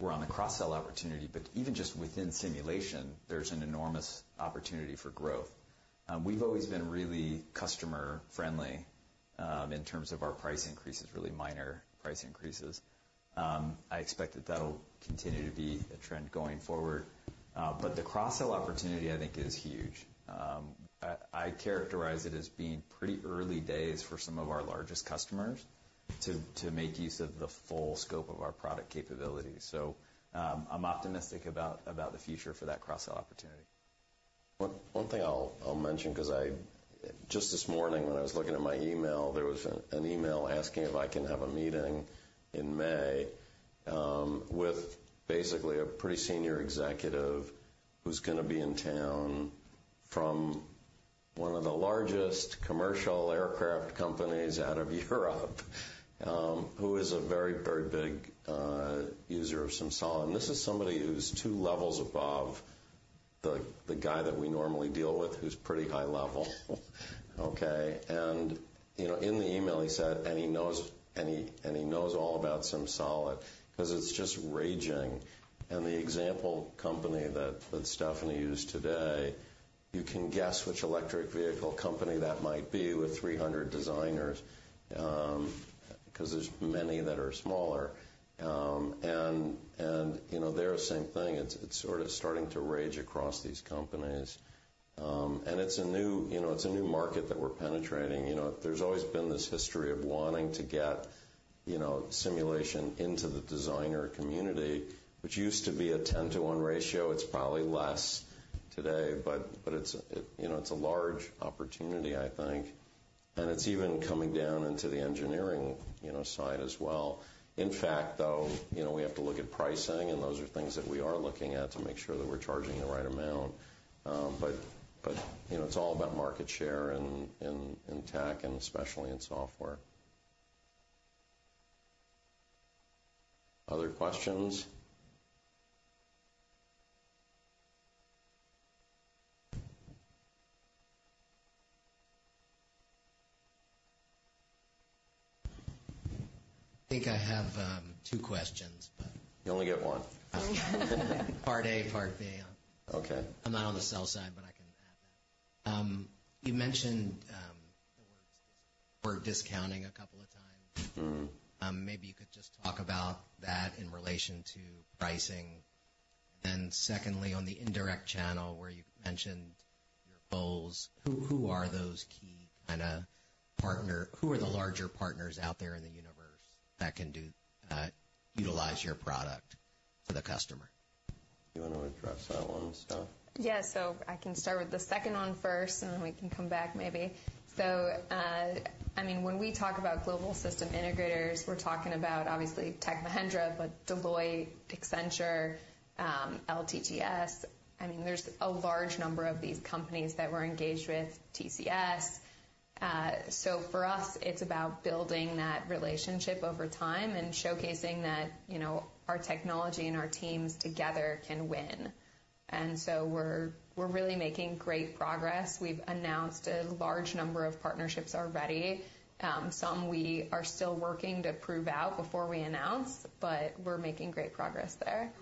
were on the cross-sell opportunity, but even just within simulation, there's an enormous opportunity for growth. We've always been really customer friendly, in terms of our price increases, really minor price increases. I expect that that'll continue to be a trend going forward. But the cross-sell opportunity, I think, is huge. I characterize it as being pretty early days for some of our largest customers to make use of the full scope of our product capabilities. So, I'm optimistic about the future for that cross-sell opportunity. One thing I'll mention, 'cause I just this morning, when I was looking at my email, there was an email asking if I can have a meeting in May with basically a pretty senior executive who's gonna be in town from one of the largest commercial aircraft companies out of Europe, who is a very, very big user of SimSolid. And this is somebody who's two levels above the guy that we normally deal with, who's pretty high level. Okay? And, you know, in the email, he said... And he knows, and he knows all about SimSolid because it's just raging. And the example company that Stephanie used today, you can guess which electric vehicle company that might be with 300 designers, because there's many that are smaller. And, you know, they're the same thing. It's sort of starting to rage across these companies. And it's a new, you know, it's a new market that we're penetrating. You know, there's always been this history of wanting to get, you know, simulation into the designer community, which used to be a 10-to-1 ratio. It's probably less today, but it's, it, you know, it's a large opportunity, I think, and it's even coming down into the engineering, you know, side as well. In fact, though, you know, we have to look at pricing, and those are things that we are looking at to make sure that we're charging the right amount. But, you know, it's all about market share in tech and especially in software. Other questions? I think I have two questions, but- You only get one. Part A, part B. Okay. I'm not on the sell side, but I can add that. You mentioned the word discounting a couple of times. Mm-hmm. Maybe you could just talk about that in relation to pricing. And then secondly, on the indirect channel, where you mentioned your goals, who are those key kind of partners? Who are the larger partners out there in the universe that can utilize your product for the customer? You want to address that one, Steph? Yeah. So I can start with the second one first, and then we can come back maybe. So, I mean, when we talk about global system integrators, we're talking about, obviously, Tech Mahindra, but Deloitte, Accenture, LTTS. I mean, there's a large number of these companies that we're engaged with, TCS. So for us, it's about building that relationship over time and showcasing that, you know, our technology and our teams together can win. And so we're really making great progress. We've announced a large number of partnerships already. Some we are still working to prove out before we announce, but we're making great progress there.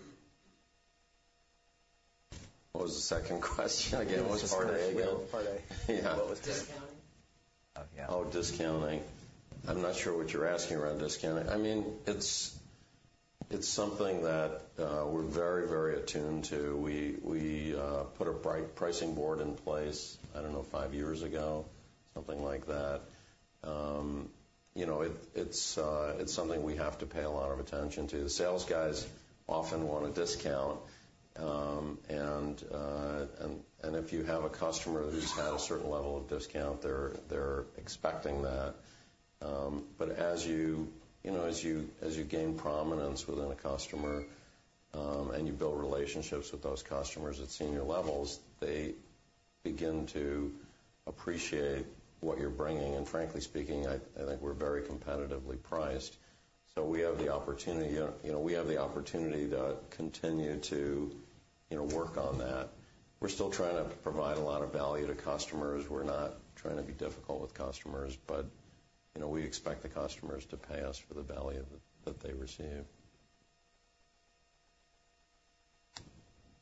What was the second question again? It was part A again. Part A. Yeah. What was- Discounting. Oh, discounting. I'm not sure what you're asking around discounting. I mean, it's, it's something that, we're very, very attuned to. We put a pricing board in place, I don't know, 5 years ago, something like that. You know, it's something we have to pay a lot of attention to. The sales guys often want a discount, and, and if you have a customer who's had a certain level of discount, they're, they're expecting that. But as you, you know, as you, as you gain prominence within a customer, and you build relationships with those customers at senior levels, they begin to appreciate what you're bringing. And frankly speaking, I think we're very competitively priced, so we have the opportunity, you know, we have the opportunity to continue to, you know, work on that. We're still trying to provide a lot of value to customers. We're not trying to be difficult with customers, but, you know, we expect the customers to pay us for the value that, that they receive.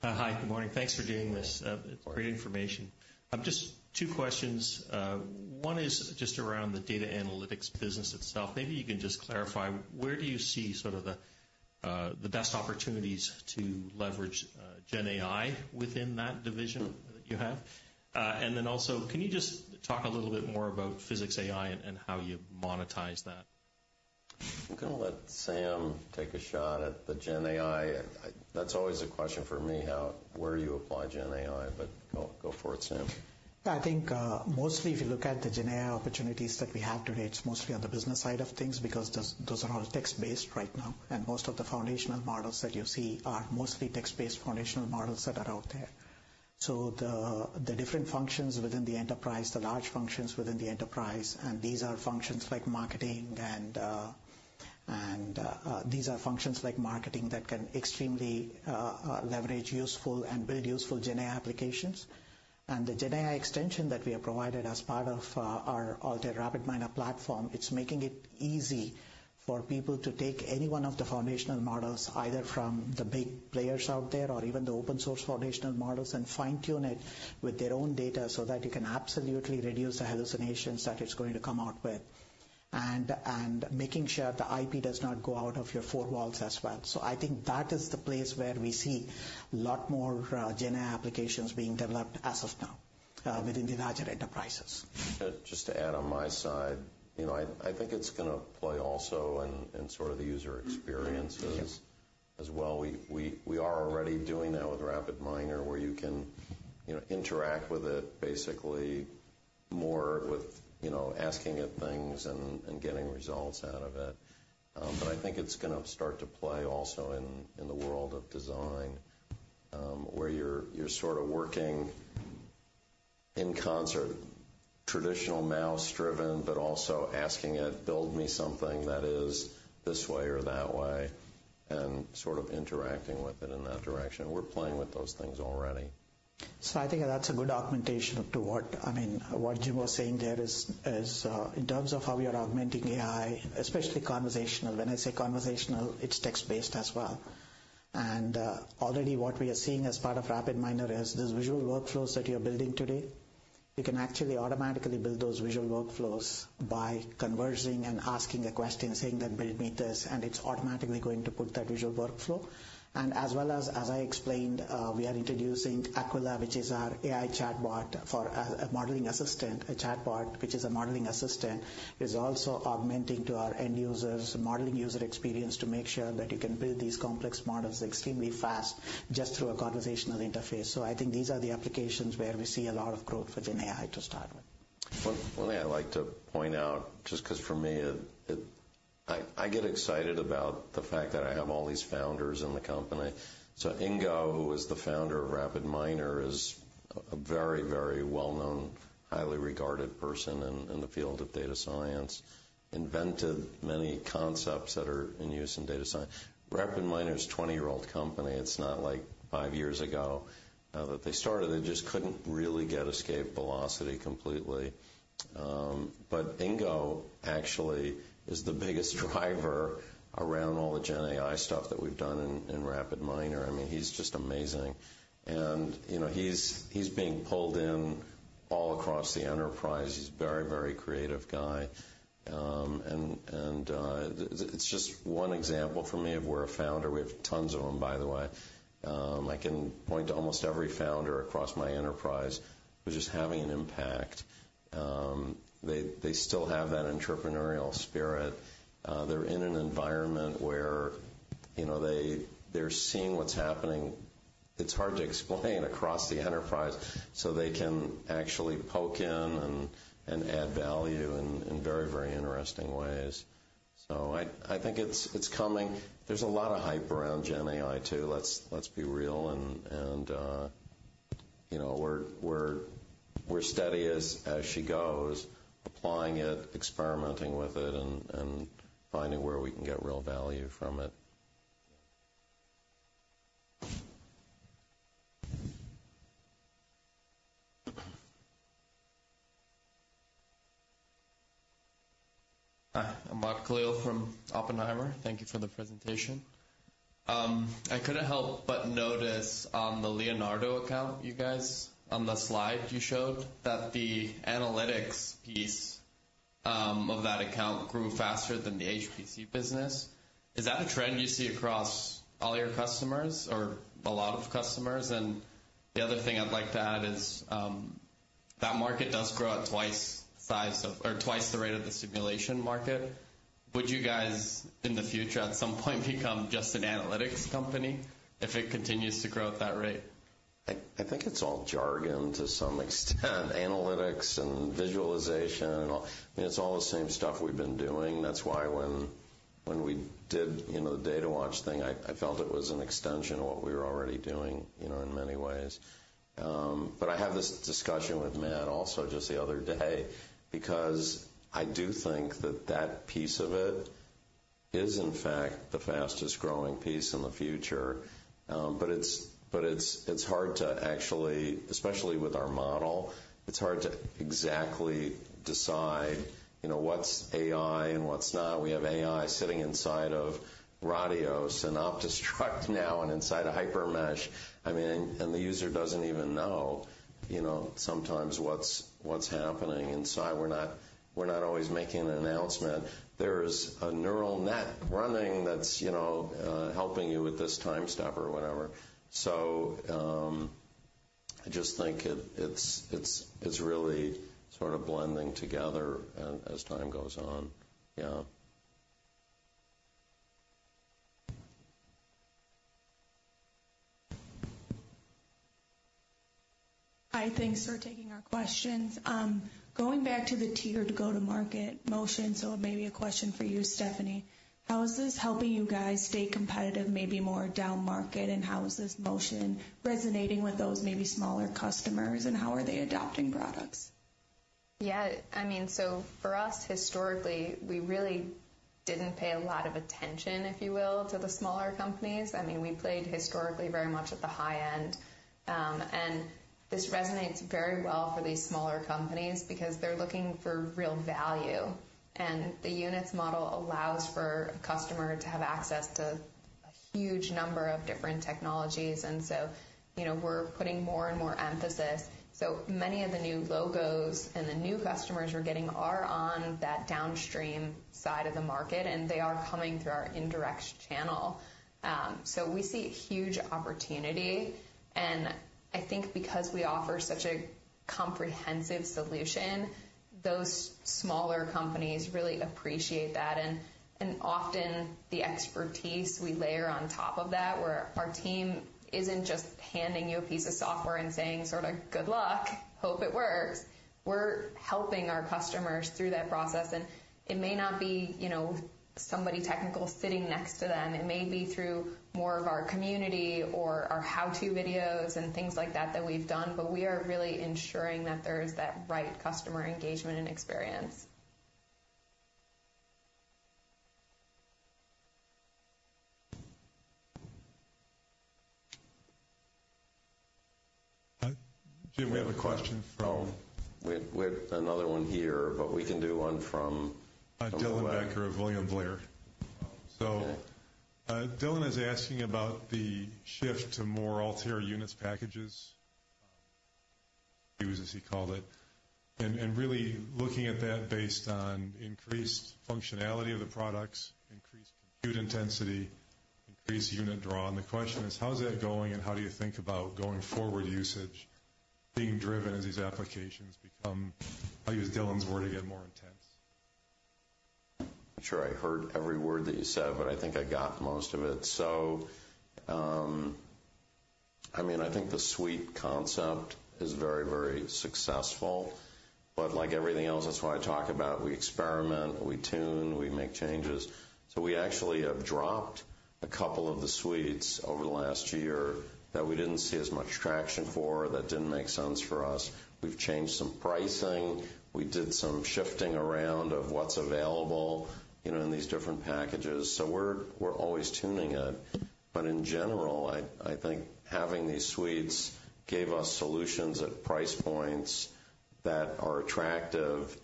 Hi, good morning. Thanks for doing this, great information. Just two questions. One is just around the data analytics business itself. Maybe you can just clarify, where do you see sort of the best opportunities to leverage GenAI within that division that you have? And then also, can you just talk a little bit more about PhysicsAI and how you monetize that? I'm gonna let Sam take a shot at the GenAI. That's always a question for me, how, where do you apply GenAI, but go, go for it, Sam. Yeah, I think, mostly if you look at the GenAI opportunities that we have today, it's mostly on the business side of things, because those, those are all text-based right now. And most of the foundational models that you see are mostly text-based foundational models that are out there. So the, the different functions within the enterprise, the large functions within the enterprise, and these are functions like marketing and, and, these are functions like marketing that can extremely, leverage useful and build useful GenAI applications. And the GenAI extension that we have provided as part of our Altair RapidMiner platform, it's making it easy for people to take any one of the foundational models, either from the big players out there or even the open source foundational models, and fine-tune it with their own data so that you can absolutely reduce the hallucinations that it's going to come out with, and making sure the IP does not go out of your four walls as well. So I think that is the place where we see a lot more GenAI applications being developed as of now within the larger enterprises. Just to add on my side, you know, I think it's gonna play also in sort of the user experiences as well. We are already doing that with RapidMiner, where you can, you know, interact with it basically more with, you know, asking it things and getting results out of it. But I think it's gonna start to play also in the world of design, where you're sort of working in concert, traditional mouse-driven, but also asking it, build me something that is this way or that way, and sort of interacting with it in that direction. We're playing with those things already. So I think that's a good augmentation to what, I mean, what Jim was saying there is in terms of how we are augmenting AI, especially conversational. When I say conversational, it's text-based as well. Already what we are seeing as part of RapidMiner is those visual workflows that you're building today. You can actually automatically build those visual workflows by conversing and asking a question, saying that, "Build me this," and it's automatically going to build that visual workflow. As well as, as I explained, we are introducing Aquila, which is our AI chatbot for a modeling assistant, a chatbot, which is a modeling assistant, is also augmenting to our end users' modeling user experience to make sure that you can build these complex models extremely fast just through a conversational interface. I think these are the applications where we see a lot of growth within AI to start with. One thing I'd like to point out, just 'cause for me, I get excited about the fact that I have all these founders in the company. So Ingo, who is the founder of RapidMiner, is a very, very well-known, highly regarded person in the field of data science, invented many concepts that are in use in data science. RapidMiner is a 20-year-old company. It's not like 5 years ago that they started. They just couldn't really get escape velocity completely. But Ingo actually is the biggest driver around all the GenAI stuff that we've done in RapidMiner. I mean, he's just amazing. And, you know, he's being pulled in all across the enterprise. He's a very, very creative guy. And it's just one example for me of where a founder, we have tons of them, by the way. I can point to almost every founder across my enterprise, who's just having an impact. They still have that entrepreneurial spirit. They're in an environment where, you know, they're seeing what's happening. It's hard to explain across the enterprise, so they can actually poke in and add value in very, very interesting ways. So I think it's coming. There's a lot of hype around GenAI, too. Let's be real, and you know, we're steady as she goes, applying it, experimenting with it, and finding where we can get real value from it. Hi, I'm Ken Wong from Oppenheimer. Thank you for the presentation. I couldn't help but notice on the Leonardo account, you guys, on the slide you showed, that the analytics piece, of that account grew faster than the HPC business. Is that a trend you see across all your customers or a lot of customers? And the other thing I'd like to add is, that market does grow at twice the size of... or twice the rate of the simulation market. Would you guys, in the future, at some point, become just an analytics company if it continues to grow at that rate? I think it's all jargon to some extent. Analytics and visualization and all, I mean, it's all the same stuff we've been doing. That's why when we did you know, the Datawatch thing, I felt it was an extension of what we were already doing, you know, in many ways. But I had this discussion with Matt also just the other day, because I do think that that piece of it is, in fact, the fastest-growing piece in the future. But it's hard to actually, especially with our model, it's hard to exactly decide, you know, what's AI and what's not. We have AI sitting inside of Radioss, OptiStruct now, and inside HyperMesh. I mean, and the user doesn't even know, you know, sometimes what's happening inside. We're not always making an announcement. There's a neural net running that's, you know, helping you with this time step or whatever. So, I just think it's really sort of blending together as time goes on. Yeah. Hi, thanks for taking our questions. Going back to the tiered go-to-market motion, so it may be a question for you, Stephanie. How is this helping you guys stay competitive, maybe more downmarket, and how is this motion resonating with those maybe smaller customers, and how are they adopting products? Yeah, I mean, so for us, historically, we really didn't pay a lot of attention, if you will, to the smaller companies. I mean, we played historically very much at the high end. And this resonates very well for these smaller companies because they're looking for real value, and the units model allows for a customer to have access to a huge number of different technologies. And so, you know, we're putting more and more emphasis. So many of the new logos and the new customers we're getting are on that downstream side of the market, and they are coming through our indirect channel. So we see huge opportunity, and I think because we offer such a comprehensive solution, those smaller companies really appreciate that. And often the expertise we layer on top of that, where our team isn't just handing you a piece of software and saying, sort of, "Good luck! Hope it works." We're helping our customers through that process, and it may not be, you know, somebody technical sitting next to them. It may be through more of our community or our how-to videos and things like that, that we've done, but we are really ensuring that there's that right customer engagement and experience. Jim, we have a question from- We have another one here, but we can do one from- Dylan Becker of William Blair. Okay. So, Dylan is asking about the shift to more Altair Units, packages, use, as he called it, and really looking at that based on increased functionality of the products, increased compute intensity, increased unit draw. And the question is: How is that going, and how do you think about going forward usage being driven as these applications become, I'll use Dylan's word again, more intense? I'm sure I heard every word that you said, but I think I got most of it. So, I mean, I think the suite concept is very, very successful. But like everything else, that's why I talk about, we experiment, we tune, we make changes. So we actually have dropped a couple of the suites over the last year that we didn't see as much traction for, that didn't make sense for us. We've changed some pricing. We did some shifting around of what's available, you know, in these different packages, so we're always tuning it. But in general, I think having these suites gave us solutions at price points that are attractive,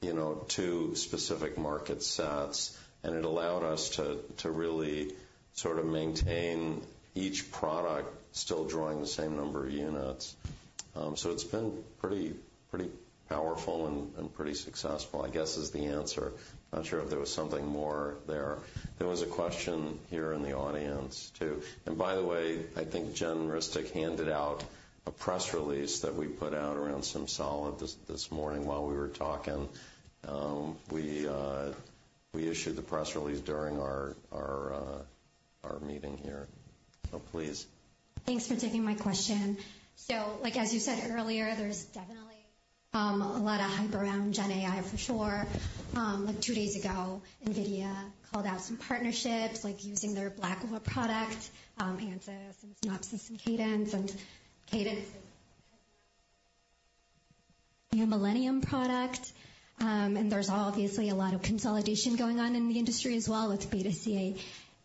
you know, to specific market sets, and it allowed us to really sort of maintain each product, still drawing the same number of units. So it's been pretty, pretty powerful and, and pretty successful, I guess, is the answer. Not sure if there was something more there. There was a question here in the audience, too. And by the way, I think Jen Ristic handed out a press release that we put out around SimSolid this, this morning while we were talking. We, we issued the press release during our, our, our meeting here. So please. Thanks for taking my question. So, like, as you said earlier, there's definitely a lot of hype around GenAI for sure. Like two days ago, NVIDIA called out some partnerships, like using their Blackwell product, Ansys and Synopsys and Cadence, and Cadence's Millennium product. And there's obviously a lot of consolidation going on in the industry as well, with BETA CAE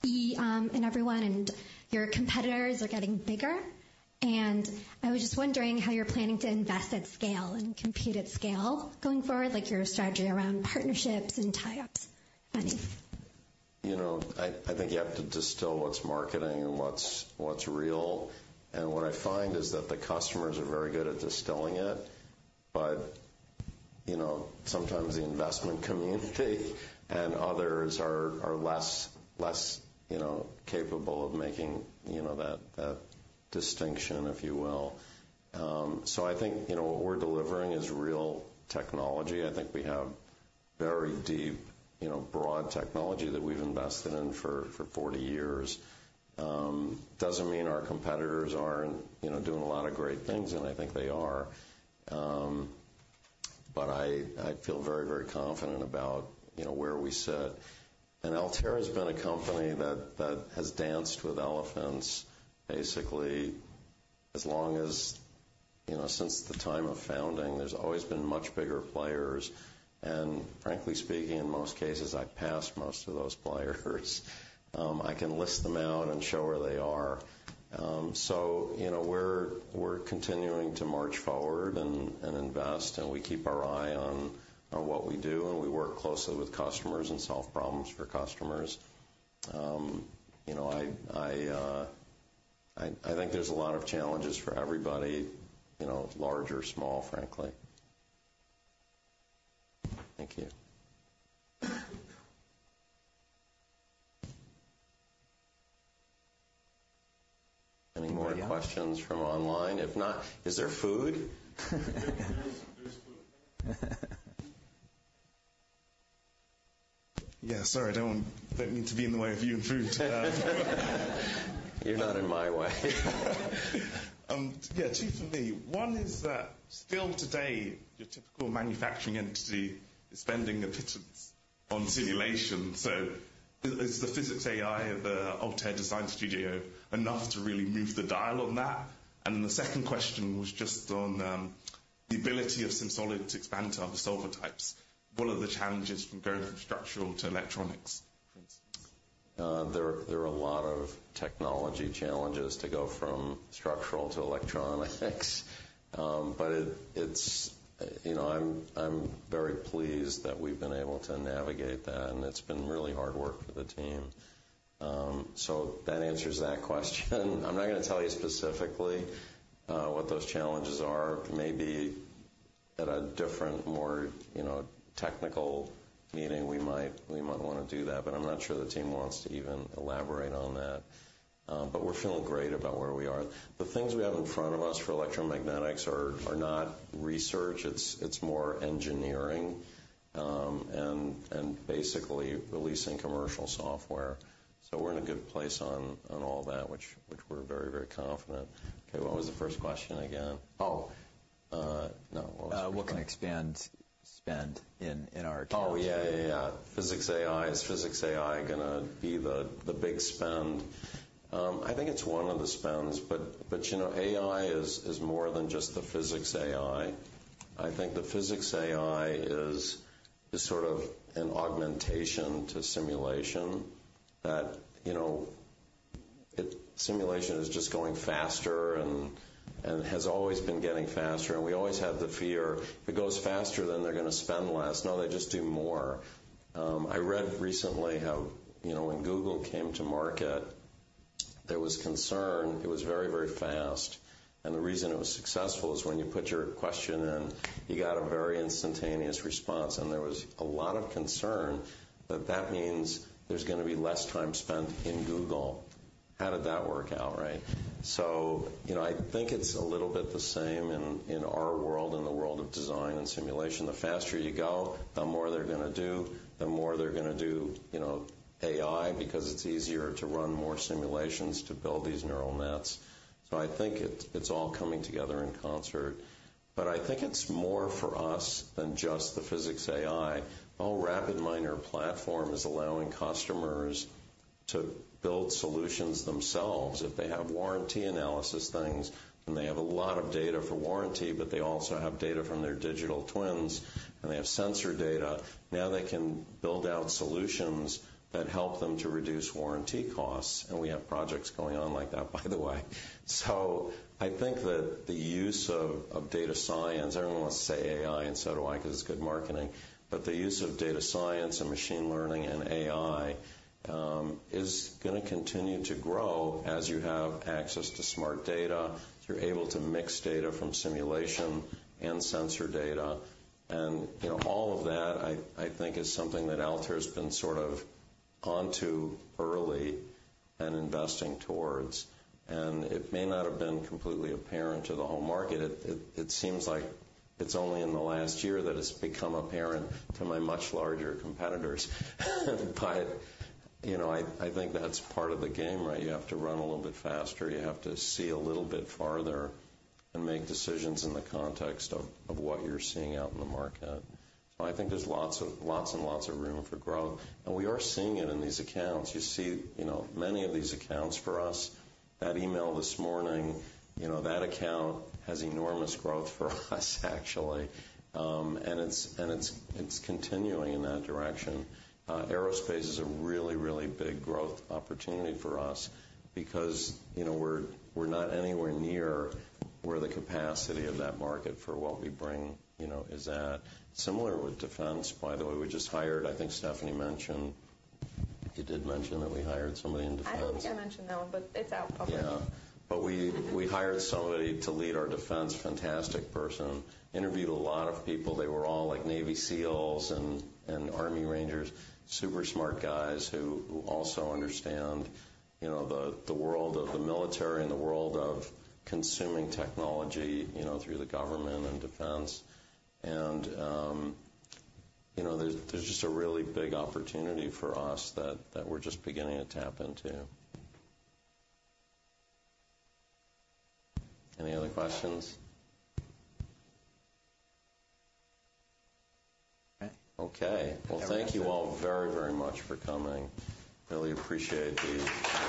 Systems, and everyone, and your competitors are getting bigger. I was just wondering how you're planning to invest at scale and compete at scale going forward, like, your strategy around partnerships and tie-ups? Thanks. You know, I think you have to distill what's marketing and what's real. And what I find is that the customers are very good at distilling it, but, you know, sometimes the investment community and others are less, you know, capable of making, you know, that distinction, if you will. So I think, you know, what we're delivering is real technology. I think we have very deep, you know, broad technology that we've invested in for 40 years. Doesn't mean our competitors aren't, you know, doing a lot of great things, and I think they are, but I feel very, very confident about, you know, where we sit. And Altair has been a company that has danced with elephants, basically. As long as, you know, since the time of founding, there's always been much bigger players. And frankly speaking, in most cases, I've passed most of those players. I can list them out and show where they are. So, you know, we're continuing to march forward and invest, and we keep our eye on what we do, and we work closely with customers and solve problems for customers. You know, I think there's a lot of challenges for everybody, you know, large or small, frankly. Thank you. Any more questions from online? If not, is there food? There is food. Yeah, sorry, I don't mean to be in the way of you and food. You're not in my way. Yeah, two for me. One is that still today, your typical manufacturing entity is spending a pittance on simulation. So is, is the PhysicsAI of the Altair Design Studio enough to really move the dial on that? And then the second question was just on, the ability of SimSolid to expand to other solver types. What are the challenges from going from structural to electronics, for instance? There are a lot of technology challenges to go from structural to electronics. But it's, you know, I'm very pleased that we've been able to navigate that, and it's been really hard work for the team. So that answers that question. I'm not gonna tell you specifically what those challenges are. Maybe at a different, more, you know, technical meeting, we might wanna do that, but I'm not sure the team wants to even elaborate on that. But we're feeling great about where we are. The things we have in front of us for electromagnetics are not research. It's more engineering and basically releasing commercial software. So we're in a good place on all that, which we're very confident. Okay, what was the first question again? Oh, no- What can expand, spend in our- Oh, yeah, yeah, yeah. PhysicsAI. Is PhysicsAI gonna be the big spend? I think it's one of the spends, but, you know, AI is more than just the PhysicsAI. I think the PhysicsAI is sort of an augmentation to simulation, that, you know, it. Simulation is just going faster and has always been getting faster. And we always have the fear, if it goes faster, then they're gonna spend less. No, they just do more. I read recently how, you know, when Google came to market, there was concern. It was very, very fast, and the reason it was successful is when you put your question in, you got a very instantaneous response. And there was a lot of concern that that means there's gonna be less time spent in Google. How did that work out, right? So, you know, I think it's a little bit the same in, in our world, in the world of design and simulation. The faster you go, the more they're gonna do, the more they're gonna do, you know, AI, because it's easier to run more simulations to build these neural nets. So I think it, it's all coming together in concert. But I think it's more for us than just the PhysicsAI. Our RapidMiner platform is allowing customers to build solutions themselves. If they have warranty analysis things, and they have a lot of data for warranty, but they also have data from their digital twins, and they have sensor data, now they can build out solutions that help them to reduce warranty costs, and we have projects going on like that, by the way. So I think that the use of data science, everyone wants to say AI, and so do I, because it's good marketing, but the use of data science and machine learning and AI is gonna continue to grow as you have access to smart data. You're able to mix data from simulation and sensor data. And, you know, all of that, I think, is something that Altair's been sort of onto early and investing towards, and it may not have been completely apparent to the whole market. It seems like it's only in the last year that it's become apparent to my much larger competitors. But, you know, I think that's part of the game, right? You have to run a little bit faster, you have to see a little bit farther and make decisions in the context of what you're seeing out in the market. So I think there's lots of, lots and lots of room for growth, and we are seeing it in these accounts. You see, you know, many of these accounts for us, that email this morning, you know, that account has enormous growth for us, actually. And it's, and it's, it's continuing in that direction. Aerospace is a really, really big growth opportunity for us because, you know, we're, we're not anywhere near where the capacity of that market for what we bring, you know, is at. Similar with defense, by the way, we just hired... I think Stephanie mentioned, you did mention that we hired somebody in defense. I think I mentioned that, but it's out publicly. Yeah. But we hired somebody to lead our defense. Fantastic person. Interviewed a lot of people. They were all like Navy SEALs and Army Rangers, super smart guys who also understand, you know, the world of the military and the world of consuming technology, you know, through the government and defense. And, you know, there's just a really big opportunity for us that we're just beginning to tap into. Any other questions? Okay. Okay. Well, thank you all very, very much for coming. Really appreciate the-